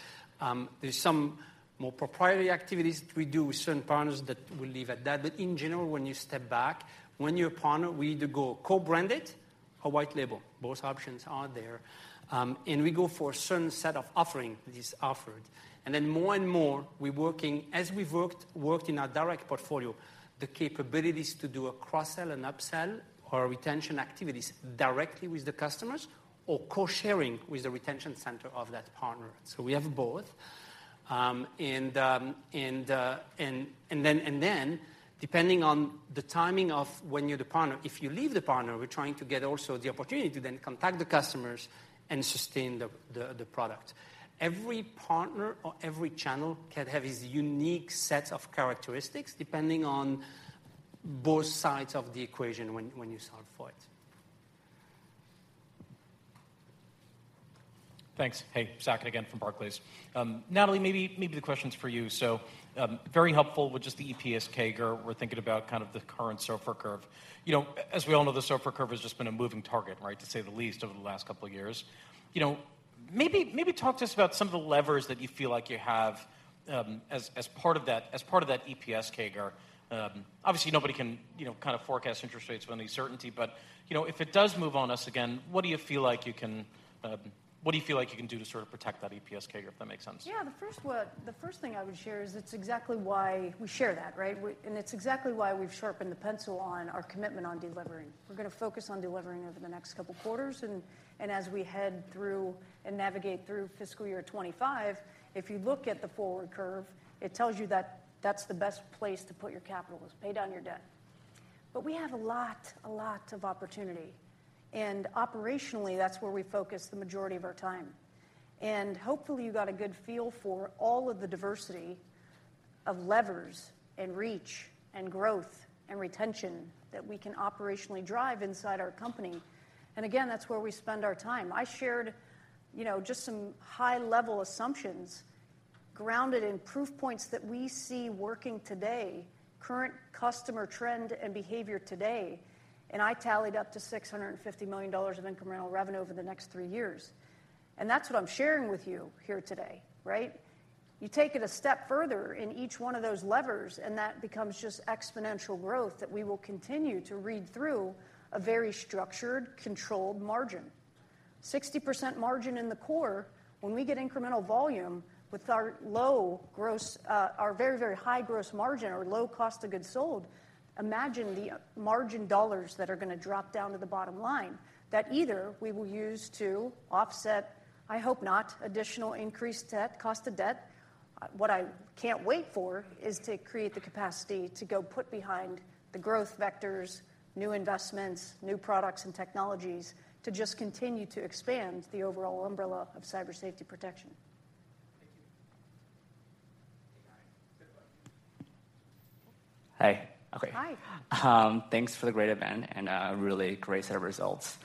There's some more proprietary activities that we do with certain partners that we'll leave at that. But in general, when you step back, when you're a partner, we either go co-branded or white label. Both options are there. And we go for a certain set of offering that is offered. And then more and more, we're working—as we've worked in our direct portfolio, the capabilities to do a cross-sell and up-sell or retention activities directly with the customers or co-sharing with the retention center of that partner. So we have both. And then, depending on the timing of when you're the partner, if you leave the partner, we're trying to get also the opportunity to then contact the customers and sustain the product. Every partner or every channel can have its unique set of characteristics, depending on both sides of the equation when you solve for it. Thanks. Hey, Saket again from Barclays. Natalie, maybe the question's for you. So, very helpful with just the EPS CAGR. We're thinking about kind of the current SOFR curve. You know, as we all know, the SOFR curve has just been a moving target, right, to say the least, over the last couple of years. You know, maybe talk to us about some of the levers that you feel like you have as part of that EPS CAGR. Obviously, nobody can, you know, kind of forecast interest rates with any certainty, but, you know, if it does move on us again, what do you feel like you can do to sort of protect that EPS CAGR, if that makes sense? Yeah, the first thing I would share is it's exactly why we share that, right? And it's exactly why we've sharpened the pencil on our commitment on delivering. We're gonna focus on delivering over the next couple of quarters, and as we head through and navigate through fiscal year 2025, if you look at the forward curve, it tells you that that's the best place to put your capital, is pay down your debt. But we have a lot, a lot of opportunity, and operationally, that's where we focus the majority of our time. And hopefully, you got a good feel for all of the diversity of levers and reach and growth and retention that we can operationally drive inside our company. And again, that's where we spend our time. I shared, you know, just some high-level assumptions grounded in proof points that we see working today, current customer trend and behavior today, and I tallied up to $650 million of incremental revenue over the next three years. That's what I'm sharing with you here today, right? You take it a step further in each one of those levers, and that becomes just exponential growth that we will continue to read through a very structured, controlled margin. 60% margin in the core, when we get incremental volume with our low gross, our very, very high gross margin or low cost of goods sold, imagine the margin dollars that are gonna drop down to the bottom line, that either we will use to offset, I hope not, additional increased debt, cost of debt. What I can't wait for is to create the capacity to go put behind the growth vectors, new investments, new products and technologies to just continue to expand the overall umbrella of Cyber Safety protection. Thank you. Thanks for the great event and a really great set of results.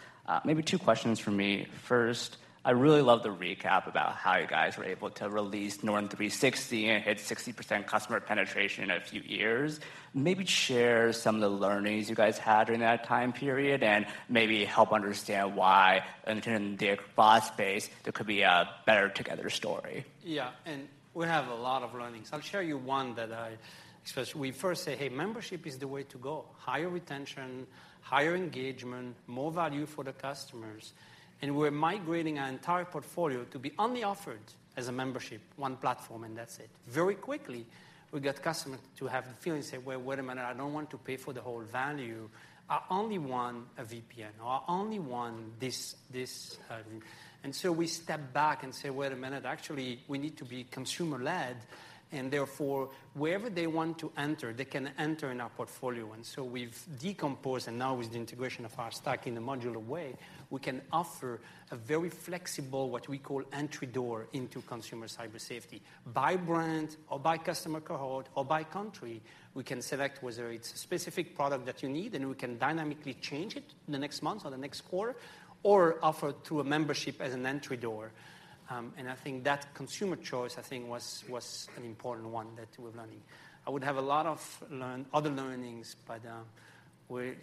Maybe two questions from me. First, I really love the recap about how you guys were able to release Norton 360 and hit 60% customer penetration in a few years. Maybe share some of the learnings you guys had during that time period, and maybe help understand why in the chatbot space, there could be a better together story. Yeah, and we have a lot of learnings. I'll share you one that I... Especially, we first say, "Hey, membership is the way to go." Higher retention, higher engagement, more value for the customers, and we're migrating our entire portfolio to be only offered as a membership, one platform, and that's it. Very quickly, we got customer to have the feeling and say, "Well, wait a minute, I don't want to pay for the whole value. I only want a VPN, or I only want this, this," And so we step back and say: "Wait a minute, actually, we need to be consumer-led, and therefore, wherever they want to enter, they can enter in our portfolio." And so we've decomposed, and now with the integration of our stack in a modular way, we can offer a very flexible, what we call, entry door into consumer Cyber Safety. By brand or by customer cohort or by country, we can select whether it's a specific product that you need, and we can dynamically change it in the next month or the next quarter, or offer to a membership as an entry door. And I think that consumer choice, I think, was an important one that we're learning. I would have a lot of other learnings, but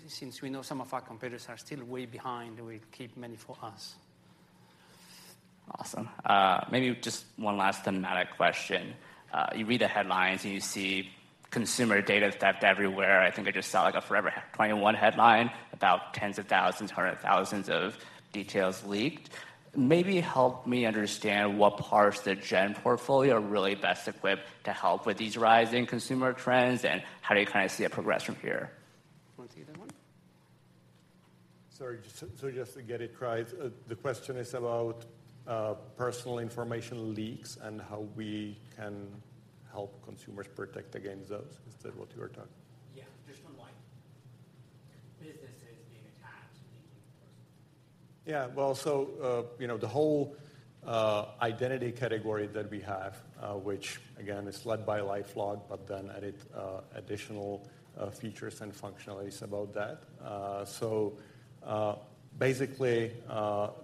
since we know some of our competitors are still way behind, we keep many for us. Awesome. Maybe just one last thematic question. You read the headlines, and you see consumer data theft everywhere. I think I just saw, like, a Forever 21 headline about tens of thousands, hundreds of thousands of details leaked. Maybe help me understand what parts of the Gen portfolio are really best equipped to help with these rising consumer trends, and how do you kind of see it progress from here? Want to take that one? Sorry, just to get it right, the question is about personal information leaks and how we can help consumers protect against those. Is that what you are talking? Yeah, just from, like, businesses being attacked, leaking personal. Yeah, well, so, you know, the whole identity category that we have, which again, is led by LifeLock, but then added additional features and functionalities about that. So, basically,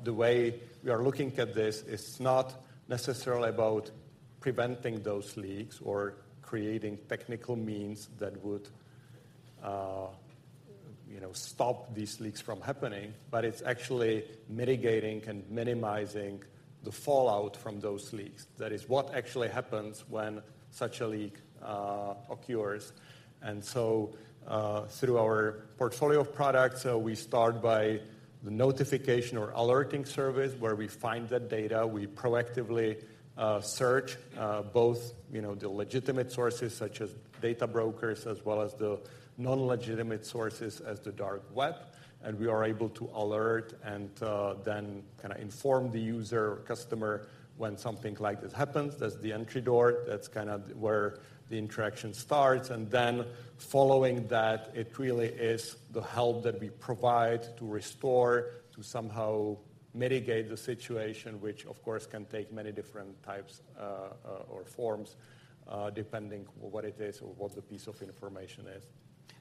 the way we are looking at this is not necessarily about preventing those leaks or creating technical means that would, you know, stop these leaks from happening, but it's actually mitigating and minimizing the fallout from those leaks. That is what actually happens when such a leak occurs. And so, through our portfolio of products, we start by the notification or alerting service, where we find that data. We proactively search both, you know, the legitimate sources, such as data brokers, as well as the non-legitimate sources as the Dark Web. We are able to alert and then kinda inform the user or customer when something like this happens. That's the entry door. That's kind of where the interaction starts, and then following that, it really is the help that we provide to restore, to somehow mitigate the situation, which of course, can take many different types or forms, depending what it is or what the piece of information is.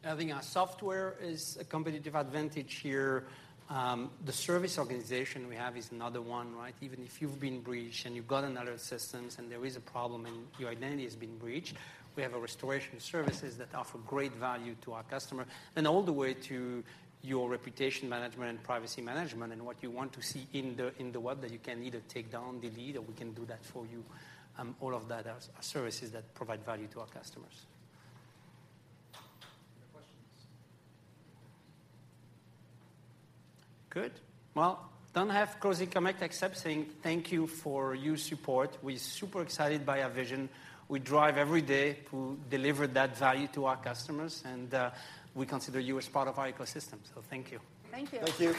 I think our software is a competitive advantage here. The service organization we have is another one, right? Even if you've been breached and you've got another systems, and there is a problem and your identity has been breached, we have a restoration services that offer great value to our customer. And all the way to your reputation management and privacy management and what you want to see in the, in the web, that you can either take down the lead or we can do that for you. All of that are services that provide value to our customers. Any questions? Good. Well, I don't have closing comments, except saying thank you for your support. We're super excited by our vision. We drive every day to deliver that value to our customers, and we consider you as part of our ecosystem. So thank you. Thank you. Thank you.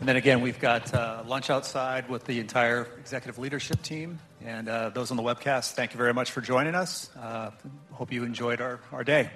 And then again, we've got lunch outside with the entire executive leadership team. And those on the webcast, thank you very much for joining us. Hope you enjoyed our day.